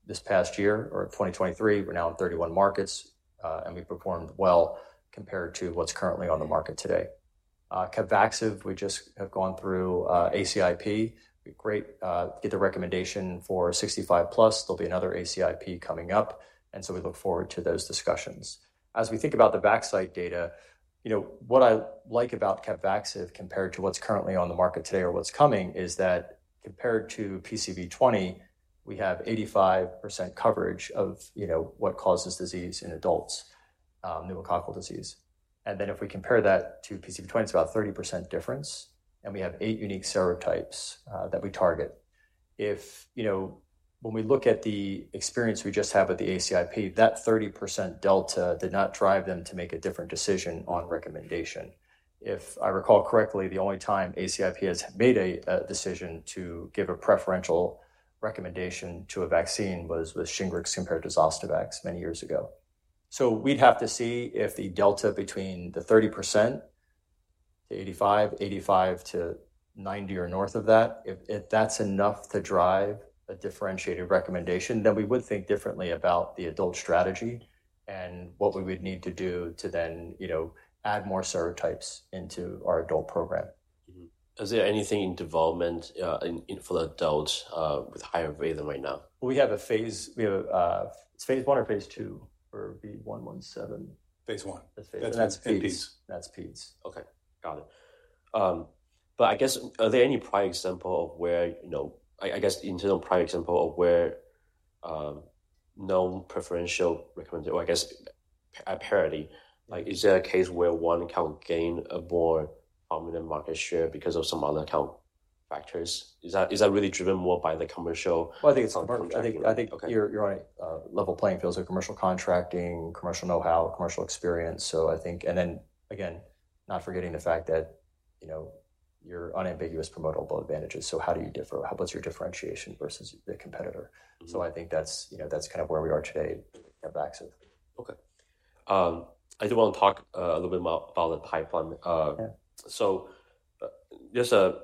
J: this past year or in 2023. We're now in 31 markets, and we've performed well compared to what's currently on the market today. Capvaxive, we just have gone through ACIP. We got the recommendation for 65 plus. There'll be another ACIP coming up, and so we look forward to those discussions. As we think about the Vaxneuvance data, you know, what I like about Capvaxive compared to what's currently on the market today or what's coming, is that compared to PCV20, we have 85% coverage of, you know, what causes disease in adults, pneumococcal disease. And then, if we compare that to PCV20, it's about 30% difference, and we have 8 unique serotypes that we target. If, you know, when we look at the experience we just had with the ACIP, that 30% delta did not drive them to make a different decision on recommendation. If I recall correctly, the only time ACIP has made a decision to give a preferential recommendation to a vaccine was with Shingrix compared to Zostavax many years ago. We'd have to see if the delta between the 30% to 85%, 85% to 90% or north of that, if that's enough to drive a differentiated recommendation, then we would think differently about the adult strategy and what we would need to do to then, you know, add more serotypes into our adult program.
I: Mm-hmm. Is there anything in development for the adults with higher value than right now?
J: We have a phase one or phase two for V117.
I: Phase one.
J: That's phase-
I: That's peds.
J: That's peds.
I: Okay, got it. But I guess, are there any prior example of where, you know? I guess internal prior example of where, no preferential recommendation or I guess a parity, like is there a case where one account gained a more dominant market share because of some other account factors? Is that really driven more by the commercial-
J: I think it's commercial.
I: -I think-
J: I think-
I: Okay.
J: You're on a level playing field, so commercial contracting, commercial know-how, commercial experience. So I think, and then, again, not forgetting the fact that, you know, your unambiguous promotable advantages. So how do you differ? How about your differentiation versus the competitor?
I: Mm-hmm.
J: I think that's, you know, that's kind of where we are today at Vaxneuvance.
I: Okay. I do want to talk a little bit more about the pipeline.
J: Yeah.
I: So, there's a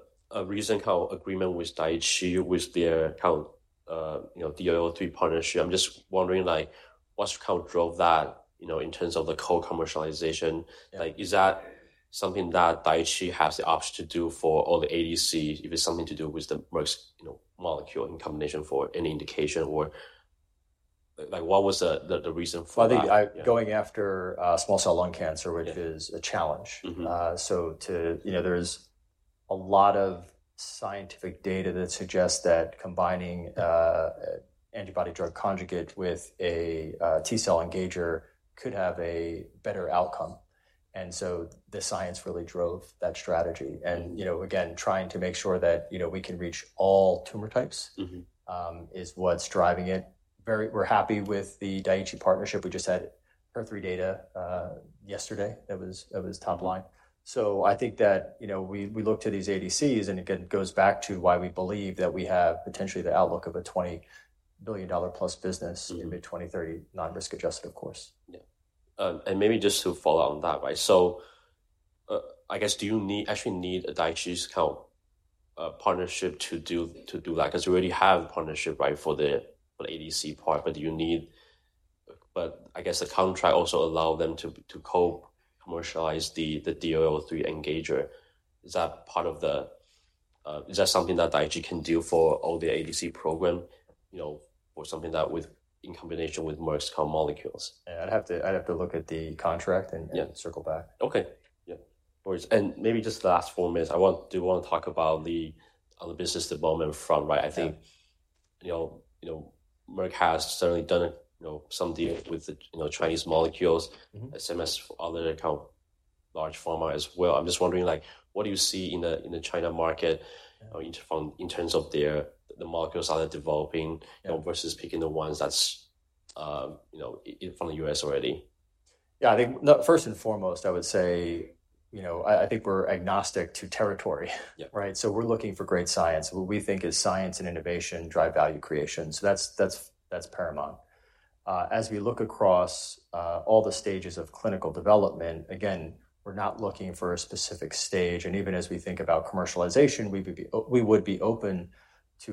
I: recent co agreement with Daikyo, with their count, you know, DLL3 partnership. I'm just wondering, like, what count drove that, you know, in terms of the co commercialization?
J: Yeah.
I: Like, is that something that Daikyo has the option to do for all the ADC, if it's something to do with the Merck's, you know, molecule in combination for any indication, or like, what was the reason for that?
J: I think, going after, small cell lung cancer-
I: Yeah...
J: which is a challenge.
I: Mm-hmm.
J: you know, there's a lot of scientific data that suggests that combining antibody-drug conjugate with a T-cell engager could have a better outcome. And so the science really drove that strategy. And, you know, again, trying to make sure that, you know, we can reach all tumor types.
I: Mm-hmm...
J: is what's driving it. Very. We're happy with the Daikyo partnership. We just had Phase 3 data yesterday. That was top line. So I think that, you know, we look to these ADCs, and again, it goes back to why we believe that we have potentially the outlook of a $20 billion plus business-
I: Mm-hmm.
J: In mid-2030, non-risk-adjusted, of course.
I: Yeah. And maybe just to follow on that, right? So, I guess, do you actually need a Daiichi's kind of partnership to do that? 'Cause you already have a partnership, right, for the ADC part, but do you need. But I guess the contract also allow them to co-commercialize the DLL3 engager. Is that part of the... Is that something that Daiichi Sankyo can do for all the ADC program, you know, or something that, in combination with Merck's molecules?
J: I'd have to look at the contract and-
I: Yeah.
J: -circle back.
I: Okay. Yeah. And maybe just the last four minutes, I want to wanna talk about on the business development front, right?
J: Yeah.
I: I think, you know, Merck has certainly done some deals with the Chinese molecules.
J: Mm-hmm.
I: Same as other kind of large pharma as well. I'm just wondering, like, what do you see in the China market or in terms of their, the molecules are developing, you know, versus picking the ones that's, you know, from the US already?
J: Yeah, I think the first and foremost, I would say, you know, I think we're agnostic to territory.
I: Yeah.
J: Right? So we're looking for great science. What we think is science and innovation drive value creation. So that's paramount. As we look across all the stages of clinical development, again, we're not looking for a specific stage, and even as we think about commercialization, we would be open to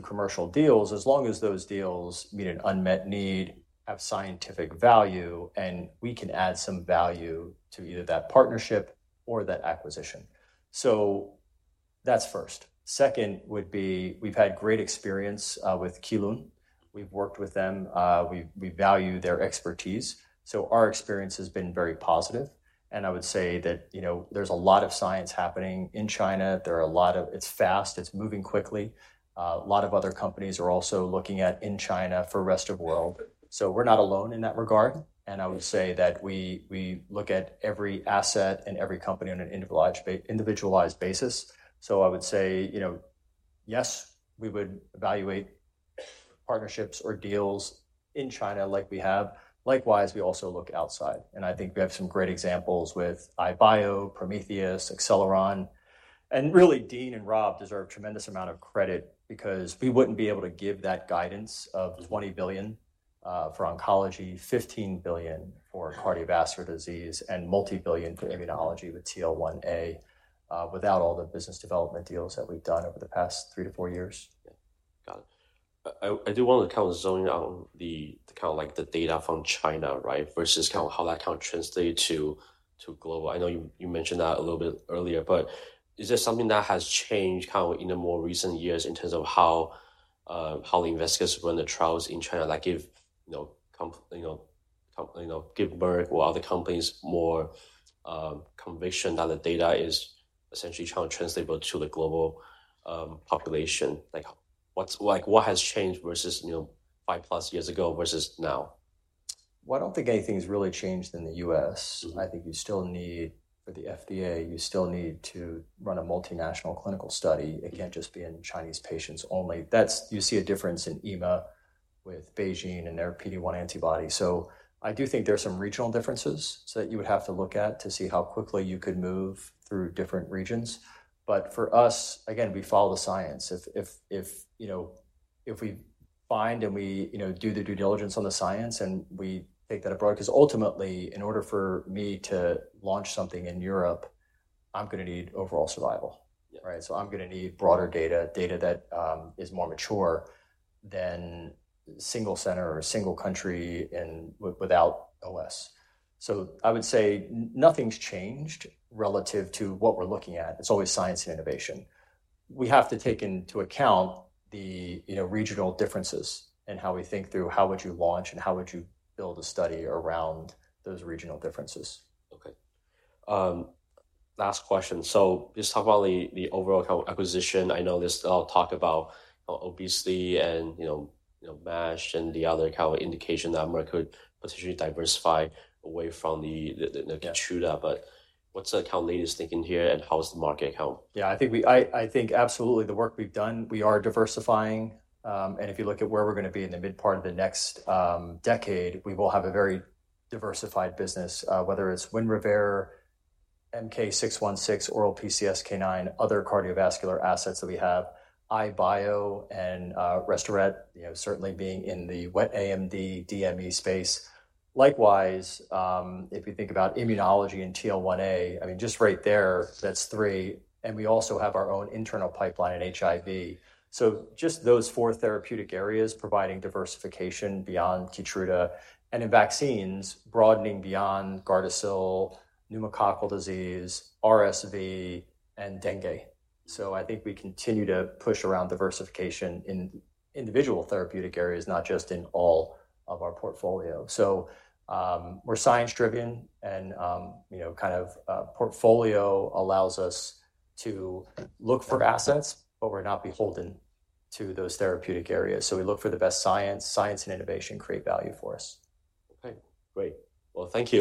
J: commercial deals as long as those deals meet an unmet need, have scientific value, and we can add some value to either that partnership or that acquisition. So that's first. Second would be, we've had great experience with Kelun. We've worked with them, we value their expertise, so our experience has been very positive. And I would say that, you know, there's a lot of science happening in China. It's fast, it's moving quickly. A lot of other companies are also looking at in China for rest of world. So we're not alone in that regard, and I would say that we look at every asset and every company on an individualized basis. So I would say, you know, yes, we would evaluate partnerships or deals in China like we have. Likewise, we also look outside, and I think we have some great examples with EyeBio, Prometheus, Acceleron. And really, Dean and Rob deserve a tremendous amount of credit because we wouldn't be able to give that guidance of $20 billion for oncology, $15 billion for cardiovascular disease, and multi-billion for immunology with TL1A without all the business development deals that we've done over the past three to four years.
I: Yeah. Got it. I do want to kind of zone in on the kind of like the data from China, right, versus kind of how that kind of translate to global. I know you mentioned that a little bit earlier, but is there something that has changed, kind of in the more recent years in terms of how the investigators run the trials in China? Like, you know, kind of give Merck or other companies more conviction that the data is essentially truly translatable to the global population. Like, what has changed versus, you know, five plus years ago versus now?
J: I don't think anything's really changed in the U.S.
I: Mm-hmm.
J: I think you still need, for the FDA, you still need to run a multinational clinical study. It can't just be in Chinese patients only. That's you see a difference in EMA with BeiGene and their PD-1 antibody. So I do think there are some regional differences that you would have to look at to see how quickly you could move through different regions. But for us, again, we follow the science. If you know if we find and we do the due diligence on the science and we take that abroad, because ultimately, in order for me to launch something in Europe, I'm gonna need overall survival.
I: Yeah.
J: Right? So I'm gonna need broader data, data that is more mature than single center or single country and without OS. So I would say nothing's changed relative to what we're looking at. It's always science and innovation. We have to take into account the, you know, regional differences and how we think through how would you launch and how would you build a study around those regional differences.
I: Okay. Last question. So just talk about the overall acquisition. I know this. I'll talk about obesity and, you know, MASH and the other kind of indication that Merck could potentially diversify away from the Keytruda.
J: Yeah.
I: But what's the kind of latest thinking here, and how is the market help?
J: Yeah, I think absolutely the work we've done. We are diversifying. If you look at where we're gonna be in the mid part of the next decade, we will have a very diversified business, whether it's Winrevair, MK-616, oral PCSK9, other cardiovascular assets that we have, EyeBio and Restoret, you know, certainly being in the wet AMD DME space. Likewise, if you think about immunology and TL1A, I mean, just right there, that's three, and we also have our own internal pipeline in HIV. So just those four therapeutic areas providing diversification beyond Keytruda, and in vaccines, broadening beyond Gardasil, pneumococcal disease, RSV, and dengue. So I think we continue to push around diversification in individual therapeutic areas, not just in all of our portfolio. So, we're science-driven and, you know, kind of, portfolio allows us to look for assets, but we're not beholden to those therapeutic areas. So we look for the best science and innovation create value for us.
I: Okay, great. Well, thank you.